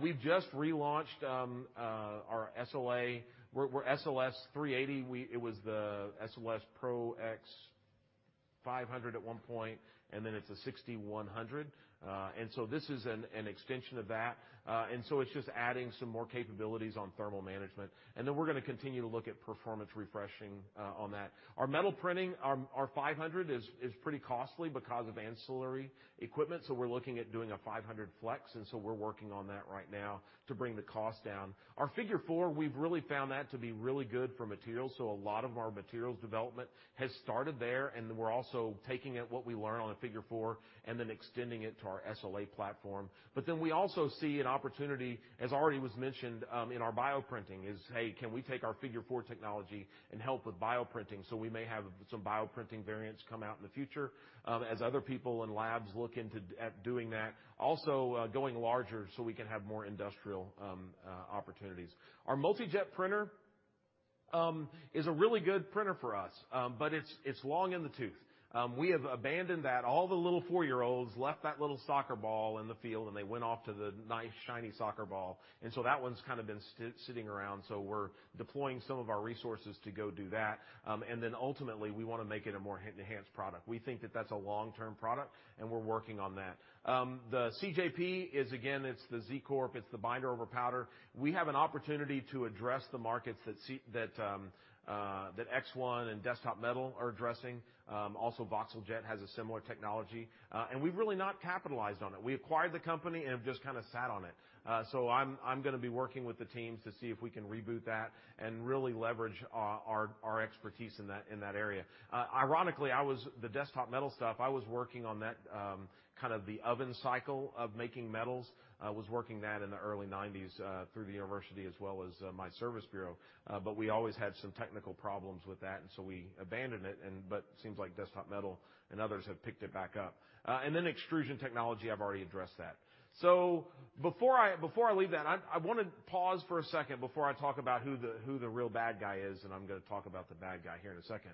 We've just relaunched our SLA. We're SLS 380. It was the SLS ProX 500 at one point, and then it's a 6100. This is an extension of that. It's just adding some more capabilities on thermal management. We're going to continue to look at performance refreshing on that. Our metal printing, our 500 is pretty costly because of ancillary equipment, so we're looking at doing a 500 Flex, and we're working on that right now to bring the cost down. Our Figure four, we've really found that to be really good for materials. A lot of our materials development has started there, and we're also taking it, what we learn on a Figure four, and then extending it to our SLA platform. We also see an opportunity, as already was mentioned, in our bioprinting. Is, hey, can we take our Figure 4 technology and help with bioprinting? We may have some bioprinting variants come out in the future, as other people in labs look at doing that. Also, going larger, so we can have more industrial opportunities. Our MultiJet printer is a really good printer for us. But it's long in the tooth. We have abandoned that. All the little four-year-olds left that little soccer ball in the field, and they went off to the nice shiny soccer ball. That one's kind of been sitting around. We're deploying some of our resources to go do that. Then ultimately, we want to make it a more enhanced product. We think that that's a long-term product, and we're working on that. The CJP is again, it's the Z Corp. It's the binder over powder. We have an opportunity to address the markets that that ExOne and Desktop Metal are addressing. Also voxeljet has a similar technology. We've really not capitalized on it. We acquired the company and have just kind of sat on it. I'm gonna be working with the teams to see if we can reboot that and really leverage our expertise in that area. Ironically, The Desktop Metal stuff, I was working on that, kind of the oven cycle of making metals. I was working that in the early 1990s through the university as well as my service bureau. We always had some technical problems with that, and so we abandoned it, but seems like Desktop Metal and others have picked it back up. Extrusion technology, I've already addressed that. Before I leave that, I want to pause for a second before I talk about who the real bad guy is, and I'm going to talk about the bad guy here in a second.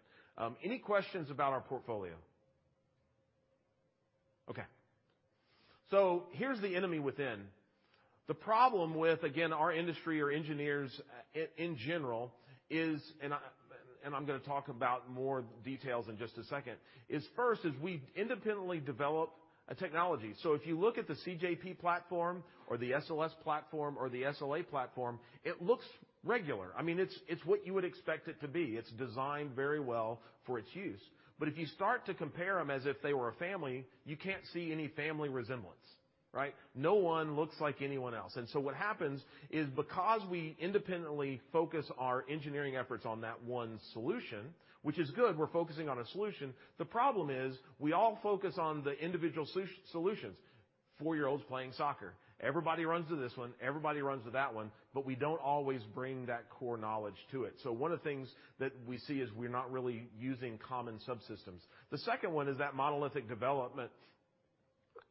Any questions about our portfolio? Okay. Here's the enemy within. The problem with, again, our industry or engineers in general is, and I'm going to talk about more details in just a second, first, we independently develop a technology. If you look at the CJP platform or the SLS platform or the SLA platform, it looks regular. I mean, it's what you would expect it to be. It's designed very well for its use. If you start to compare them as if they were a family, you can't see any family resemblance, right? No one looks like anyone else. What happens is, because we independently focus our engineering efforts on that one solution, which is good, we're focusing on a solution. The problem is we all focus on the individual solutions. Four-year-olds playing soccer. Everybody runs to this one, everybody runs to that one, but we don't always bring that core knowledge to it. One of the things that we see is we're not really using common subsystems. The second one is that monolithic development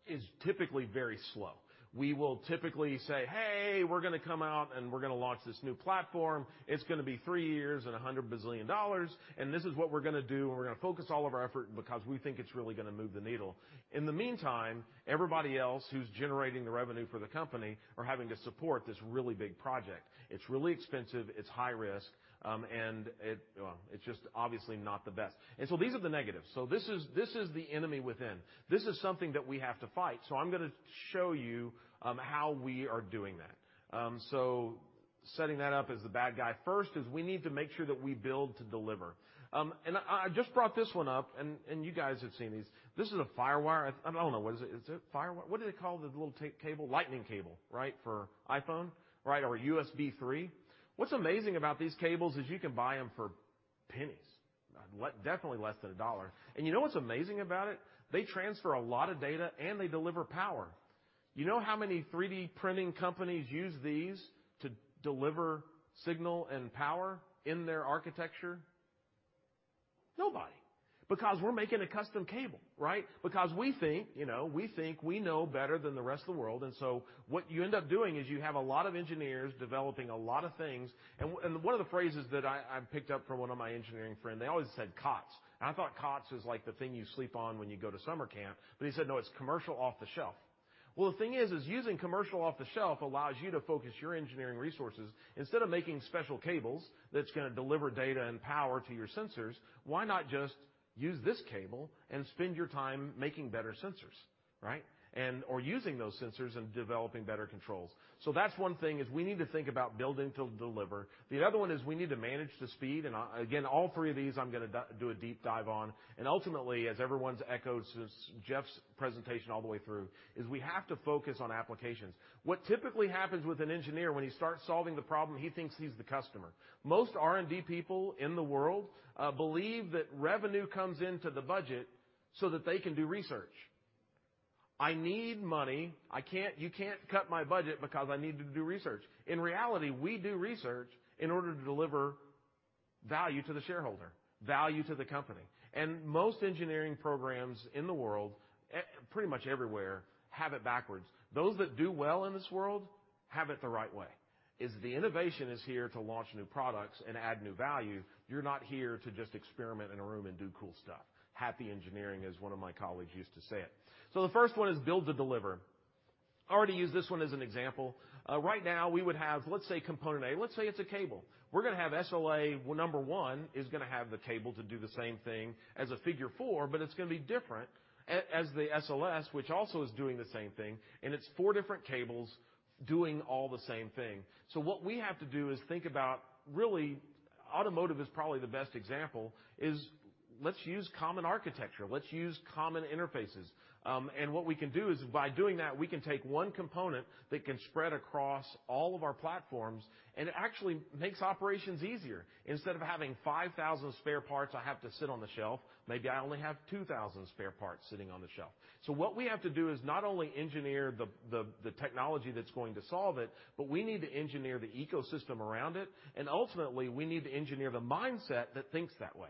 is typically very slow. We will typically say, "Hey, we're going to come out, and we're going to launch this new platform. It's going to be three years and $100 bazillion, and this is what we're going to do, and we're going to focus all of our effort because we think it's really going to move the needle." In the meantime, everybody else who's generating the revenue for the company are having to support this really big project. It's really expensive, it's high risk, and it, well, it's just obviously not the best. These are the negatives. This is the enemy within. This is something that we have to fight. I'm gonna show you how we are doing that. Setting that up as the bad guy. First is we need to make sure that we build to deliver. I just brought this one up and you guys have seen these. This is a Figure 4. I don't know, what is it? Is it FireWire? What do they call the little cable? Lightning cable, right? For iPhone, right, or USB 3. What's amazing about these cables is you can buy them for pennies, definitely less than $1. You know what's amazing about it? They transfer a lot of data, and they deliver power. You know how many 3D printing companies use these to deliver signal and power in their architecture? Nobody. Because we're making a custom cable, right? Because we think, you know, we think we know better than the rest of the world. What you end up doing is you have a lot of engineers developing a lot of things. One of the phrases that I picked up from one of my engineering friend, they always said COTS. I thought COTS is like the thing you sleep on when you go to summer camp. He said, "No, it's commercial off-the-shelf." Well, the thing is, using commercial off-the-shelf allows you to focus your engineering resources. Instead of making special cables that's going to deliver data and power to your sensors, why not just use this cable and spend your time making better sensors, right? Or using those sensors and developing better controls. That's one thing, is we need to think about building to deliver. The other one is we need to manage to speed. Again, all three of these, I'm gonna do a deep dive on. Ultimately, as everyone's echoed since Jeff's presentation all the way through, is we have to focus on applications. What typically happens with an engineer when he starts solving the problem, he thinks he's the customer. Most R&D people in the world believe that revenue comes into the budget so that they can do research. I need money. You can't cut my budget because I need to do research. In reality, we do research in order to deliver value to the shareholder, value to the company. Most engineering programs in the world, pretty much everywhere, have it backwards. Those that do well in this world have it the right way, is the innovation is here to launch new products and add new value. You're not here to just experiment in a room and do cool stuff. Happy engineering, as one of my colleagues used to say it. The first one is build to deliver. I already used this one as an example. Right now we would have, let's say, component A, let's say it's a cable. We're gonna have SLA where number one is gonna have the cable to do the same thing as a Figure four, but it's gonna be different as the SLS, which also is doing the same thing, and it's four different cables doing all the same thing. What we have to do is think about, really, automotive is probably the best example, is let's use common architecture, let's use common interfaces. What we can do is by doing that, we can take one component that can spread across all of our platforms, and it actually makes operations easier. Instead of having 5,000 spare parts I have to sit on the shelf, maybe I only have 2,000 spare parts sitting on the shelf. What we have to do is not only engineer the technology that's going to solve it, but we need to engineer the ecosystem around it, and ultimately, we need to engineer the mindset that thinks that way.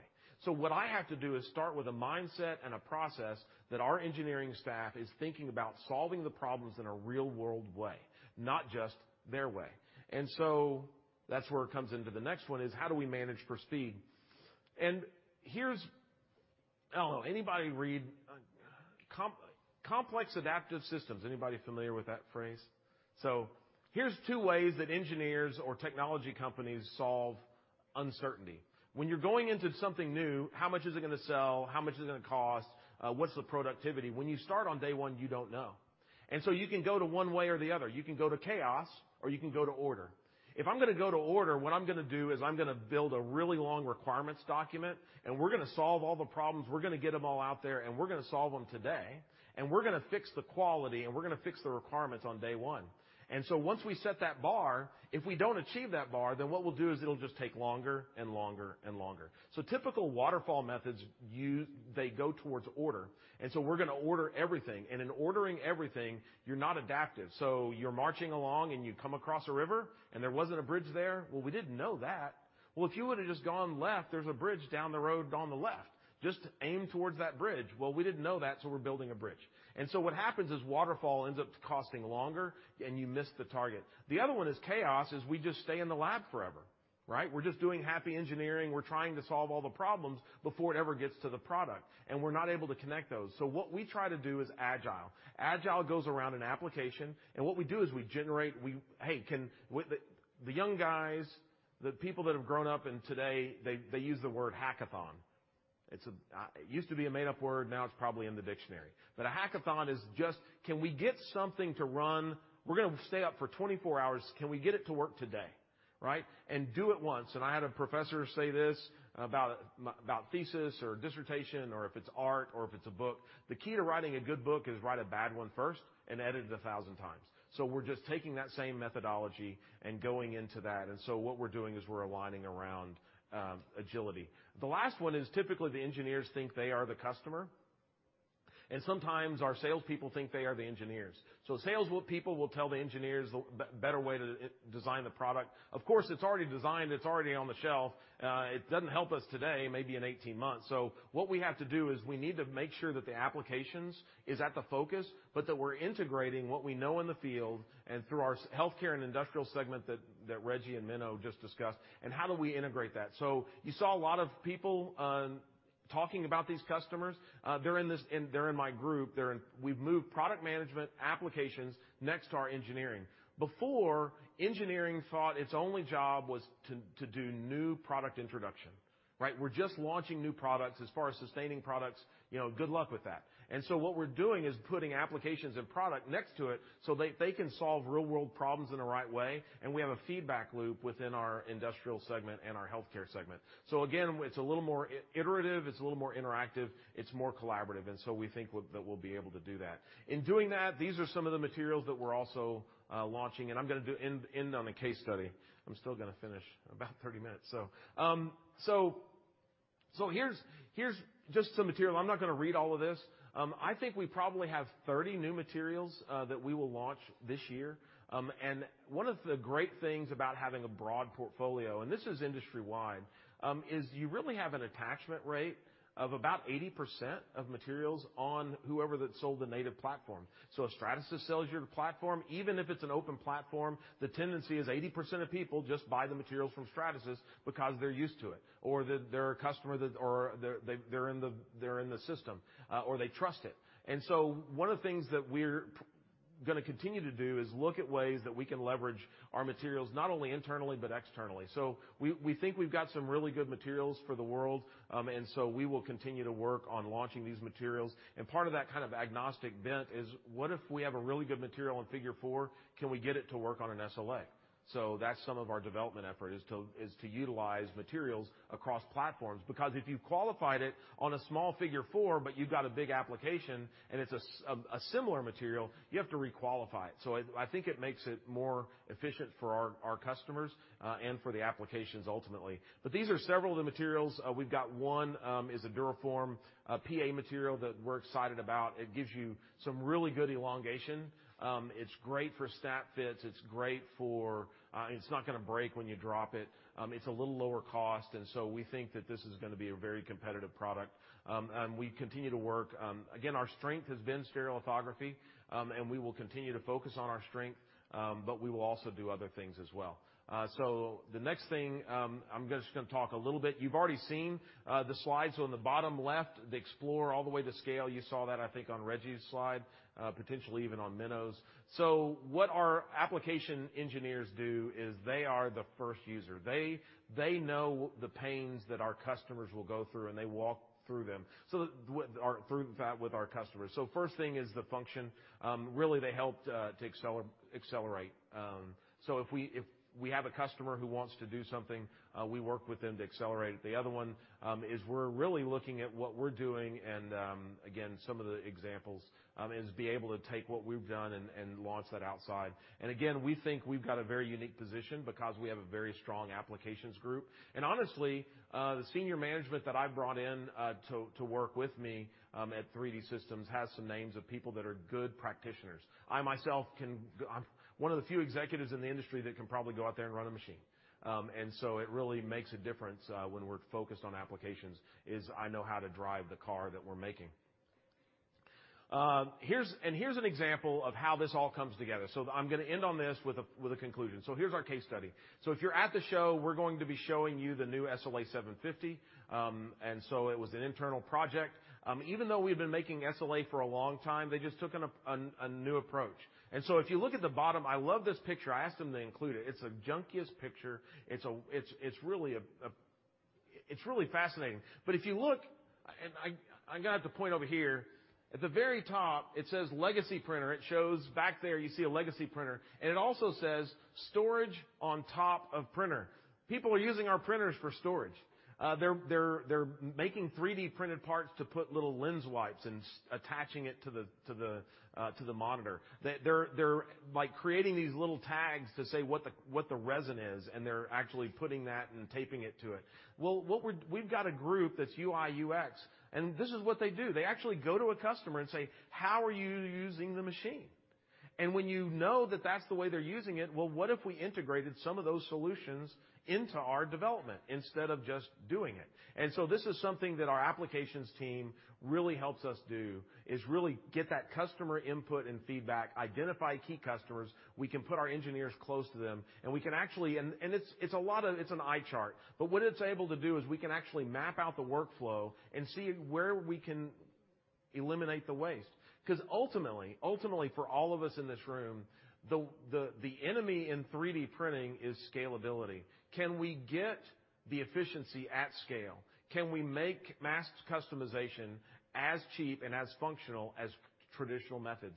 What I have to do is start with a mindset and a process that our engineering staff is thinking about solving the problems in a real-world way, not just their way. That's where it comes into the next one, is how do we manage for speed? Here's. I don't know. Anybody read complex adaptive systems? Anybody familiar with that phrase? Here's two ways that engineers or technology companies solve uncertainty. When you're going into something new, how much is it gonna sell? How much is it gonna cost? What's the productivity? When you start on day one, you don't know. You can go to one way or the other. You can go to chaos, or you can go to order. If I'm gonna go to order, what I'm gonna do is I'm gonna build a really long requirements document, and we're gonna solve all the problems. We're gonna get them all out there, and we're gonna solve them today, and we're gonna fix the quality, and we're gonna fix the requirements on day one. Once we set that bar, if we don't achieve that bar, then what we'll do is it'll just take longer and longer and longer. Typical waterfall methods use, they go towards order, and so we're gonna order everything. In ordering everything, you're not adaptive. You're marching along, and you come across a river, and there wasn't a bridge there. Well, we didn't know that. Well, if you would've just gone left, there's a bridge down the road on the left. Just aim towards that bridge. Well, we didn't know that, so we're building a bridge. What happens is waterfall ends up costing longer, and you miss the target. The other one is chaos, we just stay in the lab forever, right? We're just doing happy engineering. We're trying to solve all the problems before it ever gets to the product, and we're not able to connect those. What we try to do is agile. Agile goes around an application, and what we do is we generate with the young guys, the people that have grown up in today, they use the word hackathon. It used to be a made-up word, now it's probably in the dictionary. A hackathon is just, can we get something to run? We're gonna stay up for 24 hours. Can we get it to work today, right? Do it once. I had a professor say this about thesis or dissertation or if it's art or if it's a book. The key to writing a good book is write a bad one first and edit it 1,000 times. We're just taking that same methodology and going into that, and what we're doing is we're aligning around agility. The last one is typically the engineers think they are the customer, and sometimes our salespeople think they are the engineers. Salespeople will tell the engineers the better way to design the product. Of course, it's already designed, it's already on the shelf. It doesn't help us today, maybe in 18 months. What we have to do is we need to make sure that the applications is at the focus, but that we're integrating what we know in the field and through our healthcare and industrial segment that Reji and Menno just discussed, and how do we integrate that? You saw a lot of people talking about these customers. They're in my group. We've moved product management applications next to our engineering. Before, engineering thought its only job was to do new product introduction, right? We're just launching new products as far as sustaining products, you know, good luck with that. What we're doing is putting applications and product next to it so they can solve real-world problems in the right way. We have a feedback loop within our industrial segment and our healthcare segment. Again, it's a little more iterative, it's a little more interactive, it's more collaborative, and we think we'll be able to do that. In doing that, these are some of the materials that we're also launching, and I'm gonna end on a case study. I'm still gonna finish. About 30 minutes, so. Here's just some material. I'm not gonna read all of this. I think we probably have 30 new materials that we will launch this year. One of the great things about having a broad portfolio, and this is industry-wide, is you really have an attachment rate of about 80% of materials on whichever that sold the native platform. If Stratasys sells your platform, even if it's an open platform, the tendency is 80% of people just buy the materials from Stratasys because they're used to it. They're a customer or they're in the system or they trust it. One of the things that we're going to continue to do is look at ways that we can leverage our materials, not only internally but externally. We think we've got some really good materials for the world. We will continue to work on launching these materials. Part of that kind of agnostic bent is what if we have a really good material in Figure 4, can we get it to work on an SLA. That's some of our development effort, is to utilize materials across platforms. Because if you qualified it on a small Figure 4, but you've got a big application, and it's a similar material, you have to requalify it. I think it makes it more efficient for our customers and for the applications ultimately. These are several of the materials. We've got one is a DuraForm PA material that we're excited about. It gives you some really good elongation. It's great for snap fits. It's not gonna break when you drop it. It's a little lower cost, and so we think that this is gonna be a very competitive product. We continue to work. Again, our strength has been stereolithography, and we will continue to focus on our strength, but we will also do other things as well. The next thing, I'm just gonna talk a little bit. You've already seen the slides on the bottom left, the Explore all the way to Scale. You saw that, I think, on Reji's slide, potentially even on Menno's. What our application engineers do is they are the first user. They know the pains that our customers will go through, and they walk through them with or through that with our customers. First thing is the function. Really they helped to accelerate. If we have a customer who wants to do something, we work with them to accelerate. The other one is we're really looking at what we're doing, and again, some of the examples is be able to take what we've done and launch that outside. We think we've got a very unique position because we have a very strong applications group. Honestly, the senior management that I brought in to work with me at 3D Systems has some names of people that are good practitioners. I myself can—I'm one of the few executives in the industry that can probably go out there and run a machine. It really makes a difference when we're focused on applications, is I know how to drive the car that we're making. Here's an example of how this all comes together. I'm gonna end on this with a conclusion. Here's our case study. If you're at the show, we're going to be showing you the new SLA 750. It was an internal project. Even though we've been making SLA for a long time, they just took a new approach. If you look at the bottom, I love this picture. I asked them to include it. It's the junkiest picture. It's really fascinating. But if you look, I got the point over here. At the very top, it says legacy printer. It shows back there, you see a legacy printer. It also says, storage on top of printer. People are using our printers for storage. They're making 3D printed parts to put little lens wipes and attaching it to the monitor. They're like creating these little tags to say what the resin is, and they're actually putting that and taping it to it. We've got a group that's UI/UX, and this is what they do. They actually go to a customer and say, "How are you using the machine?" When you know that that's the way they're using it, well, what if we integrated some of those solutions into our development instead of just doing it? This is something that our applications team really helps us do, is really get that customer input and feedback, identify key customers. We can put our engineers close to them. It's an eye chart. What it's able to do is we can actually map out the workflow and see where we can eliminate the waste. 'Cause ultimately for all of us in this room, the enemy in 3D printing is scalability. Can we get the efficiency at scale? Can we make mass customization as cheap and as functional as traditional methods?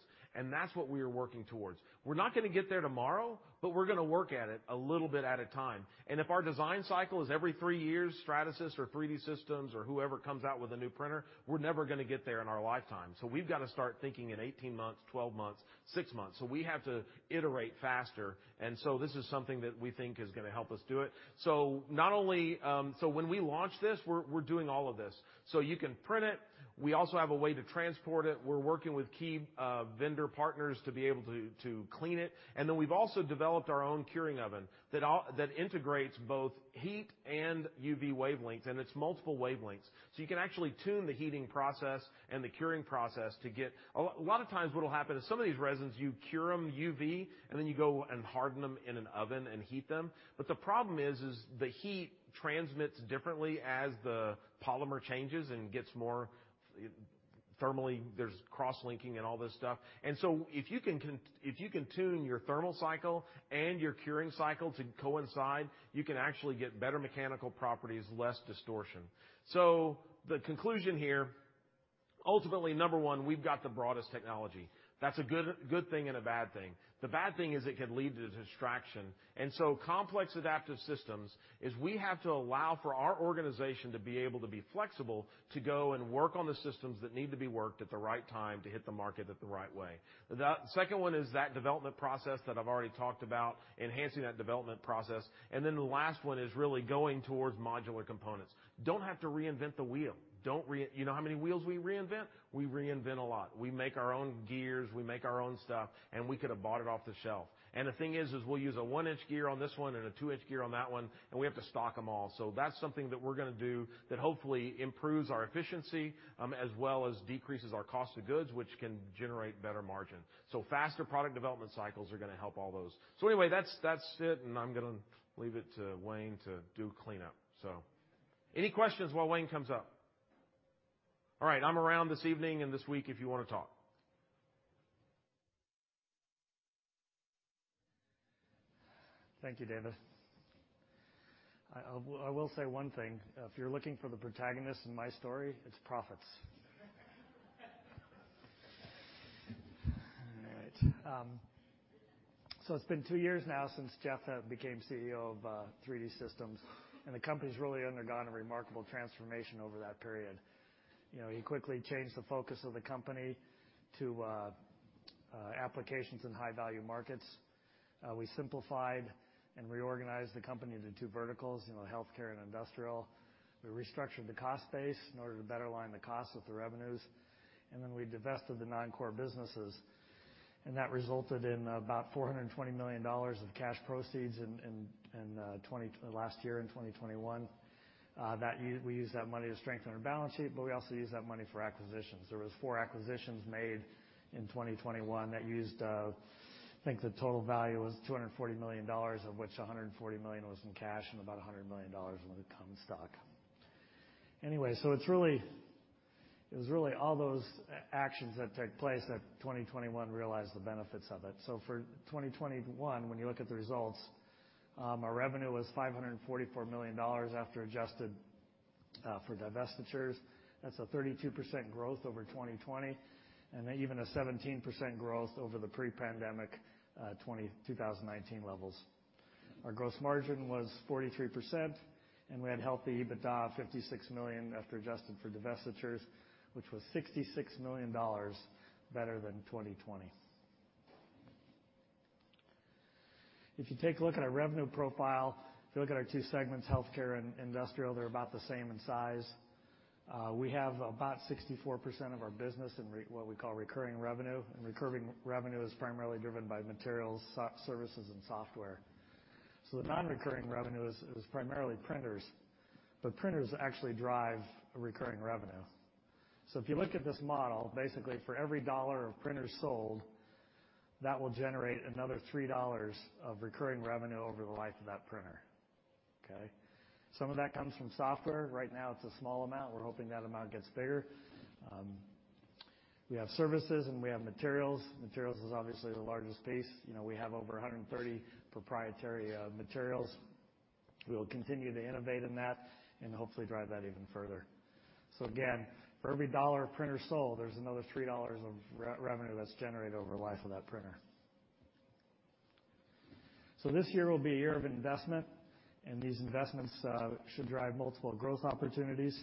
That's what we are working towards. We're not gonna get there tomorrow, but we're gonna work at it a little bit at a time. If our design cycle is every three years, Stratasys or 3D Systems or whoever comes out with a new printer, we're never gonna get there in our lifetime. We've got to start thinking in 18 months, 12 months, six months. We have to iterate faster. This is something that we think is gonna help us do it. When we launch this, we're doing all of this. You can print it. We also have a way to transport it. We're working with key vendor partners to be able to clean it. We've also developed our own curing oven that integrates both heat and UV wavelengths, and it's multiple wavelengths. You can actually tune the heating process and the curing process to get a lot of times what will happen is some of these resins, you cure them UV, and then you go and harden them in an oven and heat them. The problem is the heat transmits differently as the polymer changes and gets more thermally. There's cross-linking and all this stuff. If you can tune your thermal cycle and your curing cycle to coincide, you can actually get better mechanical properties, less distortion. The conclusion here, ultimately, number one, we've got the broadest technology. That's a good thing and a bad thing. The bad thing is it can lead to distraction. Complex adaptive systems is we have to allow for our organization to be able to be flexible, to go and work on the systems that need to be worked at the right time to hit the market at the right way. The second one is that development process that I've already talked about, enhancing that development process. The last one is really going towards modular components. Don't have to reinvent the wheel. You know how many wheels we reinvent? We reinvent a lot. We make our own gears, we make our own stuff, and we could have bought it off the shelf. The thing is we'll use a 1-inch gear on this one and a 2-inch gear on that one, and we have to stock them all. That's something that we're gonna do that hopefully improves our efficiency, as well as decreases our cost of goods, which can generate better margin. Faster product development cycles are gonna help all those. Anyway, that's it, and I'm gonna leave it to Wayne to do cleanup. Any questions while Wayne comes up? All right. I'm around this evening and this week if you wanna talk. Thank you, David. I will say one thing. If you're looking for the protagonist in my story, it's profits. All right. It's been two years now since Jeff became CEO of 3D Systems, and the company's really undergone a remarkable transformation over that period. You know, he quickly changed the focus of the company to applications in high-value markets. We simplified and reorganized the company into two verticals, you know, healthcare and industrial. We restructured the cost base in order to better align the costs with the revenues, and then we divested the non-core businesses, and that resulted in about $420 million of cash proceeds last year in 2021. We used that money to strengthen our balance sheet, but we also used that money for acquisitions. There were four acquisitions made in 2021 that used, I think, the total value was $240 million, of which $140 million was in cash and about $100 million of it came in stock. Anyway, it was really all those actions that took place in 2021 realized the benefits of it. For 2021, when you look at the results, our revenue was $544 million after adjusted for divestitures. That's a 32% growth over 2020, and even a 17% growth over the pre-pandemic 2019 levels. Our gross margin was 43%, and we had healthy EBITDA of $56 million after adjusting for divestitures, which was $66 million better than 2020. If you take a look at our revenue profile, if you look at our two segments, healthcare and industrial, they're about the same in size. We have about 64% of our business in what we call recurring revenue. Recurring revenue is primarily driven by materials, services, and software. The non-recurring revenue is primarily printers, but printers actually drive recurring revenue. If you look at this model, basically for every $1 of printer sold, that will generate another $3 of recurring revenue over the life of that printer, okay? Some of that comes from software. Right now it's a small amount. We're hoping that amount gets bigger. We have services and we have materials. Materials is obviously the largest piece. You know, we have over 130 proprietary materials. We will continue to innovate in that and hopefully drive that even further. Again, for every $1 of printer sold, there's another $3 of revenue that's generated over the life of that printer. This year will be a year of investment, and these investments should drive multiple growth opportunities.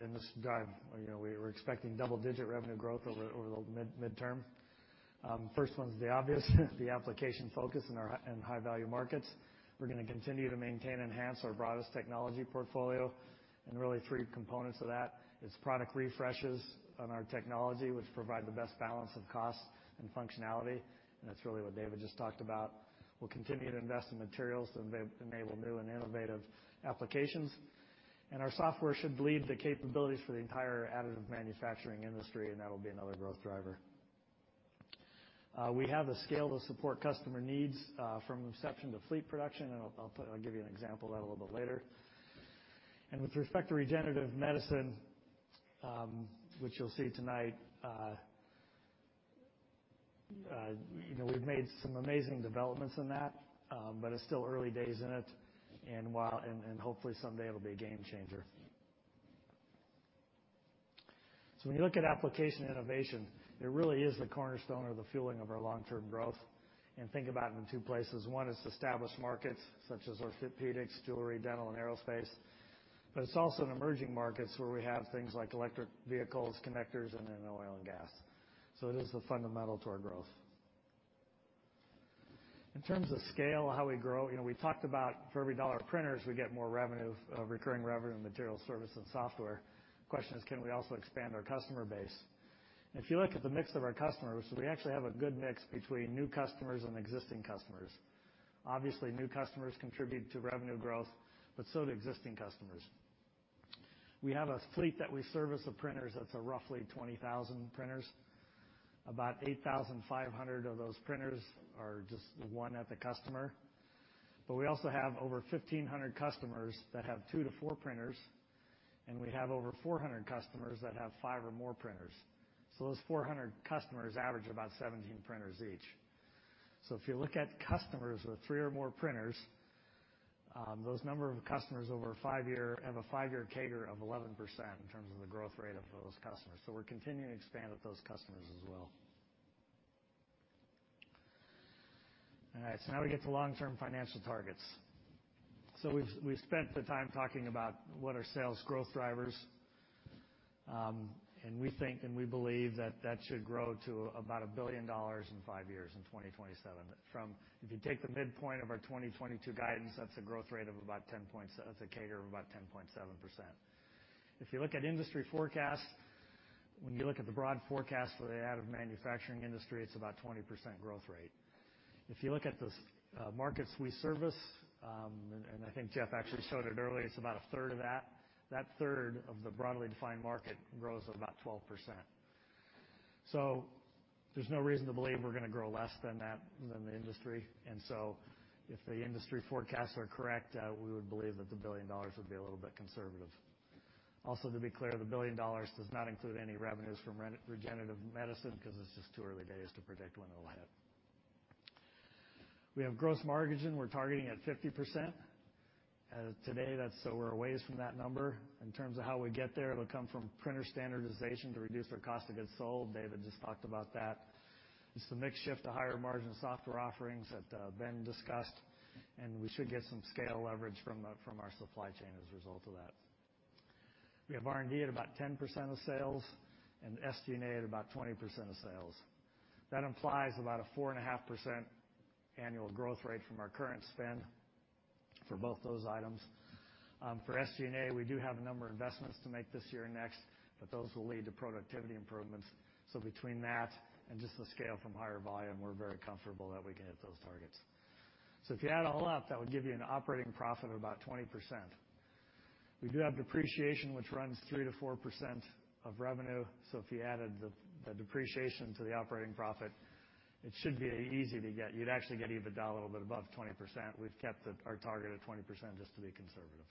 This drive, you know, we're expecting double-digit revenue growth over the midterm. First one's the obvious, the application focus in our high-value markets. We're gonna continue to maintain and enhance our broadest technology portfolio. Really three components of that is product refreshes on our technology, which provide the best balance of cost and functionality, and that's really what David just talked about. We'll continue to invest in materials to enable new and innovative applications. Our software should lead the capabilities for the entire additive manufacturing industry, and that'll be another growth driver. We have the scale to support customer needs, from inception to fleet production, and I'll give you an example of that a little bit later. With respect to regenerative medicine, which you'll see tonight, you know, we've made some amazing developments in that, but it's still early days in it, and hopefully someday it'll be a game changer. When you look at application innovation, it really is the cornerstone or the fueling of our long-term growth. Think about it in two places. One is established markets such as orthopedics, jewelry, dental, and aerospace, but it's also in emerging markets where we have things like electric vehicles, connectors, and in oil and gas. It is fundamental to our growth. In terms of scale, how we grow, you know, we talked about for every dollar of printers, we get more revenue, recurring revenue in materials, service, and software. The question is, can we also expand our customer base? If you look at the mix of our customers, we actually have a good mix between new customers and existing customers. Obviously, new customers contribute to revenue growth, but so do existing customers. We have a fleet that we service of printers that's roughly 20,000 printers. About 8,500 of those printers are just one at the customer. We also have over 1,500 customers that have 2-4 printers, and we have over 400 customers that have 5 or more printers. Those 400 customers average about 17 printers each. If you look at customers with 3 or more printers, the number of customers over a five year have a five year CAGR of 11% in terms of the growth rate of those customers. We're continuing to expand with those customers as well. All right. Now we get to long-term financial targets. We've spent the time talking about what are sales growth drivers, and we think, and we believe that that should grow to about $1 billion in five years in 2027. From. If you take the midpoint of our 2022 guidance, that's a growth rate of about 10.7%. If you look at industry forecasts, when you look at the broad forecast for the additive manufacturing industry, it's about 20% growth rate. If you look at the markets we service, I think Jeff actually showed it earlier, it's about a third of that. That third of the broadly defined market grows at about 12%. There's no reason to believe we're gonna grow less than that than the industry. If the industry forecasts are correct, we would believe that the $1 billion would be a little bit conservative. Also, to be clear, the $1 billion does not include any revenues from regenerative medicine 'cause it's just too early days to predict when it'll hit. We have gross margin we're targeting at 50%. As of today, that's so we're a ways from that number. In terms of how we get there, it'll come from printer standardization to reduce our cost of goods sold. David just talked about that. It's the mix shift to higher margin software offerings that Ben discussed, and we should get some scale leverage from our supply chain as a result of that. We have R&D at about 10% of sales and SG&A at about 20% of sales. That implies about a 4.5% annual growth rate from our current spend for both those items. For SG&A, we do have a number of investments to make this year and next, but those will lead to productivity improvements. Between that and just the scale from higher volume, we're very comfortable that we can hit those targets. If you add all up, that would give you an operating profit of about 20%. We do have depreciation, which runs 3%-4% of revenue. If you added the depreciation to the operating profit, it should be easy to get. You'd actually get EBITDA a little bit above 20%. We've kept it, our target at 20% just to be conservative.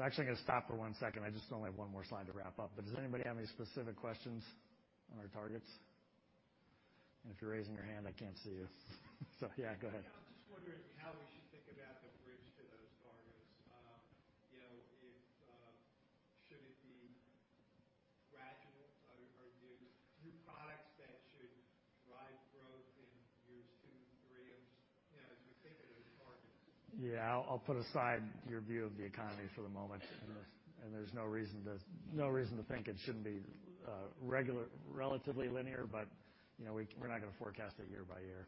Actually, I'm gonna stop for 1 second. I just only have 1 more slide to wrap up. Does anybody have any specific questions on our targets? If you're raising your hand, I can't see you. Yeah, go ahead. I was just wondering how we should think about the bridge to those targets. You know, if should it be gradual? Are there new products that should drive growth in years two, three? I'm just, you know, as we think of those targets. Yeah. I'll put aside your view of the economy for the moment. There's no reason to think it shouldn't be relatively linear, but, you know, we're not gonna forecast it year by year.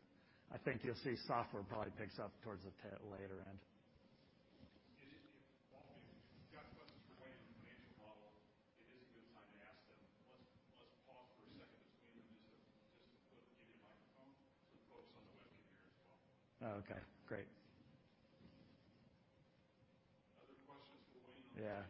I think you'll see software probably picks up towards the later end. If you've got questions for Wayne on the financial model, it is a good time to ask them. Let's pause for a second as Wayne just give you a microphone so the folks on the web can hear as well. Oh, okay. Great. Other questions for Wayne on the financial model? Yeah.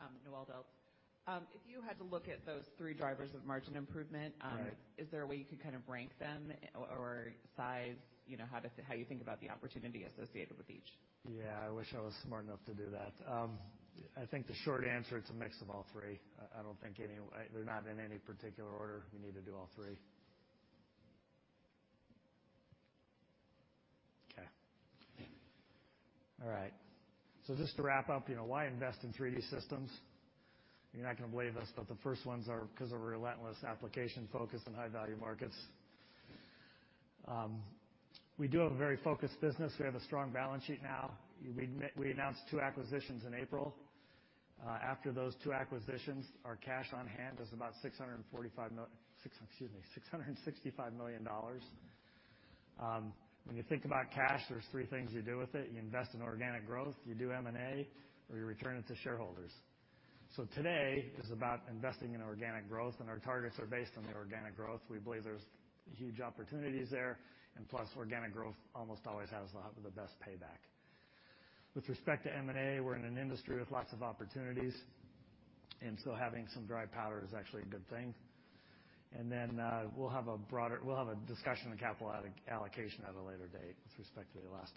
Sure. Hi. Noelle Delp. If you had to look at those three drivers of margin improvement. Right. Is there a way you could kind of rank them or size, you know, how you think about the opportunity associated with each? Yeah. I wish I was smart enough to do that. I think the short answer, it's a mix of all three. I don't think any. They're not in any particular order. We need to do all three. Okay. All right. Just to wrap up, you know, why invest in 3D Systems? You're not gonna believe this, but the first ones are 'cause of relentless application focus in high-value markets. We do have a very focused business. We have a strong balance sheet now. We announced two acquisitions in April. After those two acquisitions, our cash on hand is about $665 million. When you think about cash, there's three things you do with it. You invest in organic growth, you do M&A, or you return it to shareholders. Today is about investing in organic growth, and our targets are based on the organic growth. We believe there's huge opportunities there, and plus, organic growth almost always has the best payback. With respect to M&A, we're in an industry with lots of opportunities, and so having some dry powder is actually a good thing. Then, we'll have a discussion on capital allocation at a later date with respect to the last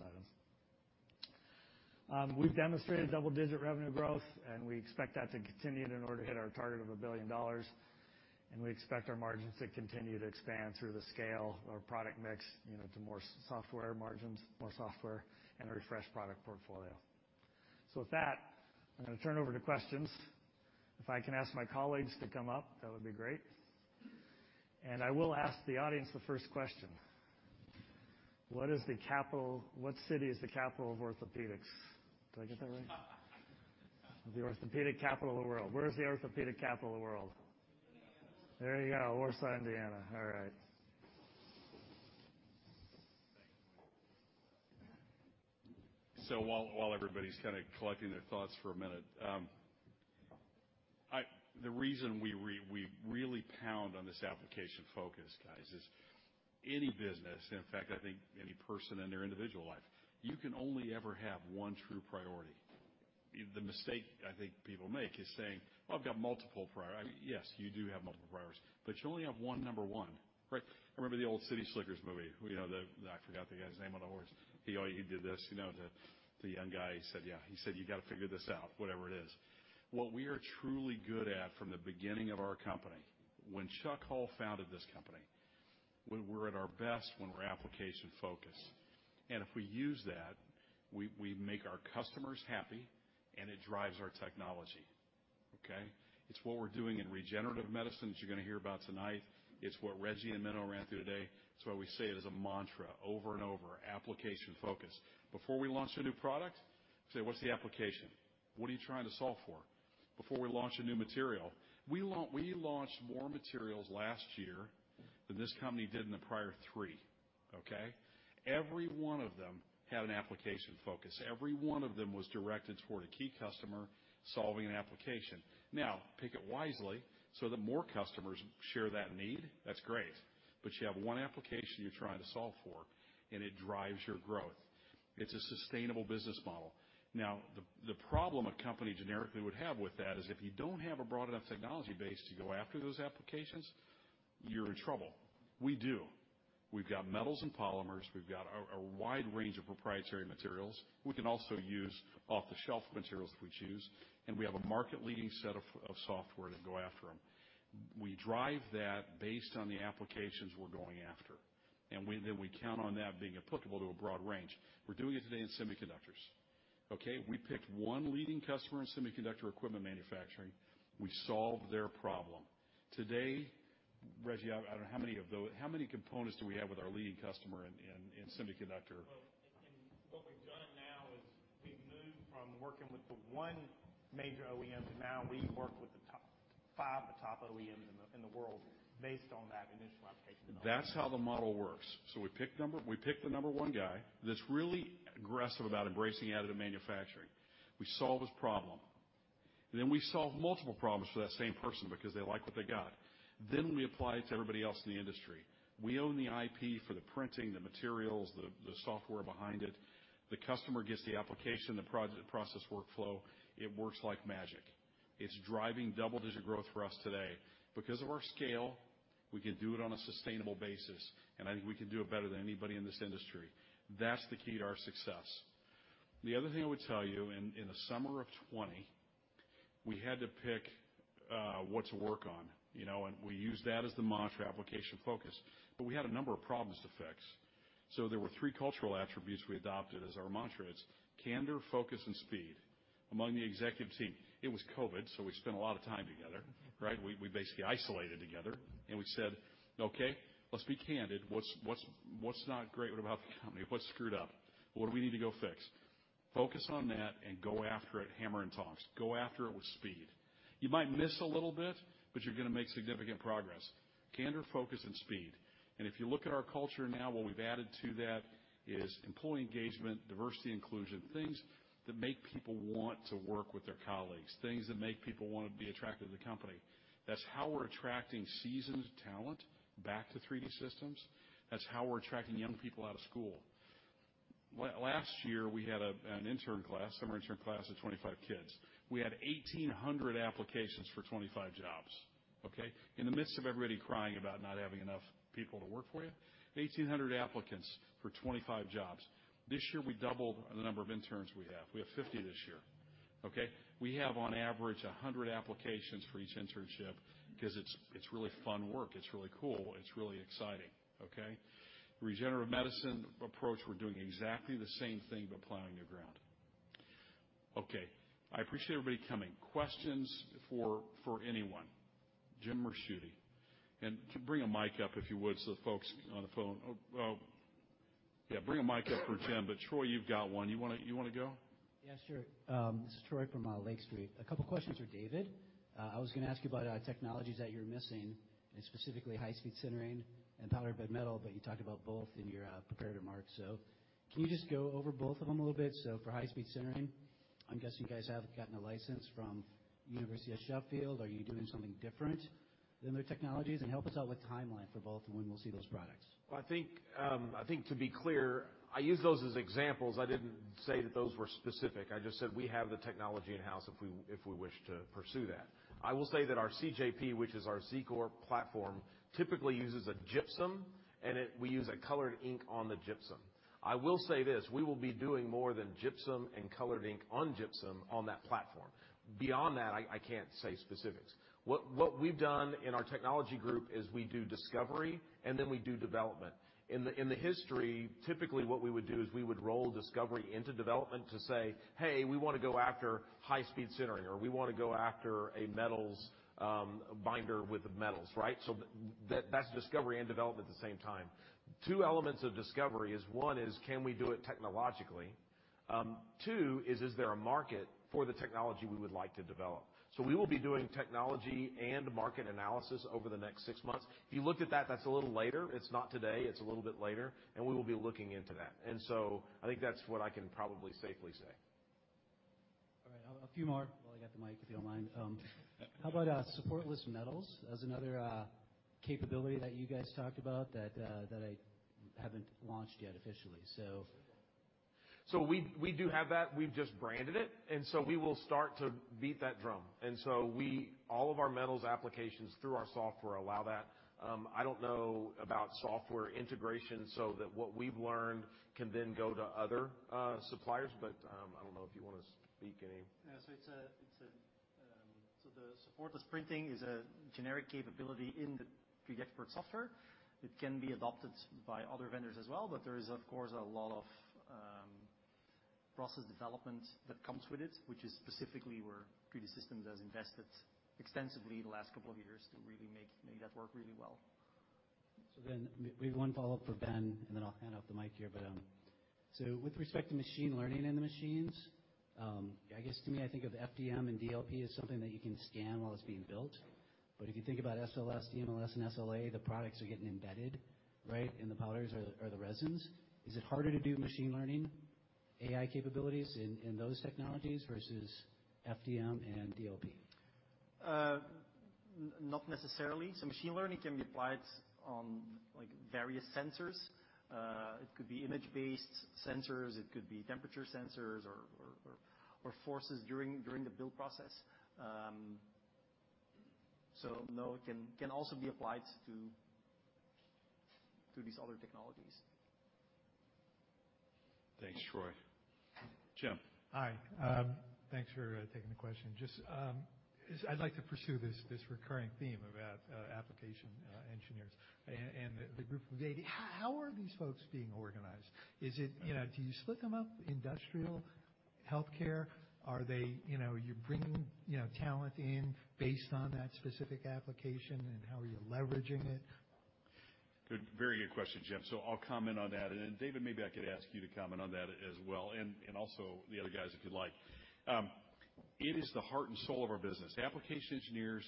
item. We've demonstrated double-digit revenue growth, and we expect that to continue in order to hit our target of $1 billion, and we expect our margins to continue to expand through the scale or product mix, you know, to more software margins, more software and a refreshed product portfolio. With that, I'm gonna turn over to questions. If I can ask my colleagues to come up, that would be great. I will ask the audience the first question. What city is the capital of orthopedics? Did I get that right? The orthopedic capital of the world. Where is the orthopedic capital of the world? Indiana. There you go. Warsaw, Indiana. All right. Thanks, Wayne. While everybody's kinda collecting their thoughts for a minute, the reason we really pound on this application focus, guys, is any business, in fact, I think any person in their individual life, you can only ever have one true priority. The mistake I think people make is saying, "I've got multiple priorities." Yes, you do have multiple priorities, but you only have one number one, right? Remember the old City Slickers movie, you know, I forgot the guy's name on the horse. He, like, he did this, you know, the young guy said, "Yeah." He said, "You gotta figure this out," whatever it is. What we are truly good at from the beginning of our company, when Chuck Hull founded this company, we were at our best when we're application-focused. If we use that, we make our customers happy, and it drives our technology. Okay? It's what we're doing in regenerative medicine that you're gonna hear about tonight. It's what Reji and Menno ran through today. It's why we say it as a mantra over and over, application focus. Before we launch a new product, say, "What's the application? What are you trying to solve for?" Before we launch a new material. We launched more materials last year than this company did in the prior three. Okay? Every one of them had an application focus. Every one of them was directed toward a key customer solving an application. Now, pick it wisely, so that more customers share that need. That's great. You have one application you're trying to solve for, and it drives your growth. It's a sustainable business model. Now, the problem a company generically would have with that is if you don't have a broad enough technology base to go after those applications, you're in trouble. We do. We've got metals and polymers. We've got a wide range of proprietary materials. We can also use off-the-shelf materials if we choose, and we have a market-leading set of software to go after them. We drive that based on the applications we're going after, and we count on that being applicable to a broad range. We're doing it today in semiconductors, okay? We picked one leading customer in semiconductor equipment manufacturing. We solved their problem. Today, Reji, I don't know how many components we have with our leading customer in semiconductor? Well, what we've done now is we've moved from working with the one major OEM to now we work with the top five OEMs in the world based on that initial application development. That's how the model works. We pick the number one guy that's really aggressive about embracing additive manufacturing. We solve his problem, and then we solve multiple problems for that same person because they like what they got. Then we apply it to everybody else in the industry. We own the IP for the printing, the materials, the software behind it. The customer gets the application, the process workflow. It works like magic. It's driving double-digit growth for us today. Because of our scale, we can do it on a sustainable basis, and I think we can do it better than anybody in this industry. That's the key to our success. The other thing I would tell you, in the summer of 2020, we had to pick what to work on, you know? We used that as the mantra, application focus. We had a number of problems to fix, so there were three cultural attributes we adopted as our mantra. It's candor, focus, and speed among the executive team. It was COVID, so we spent a lot of time together, right? We basically isolated together, and we said, "Okay, let's be candid. What's not great about the company? What's screwed up? What do we need to go fix? Focus on that and go after it, hammer and tongs. Go after it with speed. You might miss a little bit, but you're gonna make significant progress." Candor, focus, and speed. If you look at our culture now, what we've added to that is employee engagement, diversity inclusion, things that make people want to work with their colleagues, things that make people wanna be attracted to the company. That's how we're attracting seasoned talent back to 3D Systems. That's how we're attracting young people out of school. Last year, we had an intern class, summer intern class of 25 kids. We had 1,800 applications for 25 jobs, okay? In the midst of everybody crying about not having enough people to work for you, 1,800 applicants for 25 jobs. This year, we doubled the number of interns we have. We have 50 this year, okay? We have on average 100 applications for each internship 'cause it's really fun work. It's really cool, and it's really exciting, okay? Regenerative medicine approach, we're doing exactly the same thing but plowing new ground. Okay, I appreciate everybody coming. Questions for anyone. Jim Ricciuti. Bring a mic up, if you would, so the folks on the phone. Oh, yeah, bring a mic up for Jim, but Troy, you've got one. You wanna go? Yeah, sure. This is Troy from Lake Street Capital Markets. A couple questions for David. I was gonna ask you about technologies that you're missing, and specifically high-speed sintering and powder bed metal, but you talked about both in your prepared remarks. Can you just go over both of them a little bit? For high-speed sintering, I'm guessing you guys haven't gotten a license from University of Sheffield. Are you doing something different than their technologies? Help us out with timeline for both and when we'll see those products. I think to be clear, I use those as examples. I didn't say that those were specific. I just said we have the technology in-house if we wish to pursue that. I will say that our CJP, which is our Z Corp platform, typically uses a gypsum, and we use a colored ink on the gypsum. I will say this, we will be doing more than gypsum and colored ink on gypsum on that platform. Beyond that, I can't say specifics. What we've done in our technology group is we do discovery, and then we do development. In the history, typically what we would do is we would roll discovery into development to say, "Hey, we wanna go after high-speed sintering," or, "We wanna go after a metals binder with the metals," right? That's discovery and development at the same time. Two elements of discovery is, one is, can we do it technologically? Two is there a market for the technology we would like to develop? We will be doing technology and market analysis over the next six months. If you looked at that's a little later. It's not today. It's a little bit later, and we will be looking into that. I think that's what I can probably safely say. All right, a few more while I got the mic, if you don't mind. How about supportless metals as another capability that you guys talked about that I haven't launched yet officially, so. We do have that. We've just branded it, and so we will start to beat that drum. All of our metals applications through our software allow that. I don't know about software integration so that what we've learned can then go to other suppliers. I don't know if you wanna speak, Guillaume. The supportless printing is a generic capability in the 3DXpert software. It can be adopted by other vendors as well, but there is, of course, a lot of process development that comes with it, which is specifically where 3D Systems has invested extensively in the last couple of years to really make that work really well. We have one follow-up for Ben, and then I'll hand off the mic here. With respect to machine learning in the machines, I guess to me, I think of FDM and DLP as something that you can scan while it's being built. If you think about SLS, DMLS, and SLA, the products are getting embedded, right, in the powders or the resins. Is it harder to do machine learning, AI capabilities in those technologies versus FDM and DLP? Not necessarily. Machine learning can be applied on like various sensors. It could be image-based sensors, it could be temperature sensors or forces during the build process. No, it can also be applied to these other technologies. Thanks, Troy. Jim. Hi. Thanks for taking the question. Just, I'd like to pursue this recurring theme about application engineers and the group of eighty. How are these folks being organized? Is it you know, do you split them up industrial, healthcare? Are they you know, are you bringing you know, talent in based on that specific application, and how are you leveraging it? Good. Very good question, Jim. I'll comment on that. David, maybe I could ask you to comment on that as well, and also the other guys, if you'd like. It is the heart and soul of our business. Application engineers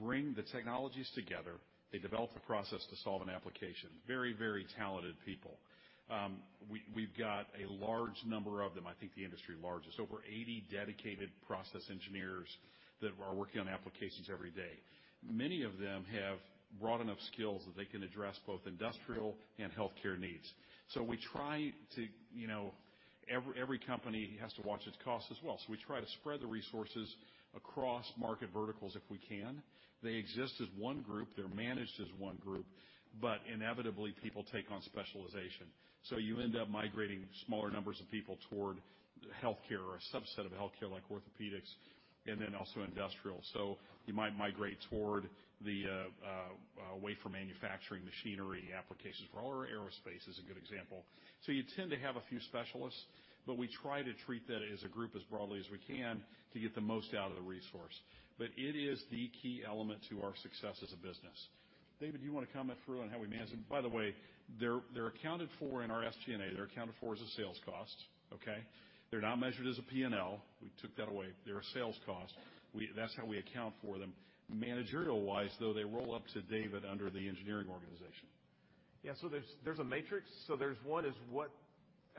bring the technologies together. They develop the process to solve an application. Very, very talented people. We've got a large number of them, I think the industry largest, over 80 dedicated process engineers that are working on applications every day. Many of them have broad enough skills that they can address both industrial and healthcare needs. We try to, you know, every company has to watch its cost as well. We try to spread the resources across market verticals if we can. They exist as one group. They're managed as one group. Inevitably, people take on specialization. You end up migrating smaller numbers of people toward healthcare or a subset of healthcare like orthopedics and then also industrial. You might migrate toward the wafer manufacturing machinery applications or aerospace is a good example. You tend to have a few specialists, but we try to treat that as a group as broadly as we can to get the most out of the resource. It is the key element to our success as a business. David, do you wanna comment further on how we manage them? By the way, they're accounted for in our SG&A. They're accounted for as a sales cost, okay? They're not measured as a P&L. We took that away. They're a sales cost. That's how we account for them. Managerial-wise, though, they roll up to David under the engineering organization. Yeah. There's a matrix. There's one is what.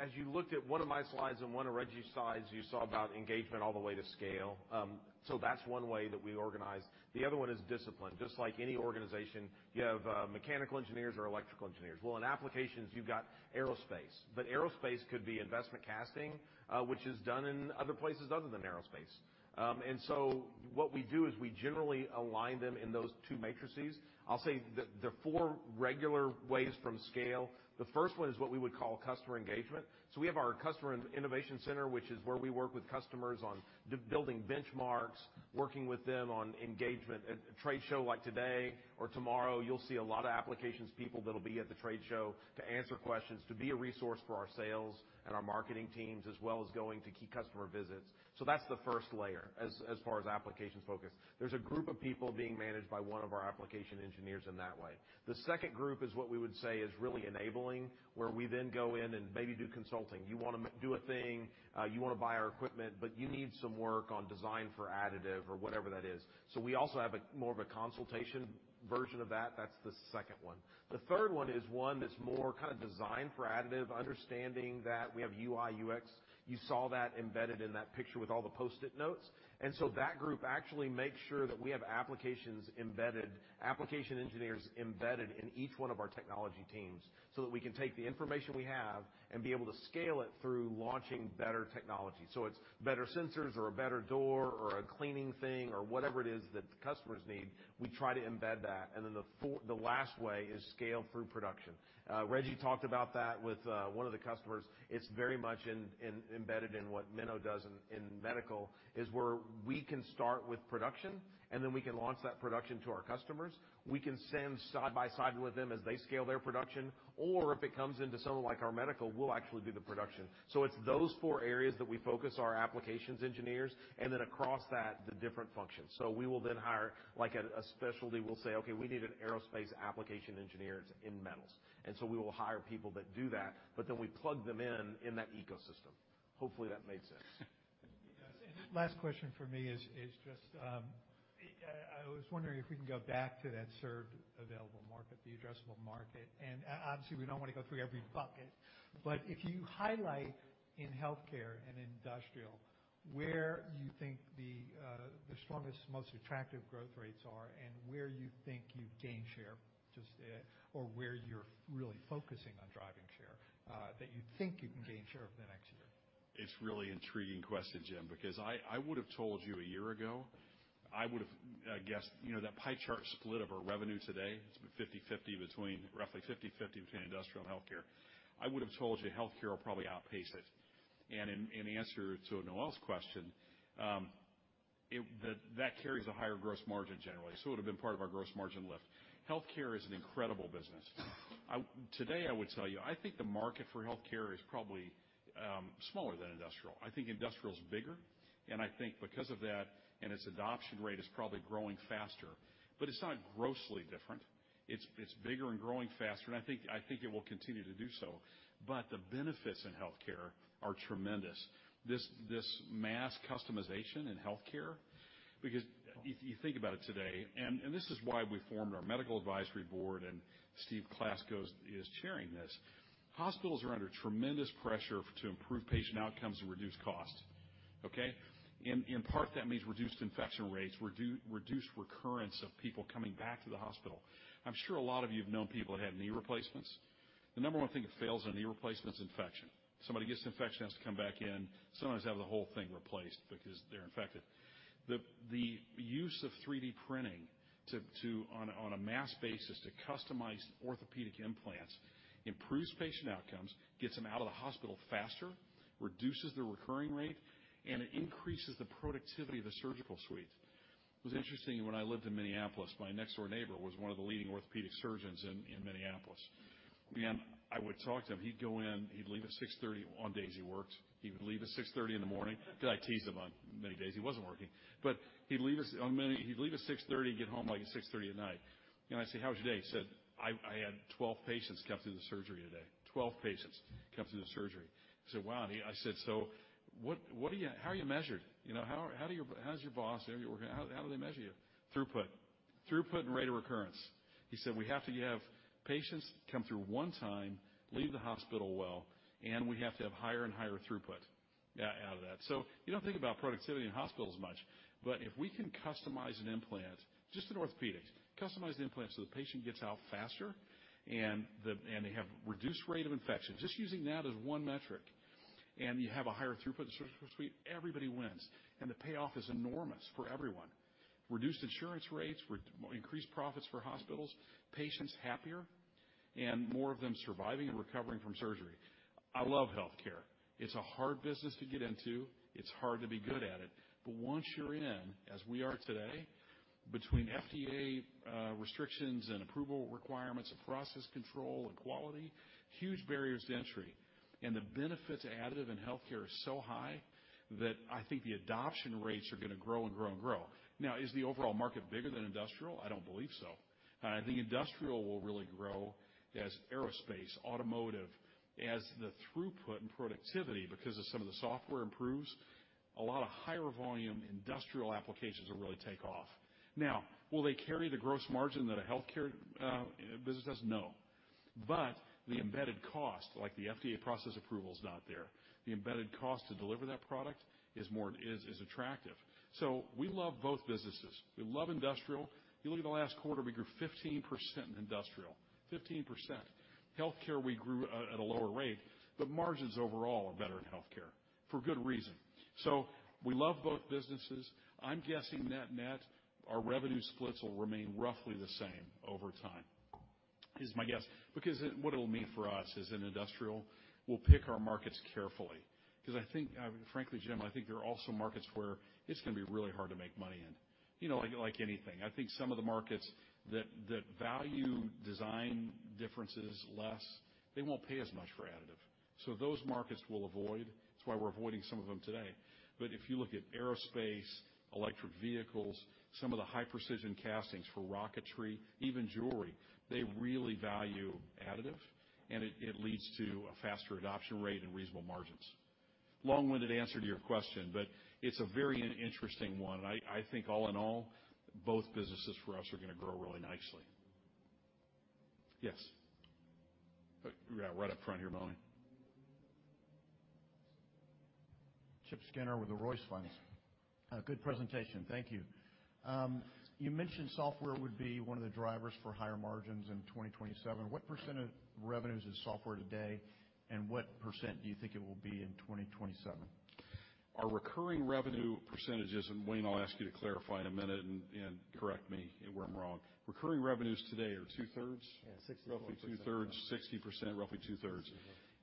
As you looked at one of my slides and one of Reji's slides, you saw about engagement all the way to scale. That's one way that we organize. The other one is discipline. Just like any organization, you have mechanical engineers or electrical engineers. Well, in applications, you've got aerospace. Aerospace could be investment casting, which is done in other places other than aerospace. What we do is we generally align them in those two matrices. I'll say the four regular ways from scale. The first one is what we would call customer engagement. We have our customer innovation center, which is where we work with customers on building benchmarks, working with them on engagement. At a trade show like today or tomorrow, you'll see a lot of applications people that'll be at the trade show to answer questions, to be a resource for our sales and our marketing teams, as well as going to key customer visits. That's the first layer as far as applications focus. There's a group of people being managed by one of our application engineers in that way. The second group is what we would say is really enabling, where we then go in and maybe do consulting. You wanna buy our equipment, but you need some work on design for additive or whatever that is. We also have a more of a consultation version of that. That's the second one. The third one is one that's more kind of designed for additive, understanding that we have UI, UX. You saw that embedded in that picture with all the Post-it notes. That group actually makes sure that we have applications embedded, application engineers embedded in each one of our technology teams, so that we can take the information we have and be able to scale it through launching better technology. It's better sensors or a better door or a cleaning thing or whatever it is that the customers need, we try to embed that. The last way is scale through production. Reji talked about that with one of the customers. It's very much embedded in what Menno does in medical, is where we can start with production, and then we can launch that production to our customers. We can stand side by side with them as they scale their production. If it comes into someone like our medical, we'll actually do the production. It's those four areas that we focus our applications engineers, and then across that, the different functions. We will then hire, like a specialty. We'll say, "Okay, we need an aerospace application engineer in metals." We will hire people that do that, but then we plug them in that ecosystem. Hopefully, that made sense. Yes. The last question for me is just I was wondering if we can go back to that serviceable addressable market, the addressable market. Obviously, we don't wanna go through every bucket. If you highlight in healthcare and industrial, where you think the strongest, most attractive growth rates are and where you think you've gained share or where you're really focusing on driving share that you can gain share over the next year. It's really an intriguing question, Jim, because I would have told you a year ago, I would've guessed. You know, that pie chart split of our revenue today, it's been roughly 50/50 between industrial and healthcare. I would have told you healthcare will probably outpace it. In answer to Noelle's question, it that carries a higher gross margin generally. It would've been part of our gross margin lift. Healthcare is an incredible business. Today, I would tell you, I think the market for healthcare is probably smaller than industrial. I think industrial is bigger, and I think because of that, and its adoption rate is probably growing faster, but it's not grossly different. It's bigger and growing faster, and I think it will continue to do so. The benefits in healthcare are tremendous. This mass customization in healthcare, because if you think about it today, and this is why we formed our medical advisory board, and Dr. Steve Klasko is chairing this. Hospitals are under tremendous pressure to improve patient outcomes and reduce costs, okay? In part, that means reduced infection rates, reduced recurrence of people coming back to the hospital. I'm sure a lot of you have known people that had knee replacements. The number one thing that fails on a knee replacement is infection. Somebody gets infection, has to come back in, sometimes have the whole thing replaced because they're infected. The use of 3D printing on a mass basis to customize orthopedic implants improves patient outcomes, gets them out of the hospital faster, reduces the recurring rate, and it increases the productivity of the surgical suite. It was interesting when I lived in Minneapolis, my next-door neighbor was one of the leading orthopedic surgeons in Minneapolis. I would talk to him. He'd go in, he'd leave at 6:30 on days he worked. He would leave at 6:30 A.M. 'cause I teased him on many days he wasn't working. He'd leave at 6:30, get home, like, at 6:30 P.M. You know, I'd say, "How was your day?" He said, "I had 12 patients come through the surgery today." I said, "Wow." I said, "So what are you-- how are you measured? You know, how do you-- how does your boss, everyone, how do they measure you?" "Throughput. Throughput and rate of recurrence." He said, "We have to have patients come through one time, leave the hospital well, and we have to have higher and higher throughput out of that." You don't think about productivity in hospitals much, but if we can customize an implant, just in orthopedics, customize the implant so the patient gets out faster and they have reduced rate of infection, just using that as one metric, and you have a higher throughput in the surgical suite, everybody wins, and the payoff is enormous for everyone. Reduced insurance rates, increased profits for hospitals, patients happier, and more of them surviving and recovering from surgery. I love healthcare. It's a hard business to get into. It's hard to be good at it. Once you're in, as we are today, between FDA restrictions and approval requirements and process control and quality, huge barriers to entry. The benefits additive in healthcare are so high that I think the adoption rates are gonna grow and grow and grow. Now, is the overall market bigger than industrial? I don't believe so. I think industrial will really grow as aerospace, automotive. As the throughput and productivity because of some of the software improves, a lot of higher volume industrial applications will really take off. Now, will they carry the gross margin that a healthcare business does? No. The embedded cost, like the FDA process approval is not there. The embedded cost to deliver that product is more is attractive. We love both businesses. We love industrial. If you look at the last quarter, we grew 15% in industrial. 15%. Healthcare, we grew at a lower rate, but margins overall are better in healthcare for good reason. We love both businesses. I'm guessing net-net, our revenue splits will remain roughly the same over time. Is my guess. Because what it'll mean for us is in industrial, we'll pick our markets carefully. 'Cause I think, frankly, Jim, I think there are also markets where it's gonna be really hard to make money in. You know, like anything. I think some of the markets that value design differences less, they won't pay as much for additive. So those markets we'll avoid. That's why we're avoiding some of them today. If you look at aerospace, electric vehicles, some of the high-precision castings for rocketry, even jewelry, they really value additive, and it leads to a faster adoption rate and reasonable margins. Long-winded answer to your question, but it's a very interesting one. I think all in all, both businesses for us are gonna grow really nicely. Yes. Yeah, right up front here, Monique. Chip Skinner with the Royce Funds. Good presentation. Thank you. You mentioned software would be one of the drivers for higher margins in 2027. What % of revenues is software today, and what % do you think it will be in 2027? Our recurring revenue percentages, and Wayne, I'll ask you to clarify in a minute and correct me if I'm wrong. Recurring revenues today are 2/3. Yeah, 60/40%. 60%, roughly two-thirds.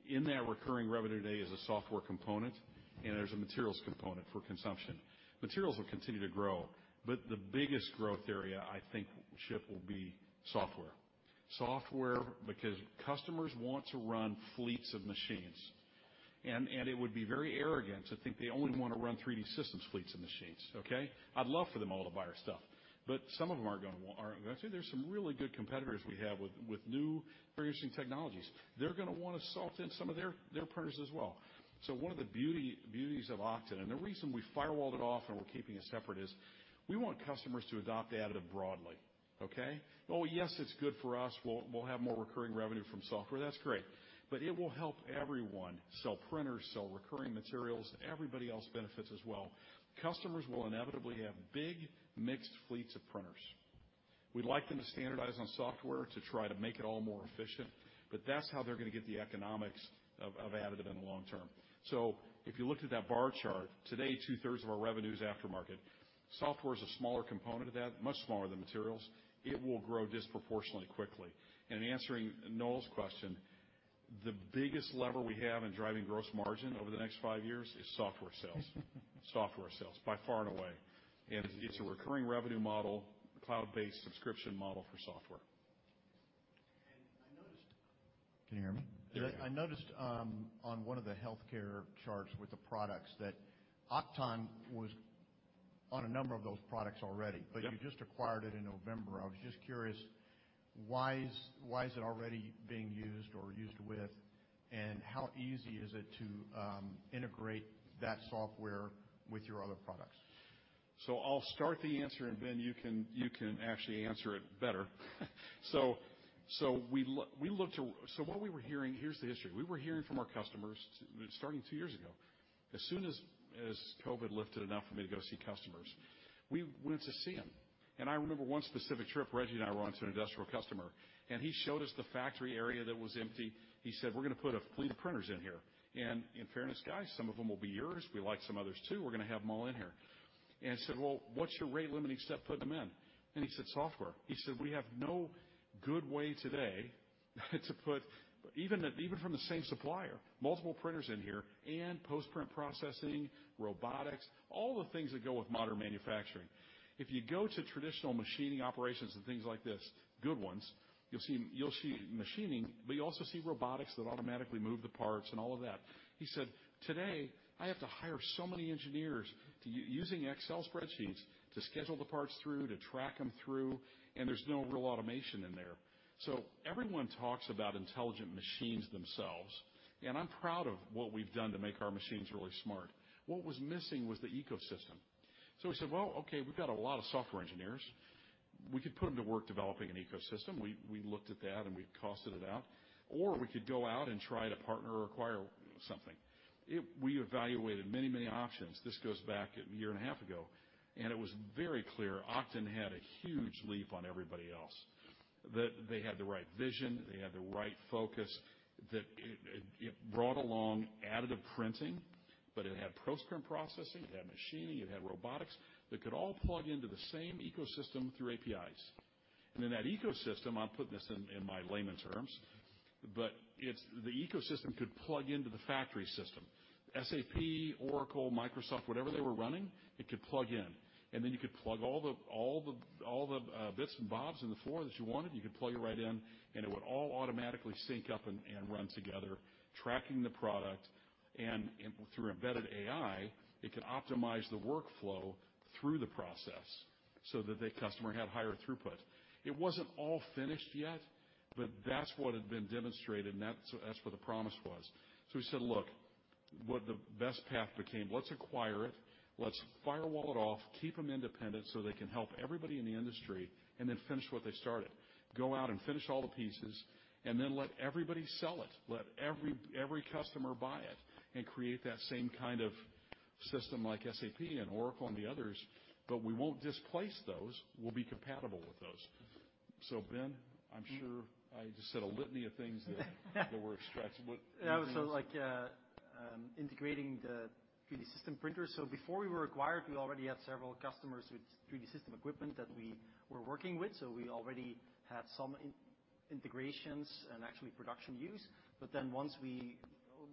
In that recurring revenue today is a software component, and there's a materials component for consumption. Materials will continue to grow, but the biggest growth area, I think, Chip, will be software. Software because customers want to run fleets of machines, and it would be very arrogant to think they only wanna run 3D Systems fleets of machines, okay? I'd love for them all to buy our stuff, but some of them aren't gonna. Actually, there's some really good competitors we have with new very interesting technologies. They're gonna wanna salt in some of their printers as well. So one of the beauties of Oqton and the reason we firewalled it off and we're keeping it separate is we want customers to adopt additive broadly, okay? Well, yes, it's good for us. We'll have more recurring revenue from software. That's great. It will help everyone sell printers, sell recurring materials. Everybody else benefits as well. Customers will inevitably have big mixed fleets of printers. We'd like them to standardize on software to try to make it all more efficient, but that's how they're gonna get the economics of additive in the long term. If you looked at that bar chart, today, 2/3 of our revenue is aftermarket. Software is a smaller component of that, much smaller than materials. It will grow disproportionately quickly. Answering Noelle's question, the biggest lever we have in driving gross margin over the next five years is software sales. Software sales, by far and away. It's a recurring revenue model, cloud-based subscription model for software. Can you hear me? There you go. I noticed, on one of the healthcare charts with the products that Oqton was on a number of those products already. Yep. you just acquired it in November. I was just curious, why is it already being used or used with, and how easy is it to integrate that software with your other products? I'll start the answer, and Ben, you can actually answer it better. We looked at what we were hearing. Here's the history. We were hearing from our customers starting two years ago. As soon as COVID lifted enough for me to go see customers, we went to see them. I remember one specific trip, Reji and I went to an industrial customer, and he showed us the factory area that was empty. He said, "We're gonna put a fleet of printers in here. And in fairness, guys, some of them will be yours. We like some others, too. We're gonna have them all in here." I said, "Well, what's your rate-limiting step putting them in?" He said, "Software." He said, "We have no good way today to put even at, even from the same supplier, multiple printers in here and post-print processing, robotics, all the things that go with modern manufacturing. If you go to traditional machining operations and things like this, good ones, you'll see machining, but you also see robotics that automatically move the parts and all of that." He said, "Today, I have to hire so many engineers to using Excel spreadsheets to schedule the parts through, to track them through, and there's no real automation in there." Everyone talks about intelligent machines themselves, and I'm proud of what we've done to make our machines really smart. What was missing was the ecosystem. We said, "Well, okay, we've got a lot of software engineers. We could put them to work developing an ecosystem." We looked at that, and we costed it out. Or we could go out and try to partner or acquire something. We evaluated many, many options. This goes back a year and a half ago, and it was very clear Oqton had a huge leap on everybody else. They had the right vision, they had the right focus, that it brought along additive printing, but it had post-print processing, it had machining, it had robotics that could all plug into the same ecosystem through APIs. In that ecosystem, I'm putting this in my layman terms, but it's the ecosystem could plug into the factory system. SAP, Oracle, Microsoft, whatever they were running, it could plug in. Then you could plug all the bits and bobs in the flow that you wanted, you could plug it right in, and it would all automatically sync up and run together, tracking the product, and through embedded AI, it could optimize the workflow through the process so that the customer had higher throughput. It wasn't all finished yet, but that's what had been demonstrated, and that's what the promise was. We said, "Look, what the best path became, let's acquire it. Let's firewall it off, keep them independent, so they can help everybody in the industry, and then finish what they started. Go out and finish all the pieces, and then let everybody sell it. Let every customer buy it and create that same kind of system like SAP and Oracle and the others. We won't displace those. We'll be compatible with those." Ben, I'm sure I just said a litany of things that were stretched. What Yeah. Like, integrating the 3D Systems printer. Before we were acquired, we already had several customers with 3D Systems equipment that we were working with, so we already had some integrations and actually production use.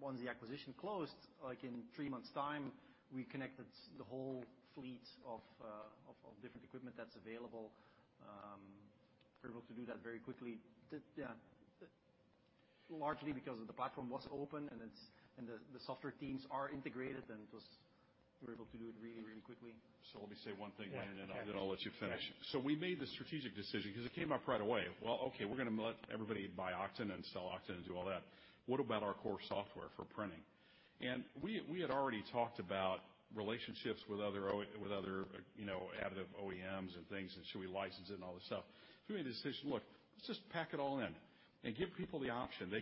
Once the acquisition closed, like in 3 months' time, we connected the whole fleet of different equipment that's available. We were able to do that very quickly. Largely because the platform was open and the software teams are integrated, we were able to do it really, really quickly. Let me say one thing, and then I'll let you finish. Yeah. We made the strategic decision, 'cause it came up right away. Well, okay, we're gonna let everybody buy Oqton and sell Oqton and do all that. What about our core software for printing? We had already talked about relationships with other, you know, additive OEMs and things, and should we license it and all this stuff? We made a decision, look, let's just pack it all in and give people the option. They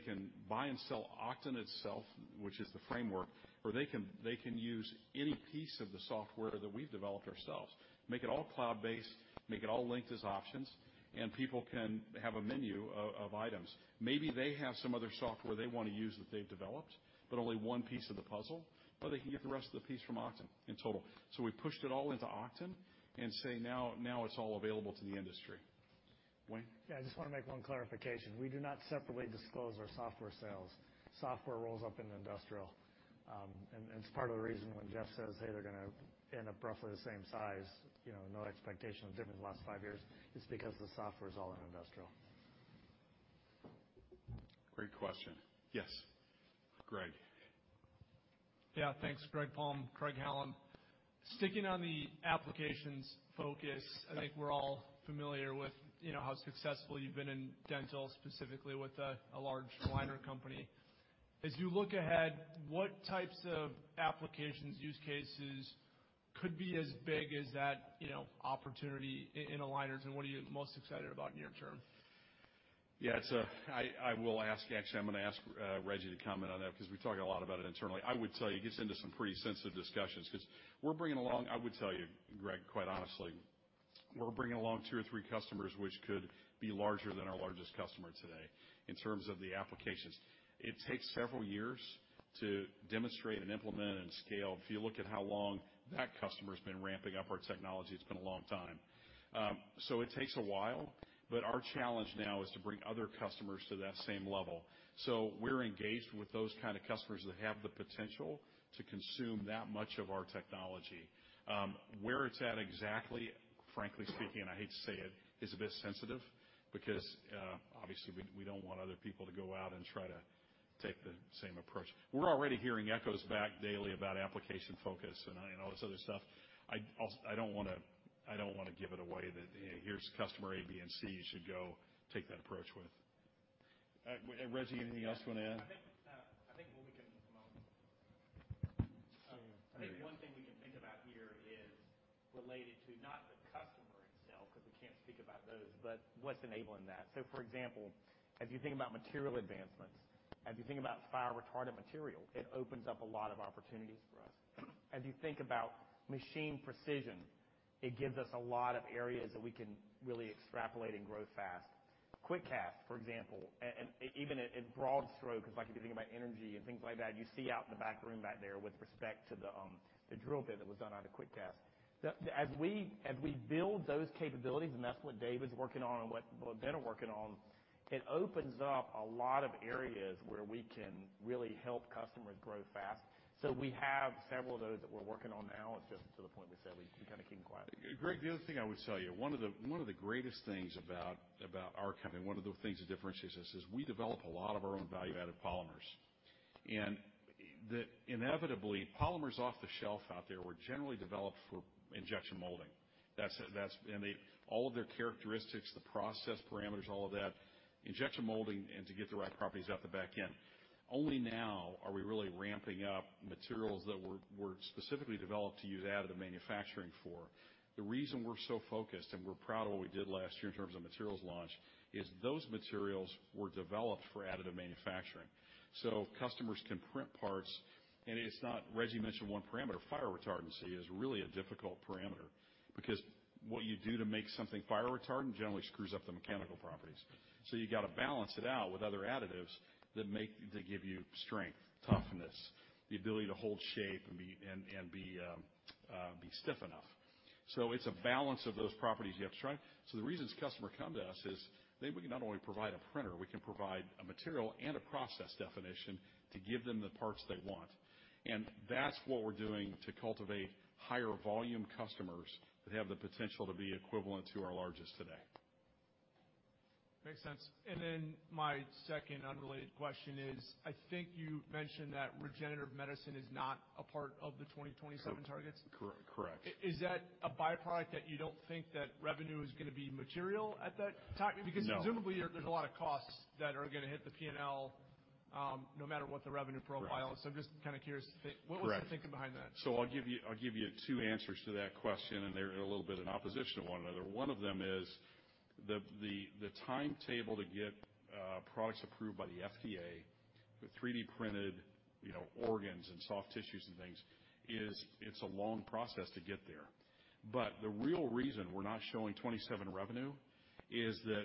can buy and sell Oqton itself, which is the framework. Or they can use any piece of the software that we've developed ourselves, make it all cloud-based, make it all linked as options, and people can have a menu of items. Maybe they have some other software they wanna use that they've developed, but only one piece of the puzzle, but they can get the rest of the piece from Oqton in total. We pushed it all into Oqton and say, now it's all available to the industry. Wayne? Yeah, I just wanna make one clarification. We do not separately disclose our software sales. Software rolls up in industrial. It's part of the reason when Jeff says, "Hey, they're gonna end up roughly the same size," you know, no expectation of difference in the last five years, it's because the software is all in industrial. Great question. Yes. Greg. Yeah, thanks. Greg Palm, Craig-Hallum. Sticking on the applications focus, I think we're all familiar with, you know, how successful you've been in dental, specifically with a large aligner company. As you look ahead, what types of applications, use cases could be as big as that, you know, opportunity in aligners, and what are you most excited about near term? Yeah, it's actually, I'm gonna ask Reji to comment on that because we talk a lot about it internally. I would tell you, it gets into some pretty sensitive discussions because we're bringing along. I would tell you, Greg, quite honestly, we're bringing along two or three customers which could be larger than our largest customer today in terms of the applications. It takes several years to demonstrate and implement and scale. If you look at how long that customer's been ramping up our technology, it's been a long time. It takes a while, but our challenge now is to bring other customers to that same level. We're engaged with those kind of customers that have the potential to consume that much of our technology. Where it's at exactly, frankly speaking, and I hate to say it, is a bit sensitive because obviously, we don't want other people to go out and try to take the same approach. We're already hearing echoes back daily about application focus and all this other stuff. I don't wanna give it away that, you know, here's customer A, B, and C you should go take that approach with. Reji, anything else you wanna add? I think one thing we can think about here is related to not the customer itself, because we can't speak about those, but what's enabling that. For example, as you think about material advancements, as you think about fire retardant material, it opens up a lot of opportunities for us. As you think about machine precision, it gives us a lot of areas that we can really extrapolate and grow fast. QuickCast, for example, even at broad stroke, it's like if you think about energy and things like that, you see out in the back room back there with respect to the drill bit that was done out of QuickCast. As we build those capabilities, and that's what Dave is working on and what, well, Ben is working on, it opens up a lot of areas where we can really help customers grow fast. We have several of those that we're working on now. It's just to the point we said we kind of keeping quiet. Greg, the other thing I would tell you, one of the greatest things about our company, one of the things that differentiates us is we develop a lot of our own value-added polymers. Inevitably, polymers off the shelf out there were generally developed for injection molding. That's and they all of their characteristics, the process parameters, all of that, injection molding and to get the right properties out the back end. Only now are we really ramping up materials that were specifically developed to use additive manufacturing for. The reason we're so focused, and we're proud of what we did last year in terms of materials launch, is those materials were developed for additive manufacturing. Customers can print parts, and it's not Reji mentioned one parameter. Fire retardancy is really a difficult parameter because what you do to make something fire retardant generally screws up the mechanical properties. You got to balance it out with other additives that give you strength, toughness, the ability to hold shape and be stiff enough. It's a balance of those properties you have to strike. The reasons customer come to us is that we can not only provide a printer, we can provide a material and a process definition to give them the parts they want. That's what we're doing to cultivate higher volume customers that have the potential to be equivalent to our largest today. Makes sense. My second unrelated question is, I think you mentioned that regenerative medicine is not a part of the 2027 targets. Correct. Is that a byproduct that you don't think that revenue is going to be material at that time? No. Because presumably there's a lot of costs that are going to hit the P&L, no matter what the revenue profile is. Correct. I'm just kind of curious to think. Correct. What was the thinking behind that? I'll give you two answers to that question, and they're a little bit in opposition to one another. One of them is the timetable to get products approved by the FDA with 3D printed, you know, organs and soft tissues and things. It's a long process to get there. The real reason we're not showing 2027 revenue is that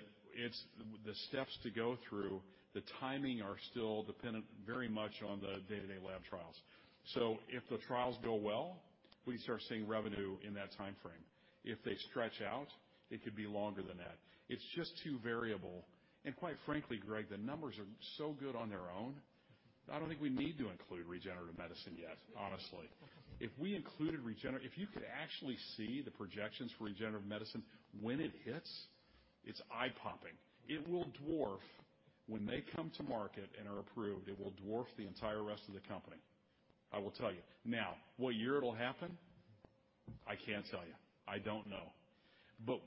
the steps to go through, the timing are still dependent very much on the day-to-day lab trials. If the trials go well, we start seeing revenue in that timeframe. If they stretch out, it could be longer than that. It's just too variable. Quite frankly, Greg, the numbers are so good on their own. I don't think we need to include regenerative medicine yet, honestly. if you could actually see the projections for regenerative medicine, when it hits, it's eye-popping. When they come to market and are approved, it will dwarf the entire rest of the company, I will tell you. Now, what year it'll happen, I can't tell you. I don't know.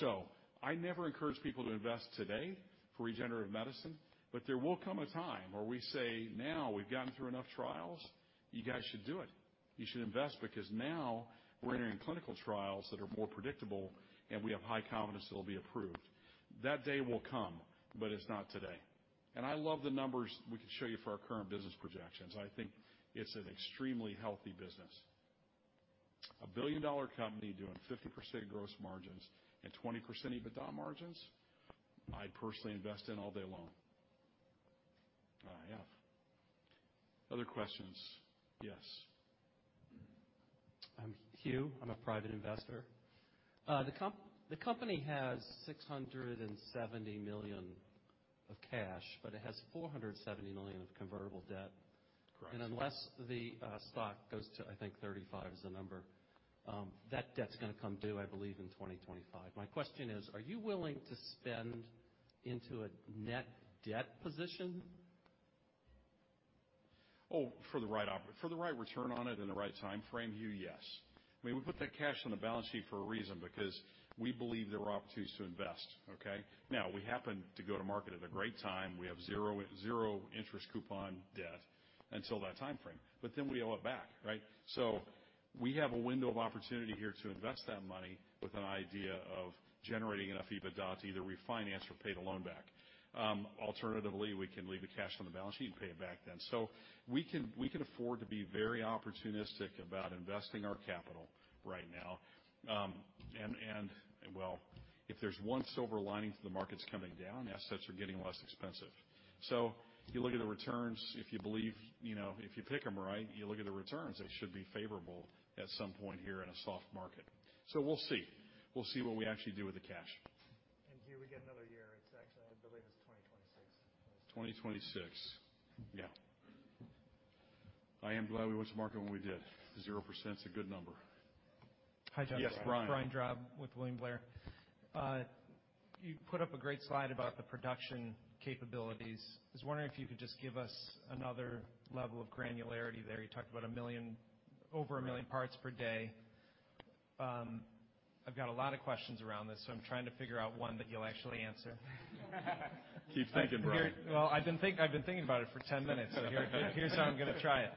So I never encourage people to invest today for regenerative medicine, but there will come a time where we say, "Now, we've gotten through enough trials. You guys should do it. You should invest because now we're entering clinical trials that are more predictable, and we have high confidence it'll be approved." That day will come, but it's not today. I love the numbers we can show you for our current business projections. I think it's an extremely healthy business. A billion-dollar company doing 50% gross margins and 20% EBITDA margins, I'd personally invest in all day long. Yeah. Other questions? Yes. I'm Hugh. I'm a private investor. The company has $670 million of cash, but it has $470 million of convertible debt. Correct. Unless the stock goes to, I think 35 is the number, that debt's gonna come due, I believe, in 2025. My question is, are you willing to spend into a net debt position? Oh, for the right return on it in the right time frame, Hugh, yes. I mean, we put that cash on the balance sheet for a reason, because we believe there are opportunities to invest, okay? Now, we happen to go to market at a great time. We have zero interest coupon debt until that time frame. But then we owe it back, right? So we have a window of opportunity here to invest that money with an idea of generating enough EBITDA to either refinance or pay the loan back. Alternatively, we can leave the cash on the balance sheet and pay it back then. So we can afford to be very opportunistic about investing our capital right now. If there's one silver lining to the markets coming down, assets are getting less expensive. You look at the returns, if you believe, you know, if you pick them right, you look at the returns, they should be favorable at some point here in a soft market. We'll see. We'll see what we actually do with the cash. Hugh, we get another year. It's actually, I believe it's 2026. 2026. Yeah. I am glad we went to market when we did. 0%'s a good number. Hi, Jeff. Yes, Brian. Brian Drab with William Blair & Company. You put up a great slide about the production capabilities. I was wondering if you could just give us another level of granularity there. You talked about 1 million, over 1 million parts per day. I've got a lot of questions around this, so I'm trying to figure out one that you'll actually answer. Keep thinking, Brian. Well, I've been thinking about it for 10 minutes. Here I go. Here's how I'm gonna try it.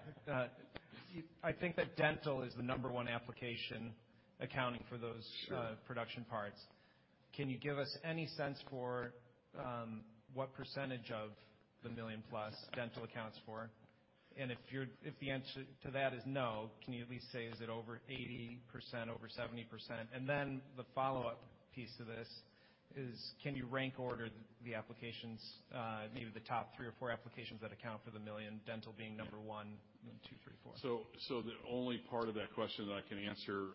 I think that dental is the number one application accounting for those- Sure. Production parts. Can you give us any sense for what percentage of the million-plus does dental account for? And if the answer to that is no, can you at least say, is it over 80%, over 70%? And then the follow-up piece to this is can you rank order the applications, maybe the top three or four applications that account for the million, dental being number one, then two, three, four. The only part of that question that I can answer,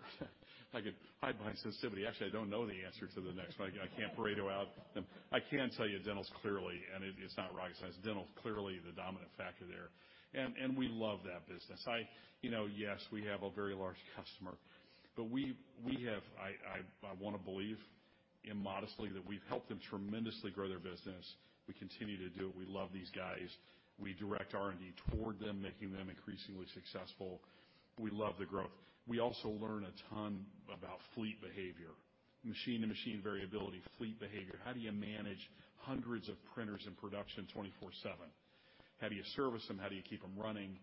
I could hide my sensitivity. Actually, I don't know the answer to the next one. I can't Pareto out the. I can tell you dental's clearly, and it's not rocket science. Dental is clearly the dominant factor there. We love that business. You know, yes, we have a very large customer, but we have. I wanna believe immodestly that we've helped them tremendously grow their business. We continue to do it. We love these guys. We direct R&D toward them, making them increasingly successful. We love the growth. We also learn a ton about fleet behavior, machine to machine variability, fleet behavior. How do you manage hundreds of printers in production 24/7? How do you service them? How do you keep them running?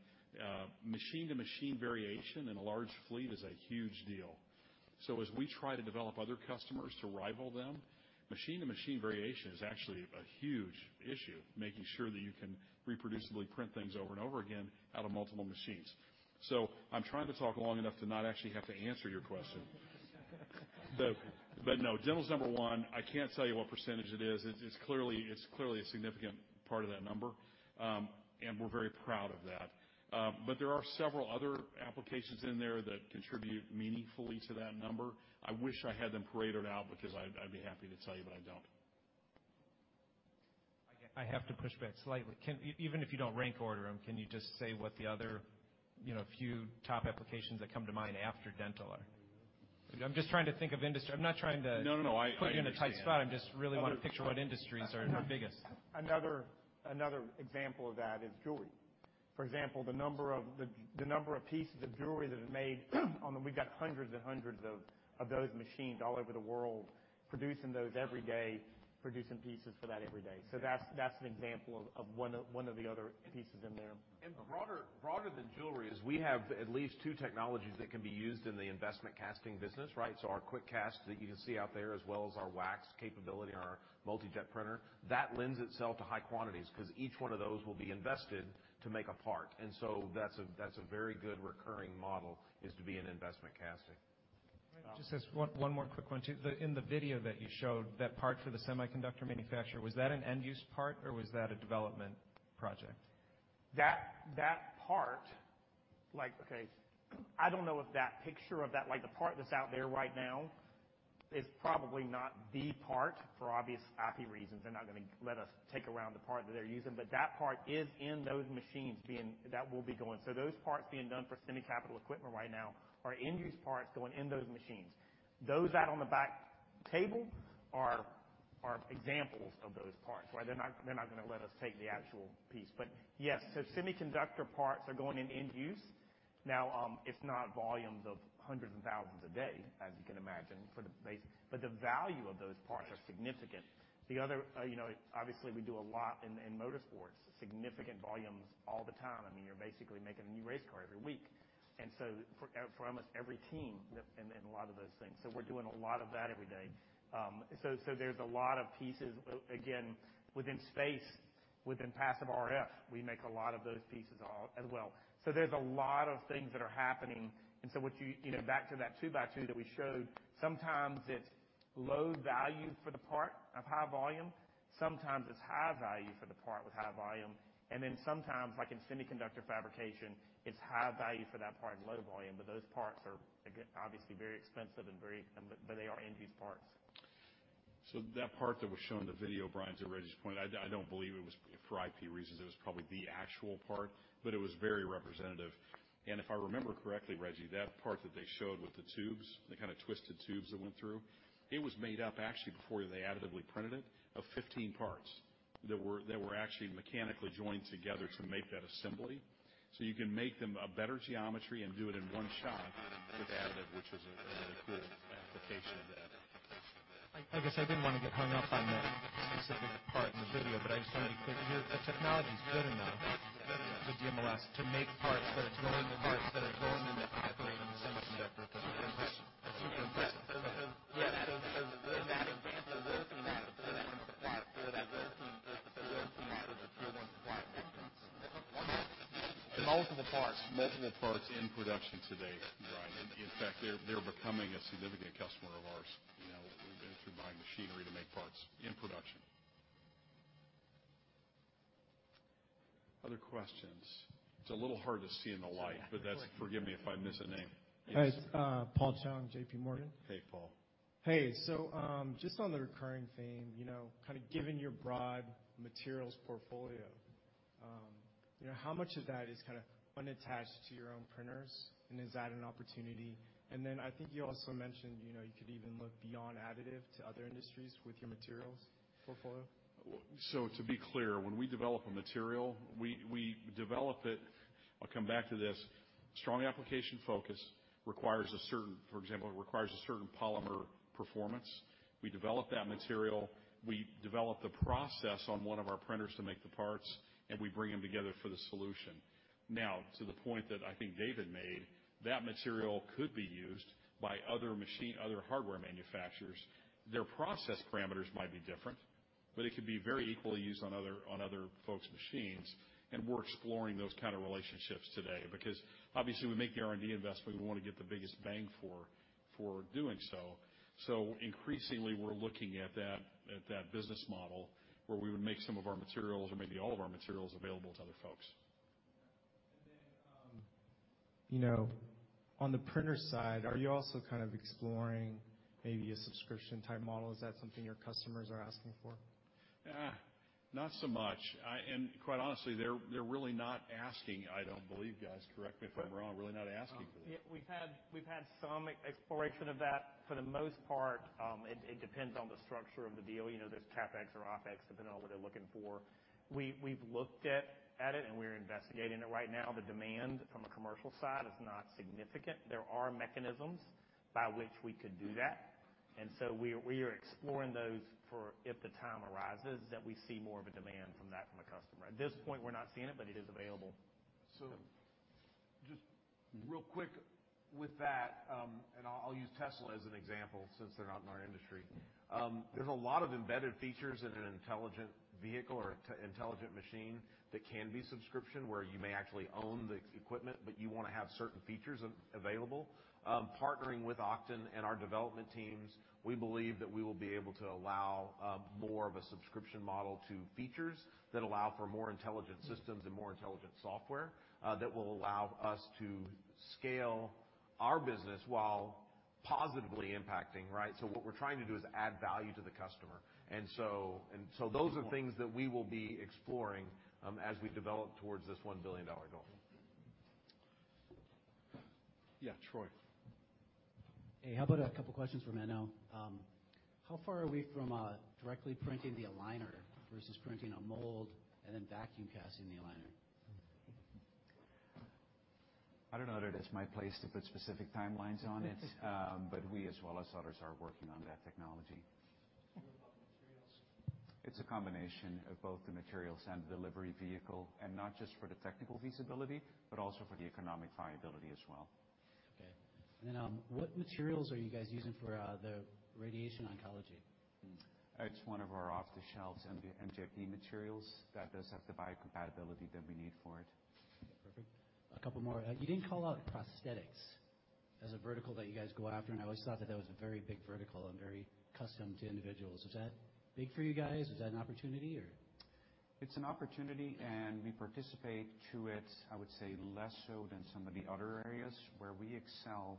Machine to machine variation in a large fleet is a huge deal. As we try to develop other customers to rival them, machine to machine variation is actually a huge issue, making sure that you can reproducibly print things over and over again out of multiple machines. I'm trying to talk long enough to not actually have to answer your question. No, dental is number one. I can't tell you what percentage it is. It's clearly a significant part of that number, and we're very proud of that. There are several other applications in there that contribute meaningfully to that number. I wish I had them Paretoed out because I'd be happy to tell you, but I don't. I have to push back slightly. Even if you don't rank order them, can you just say what the other, you know, few top applications that come to mind after dental are? I'm just trying to think of industry. No. I understand. Put you in a tight spot. I just really want to picture what industries are your biggest. Another example of that is jewelry. For example, the number of pieces of jewelry that is made on them. We've got hundreds and hundreds of those machines all over the world, producing pieces for that every day. That's an example of one of the other pieces in there. Broader than jewelry is we have at least two technologies that can be used in the investment casting business, right? Our QuickCast that you can see out there, as well as our wax capability on our MultiJet printer, that lends itself to high quantities because each one of those will be invested to make a part. That's a very good recurring model, is to be in investment casting. Just as one more quick one, too. In the video that you showed, that part for the semiconductor manufacturer, was that an end-use part, or was that a development project? That part, I don't know if that picture of the part that's out there right now is probably not the part for obvious IP reasons. They're not gonna let us take around the part that they're using. That part is in those machines that will be going. Those parts being done for semi capital equipment right now are end-use parts going in those machines. Those out on the back table are examples of those parts, right? They're not gonna let us take the actual piece. Yes, so semiconductor parts are going in end use. It's not volumes of hundreds and thousands a day, as you can imagine, for the basic, but the value of those parts are significant. You know, obviously, we do a lot in motorsports, significant volumes all the time. I mean, you're basically making a new race car every week. For almost every team and a lot of those things. We're doing a lot of that every day. There's a lot of pieces. Again, within space, within passive RF, we make a lot of those pieces as well. There's a lot of things that are happening. What you know, back to that 2 by 2 that we showed, sometimes it's low value or high volume, sometimes it's high value or high volume. Then sometimes, like in semiconductor fabrication, it's high value for that part and low volume. Those parts are obviously very expensive, but they are end-use parts. That part that was shown in the video, Brian, to Reji's point, I don't believe it was for IP reasons, it was probably the actual part, but it was very representative. If I remember correctly, Reji, that part that they showed with the tubes, the kinda twisted tubes that went through, it was made up actually before they additively printed it, of 15 parts that were actually mechanically joined together to make that assembly. You can make them a better geometry and do it in one shot with additive, which is a really cool application of that. I guess I didn't want to get hung up on the specific part in the video, but I just wanna make clear, the technology is good enough, the DMLS, to make parts that are going into semiconductor production. That's super impressive. Yeah. In that instance, those are things that the tier one supplier makes. Multiple parts. Multiple parts in production today, Brian. In fact, they're becoming a significant customer of ours. You know, they're buying machinery to make parts in production. Other questions? It's a little hard to see in the light, but that's. Forgive me if I miss a name. Hi. It's Paul Chung, JPMorgan. Hey, Paul. Hey. Just on the recurring theme, you know, kinda given your broad materials portfolio, you know, how much of that is kinda unattached to your own printers, and is that an opportunity? I think you also mentioned, you know, you could even look beyond additive to other industries with your materials portfolio. To be clear, when we develop a material, we develop it. I'll come back to this. Strong application focus requires a certain, for example, it requires a certain polymer performance. We develop that material, we develop the process on one of our printers to make the parts, and we bring them together for the solution. Now, to the point that I think David made, that material could be used by other machine, other hardware manufacturers. Their process parameters might be different, but it could be very equally used on other folks' machines, and we're exploring those kind of relationships today. Because obviously, we make the R&D investment, we wanna get the biggest bang for doing so. Increasingly, we're looking at that business model, where we would make some of our materials or maybe all of our materials available to other folks. You know, on the printer side, are you also kind of exploring maybe a subscription-type model? Is that something your customers are asking for? Not so much. Quite honestly, they're really not asking, I don't believe. Guys, correct me if I'm wrong. Really not asking for that. Yeah, we've had some exploration of that. For the most part, it depends on the structure of the deal. You know, there's CapEx or OpEx, depending on what they're looking for. We've looked at it, and we're investigating it right now. The demand from a commercial side is not significant. There are mechanisms by which we could do that, and we are exploring those for if the time arises that we see more of a demand from that from a customer. At this point, we're not seeing it, but it is available. Just real quick with that, and I'll use Tesla as an example since they're not in our industry. There's a lot of embedded features in an intelligent vehicle or intelligent machine that can be subscription, where you may actually own the equipment, but you wanna have certain features available. Partnering with Oqton and our development teams, we believe that we will be able to allow more of a subscription model to features that allow for more intelligent systems and more intelligent software that will allow us to scale our business while positively impacting, right? What we're trying to do is add value to the customer, and so those are things that we will be exploring as we develop towards this $1 billion goal. Yeah, Troy. Hey, how about a couple questions for Menno? How far are we from directly printing the aligner versus printing a mold and then vacuum casting the aligner? I don't know that it's my place to put specific timelines on it. We, as well as others, are working on that technology. What about materials? It's a combination of both the materials and delivery vehicle, and not just for the technical feasibility, but also for the economic viability as well. Okay. What materials are you guys using for the radiation oncology? It's one of our off-the-shelf MJP materials that does have the biocompatibility that we need for it. Perfect. A couple more. You didn't call out prosthetics as a vertical that you guys go after, and I always thought that that was a very big vertical and very custom to individuals. Is that big for you guys? Is that an opportunity or? It's an opportunity, and we participate to it, I would say, less so than some of the other areas. Where we excel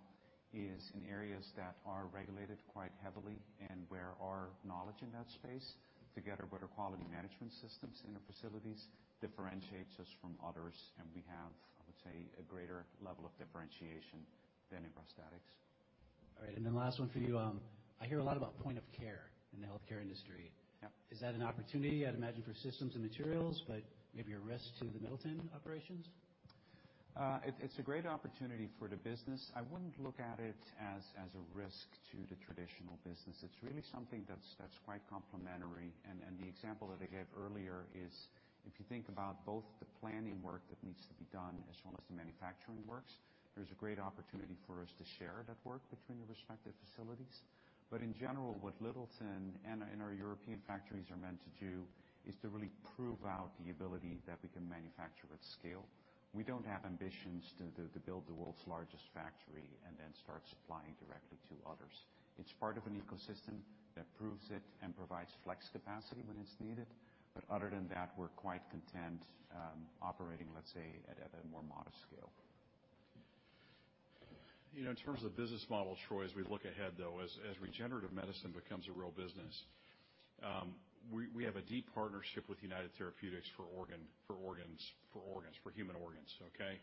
is in areas that are regulated quite heavily and where our knowledge in that space, together with our quality management systems in our facilities, differentiates us from others. We have, I would say, a greater level of differentiation than in prosthetics. All right. Last one for you, I hear a lot about point of care in the healthcare industry. Yep. Is that an opportunity? I'd imagine for systems and materials, but maybe a risk to the Littleton operations. It's a great opportunity for the business. I wouldn't look at it as a risk to the traditional business. It's really something that's quite complementary. The example that I gave earlier is, if you think about both the planning work that needs to be done as well as the manufacturing works, there's a great opportunity for us to share that work between the respective facilities. In general, what Littleton and our European factories are meant to do is to really prove out the ability that we can manufacture at scale. We don't have ambitions to build the world's largest factory and then start supplying directly to others. It's part of an ecosystem that proves it and provides flex capacity when it's needed. Other than that, we're quite content, operating, let's say, at a more modest scale. You know, in terms of business model, Troy, as we look ahead, though, as regenerative medicine becomes a real business, we have a deep partnership with United Therapeutics for human organs, okay?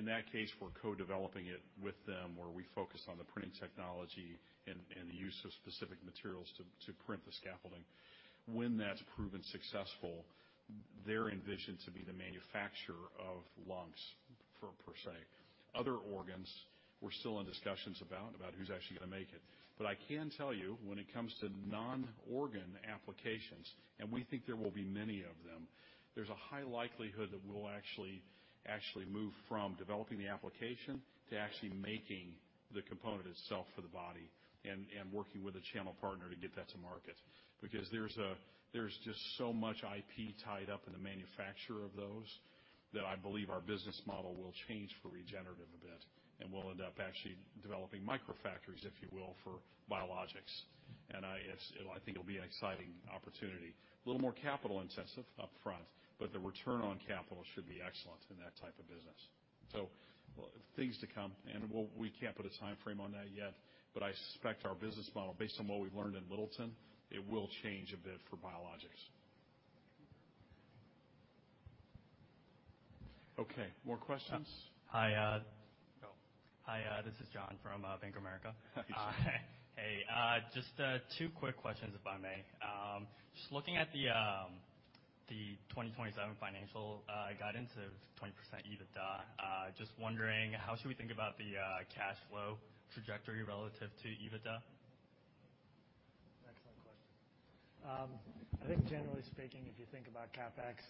In that case, we're co-developing it with them, where we focus on the printing technology and the use of specific materials to print the scaffolding. When that's proven successful, they envision to be the manufacturer of lungs, per se. Other organs, we're still in discussions about who's actually gonna make it. But I can tell you, when it comes to non-organ applications, and we think there will be many of them, there's a high likelihood that we'll actually move from developing the application to actually making the component itself for the body and working with a channel partner to get that to market. Because there's just so much IP tied up in the manufacture of those that I believe our business model will change for regenerative a bit, and we'll end up actually developing micro factories, if you will, for biologics. I think it'll be an exciting opportunity. A little more capital intensive upfront, but the return on capital should be excellent in that type of business. Things to come, and we can't put a timeframe on that yet, but I suspect our business model, based on what we've learned in Littleton, will change a bit for biologics. Okay, more questions? Hi, this is John from Bank of America. Hi. Hey, just two quick questions, if I may. Just looking at the 2027 financial guidance of 20% EBITDA, just wondering how should we think about the cash flow trajectory relative to EBITDA? Excellent question. I think generally speaking, if you think about CapEx,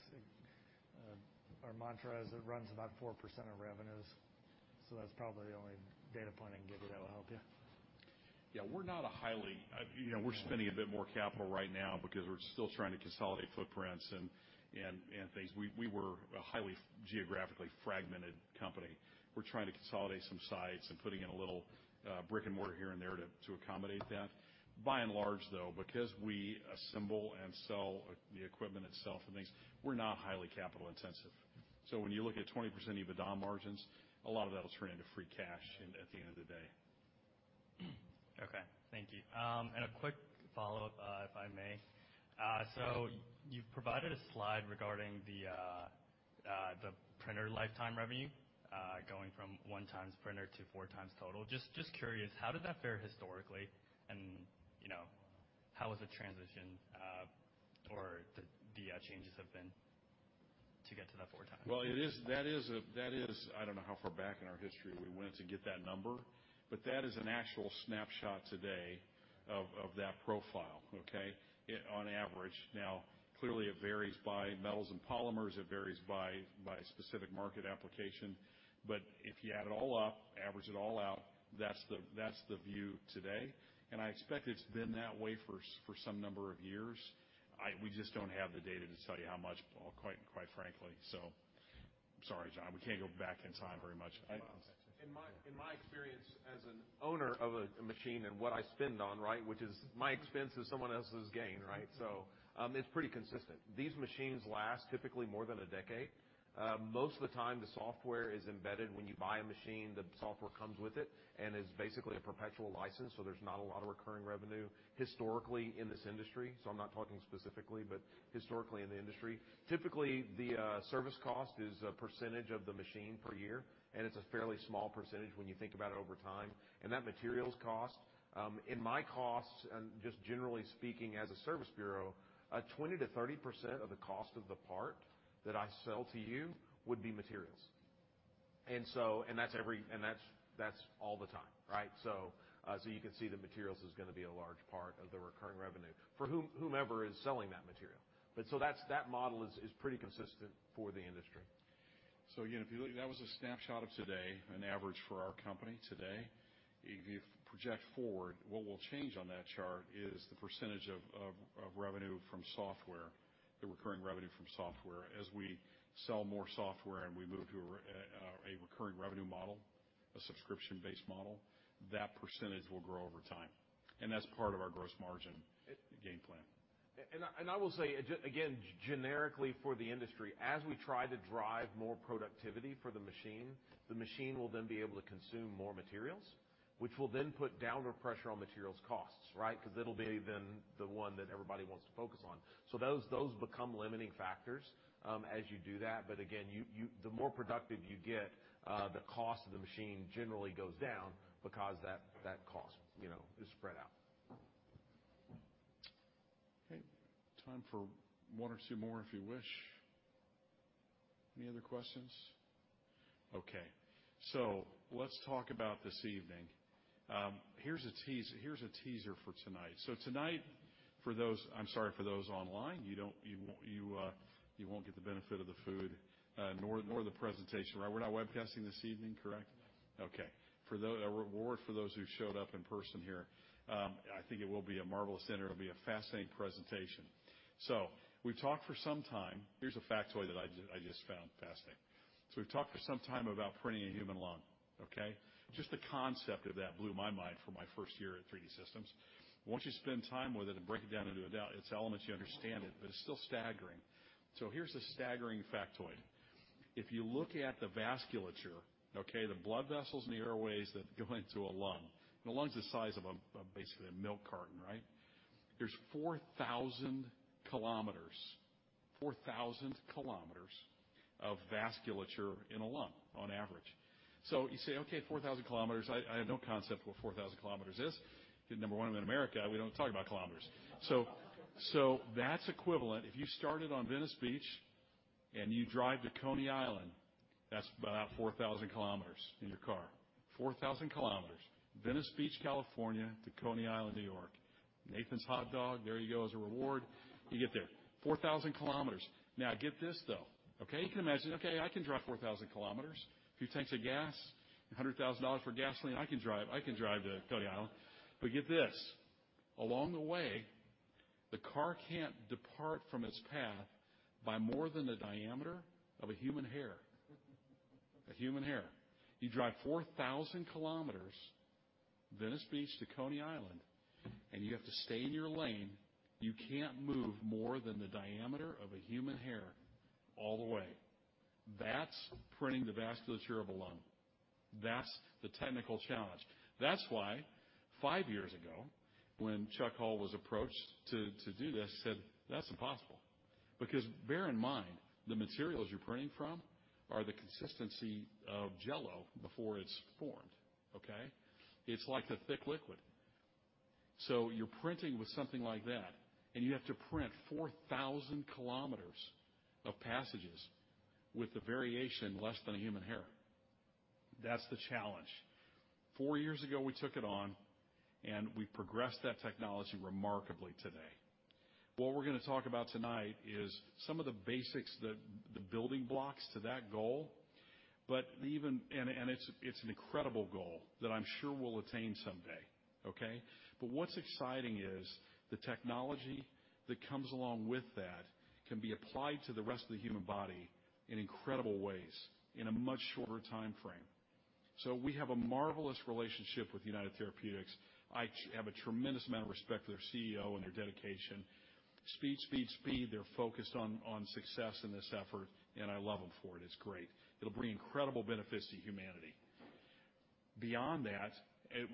our mantra is it runs about 4% of revenues, so that's probably the only data point I can give you that will help you. Yeah. You know, we're spending a bit more capital right now because we're still trying to consolidate footprints and things. We were a highly geographically fragmented company. We're trying to consolidate some sites and putting in a little brick and mortar here and there to accommodate that. By and large, though, because we assemble and sell the equipment itself and things, we're not highly capital intensive. When you look at 20% EBITDA margins, a lot of that will turn into free cash in at the end of the day. Okay. Thank you. A quick follow-up, if I may. You've provided a slide regarding the printer lifetime revenue, going from 1x printer to 4x total. Just curious, how did that fare historically? You know, how has the transition or the changes have been to get to that 4x? Well, that is an actual snapshot today of that profile, okay, on average. Now, clearly, it varies by metals and polymers. It varies by specific market application. If you add it all up, average it all out, that's the view today. I expect it's been that way for some number of years. We just don't have the data to tell you how much, quite frankly. I'm sorry, John, we can't go back in time very much. Well- In my experience as an owner of a machine and what I spend on, right, which is my expense is someone else's gain, right? It's pretty consistent. These machines last typically more than a decade. Most of the time the software is embedded. When you buy a machine, the software comes with it and is basically a perpetual license, so there's not a lot of recurring revenue historically in this industry. I'm not talking specifically, but historically in the industry. Typically, service cost is a percentage of the machine per year, and it's a fairly small percentage when you think about it over time. That materials cost, in my costs, and just generally speaking as a service bureau, 20%-30% of the cost of the part that I sell to you would be materials. That's all the time, right? You can see the materials is gonna be a large part of the recurring revenue for whomever is selling that material. That model is pretty consistent for the industry. Again, if you look, that was a snapshot of today, an average for our company today. If you project forward, what will change on that chart is the percentage of revenue from software, the recurring revenue from software. As we sell more software and we move to a recurring revenue model, a subscription-based model, that percentage will grow over time. That's part of our gross margin game plan. I will say, again, generically for the industry, as we try to drive more productivity for the machine, the machine will then be able to consume more materials, which will then put downward pressure on materials costs, right? 'Cause it'll be then the one that everybody wants to focus on. Those become limiting factors, as you do that. Again, the more productive you get, the cost of the machine generally goes down because that cost, you know, is spread out. Okay. Time for one or two more, if you wish. Any other questions? Okay. Let's talk about this evening. Here's a teaser for tonight. Tonight, for those online, I'm sorry, you won't get the benefit of the food, nor the presentation, right? We're not webcasting this evening, correct? No. A reward for those who showed up in person here. I think it will be a marvelous dinner. It'll be a fascinating presentation. We've talked for some time. Here's a factoid that I just found fascinating. We've talked for some time about printing a human lung, okay? Just the concept of that blew my mind for my first year at 3D Systems. Once you spend time with it and break it down into its elements, you understand it, but it's still staggering. Here's a staggering factoid. If you look at the vasculature, okay, the blood vessels and the airways that go into a lung, and the lung's the size of a, basically a milk carton, right? There's 4,000 km of vasculature in a lung on average. You say, "Okay. 4,000 km. I have no concept what 4,000 km is. Number 1, I'm in America, we don't talk about kilometers. That's equivalent. If you started on Venice Beach and you drive to Coney Island, that's about 4,000 km in your car. 4,000 km, Venice Beach, California, to Coney Island, New York. Nathan's Hot Dog, there you go as a reward. You get there. 4,000 km. Now, get this, though. Okay, you can imagine, "Okay, I can drive 4,000 km. A few tanks of gas, $100,000 for gasoline, I can drive. I can drive to Coney Island." Get this. Along the way, the car can't depart from its path by more than the diameter of a human hair. A human hair. You drive 4,000 km, Venice Beach to Coney Island, and you have to stay in your lane. You can't move more than the diameter of a human hair all the way. That's printing the vasculature of a lung. That's the technical challenge. That's why five years ago, when Chuck Hull was approached to do this, said, "That's impossible." Because bear in mind, the materials you're printing from are the consistency of Jell-O before it's formed, okay? It's like the thick liquid. So you're printing with something like that, and you have to print 4,000 kilometers of passages with the variation less than a human hair. That's the challenge. Four years ago, we took it on, and we progressed that technology remarkably today. What we're gonna talk about tonight is some of the basics, the building blocks to that goal, but even it's an incredible goal that I'm sure we'll attain someday, okay? What's exciting is the technology that comes along with that can be applied to the rest of the human body in incredible ways in a much shorter timeframe. We have a marvelous relationship with United Therapeutics. I have a tremendous amount of respect for their CEO and their dedication. Speed. They're focused on success in this effort, and I love them for it. It's great. It'll bring incredible benefits to humanity. Beyond that,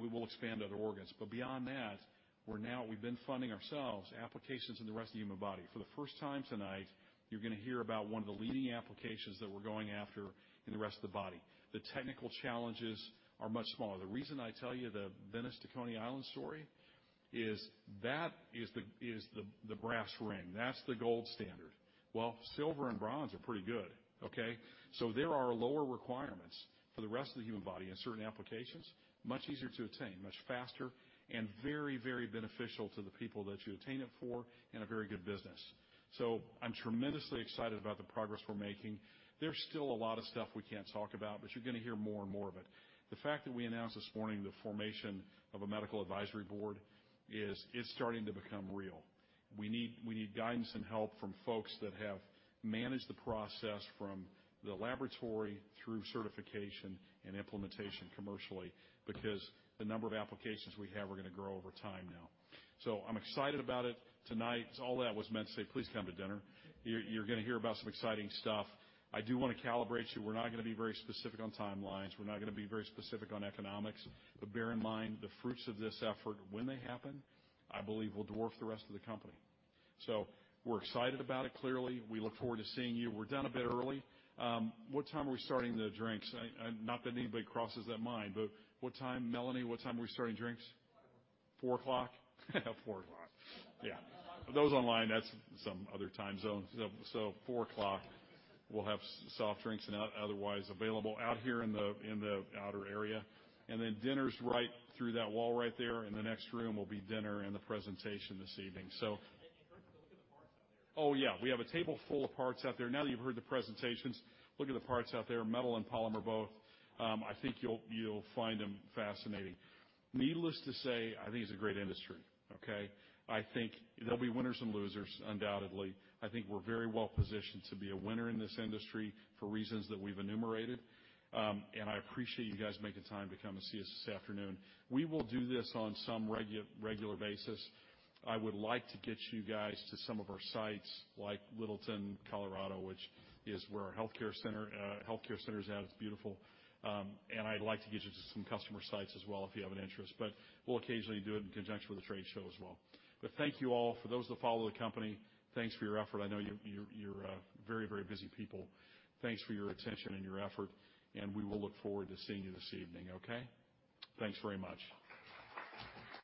we will expand to other organs, but beyond that, we've been funding ourselves, applications in the rest of the human body. For the first time tonight, you're gonna hear about one of the leading applications that we're going after in the rest of the body. The technical challenges are much smaller. The reason I tell you the Venice to Coney Island story is that the brass ring. That's the gold standard. Silver and bronze are pretty good, okay? There are lower requirements for the rest of the human body in certain applications, much easier to attain, much faster and very, very beneficial to the people that you attain it for and a very good business. I'm tremendously excited about the progress we're making. There's still a lot of stuff we can't talk about, but you're gonna hear more and more of it. The fact that we announced this morning the formation of a medical advisory board it's starting to become real. We need guidance and help from folks that have managed the process from the laboratory through certification and implementation commercially, because the number of applications we have are gonna grow over time now. I'm excited about it. Tonight, all that was meant to say, please come to dinner. You're gonna hear about some exciting stuff. I do wanna calibrate you. We're not gonna be very specific on timelines. We're not gonna be very specific on economics. Bear in mind, the fruits of this effort, when they happen, I believe will dwarf the rest of the company. We're excited about it, clearly. We look forward to seeing you. We're done a bit early. What time are we starting the drinks? Not that that crosses anybody's mind, but what time? Melanie, what time are we starting drinks? 4:00 P.M. 4:00 P.M. Online. Yeah. Those online, that's some other time zone. 4:00 P.M., we'll have soft drinks and otherwise available out here in the outer area. Then dinner's right through that wall right there. In the next room will be dinner and the presentation this evening. Kurt, don't forget the parts out there. Oh, yeah, we have a table full of parts out there. Now that you've heard the presentations, look at the parts out there, metal and polymer both. I think you'll find them fascinating. Needless to say, I think it's a great industry, okay? I think there'll be winners and losers, undoubtedly. I think we're very well-positioned to be a winner in this industry for reasons that we've enumerated. I appreciate you guys making time to come and see us this afternoon. We will do this on some regular basis. I would like to get you guys to some of our sites like Littleton, Colorado, which is where our healthcare center is at. It's beautiful. I'd like to get you to some customer sites as well, if you have an interest. We'll occasionally do it in conjunction with a trade show as well. Thank you all. For those that follow the company, thanks for your effort. I know you're very busy people. Thanks for your attention and your effort, and we will look forward to seeing you this evening, okay. Thanks very much.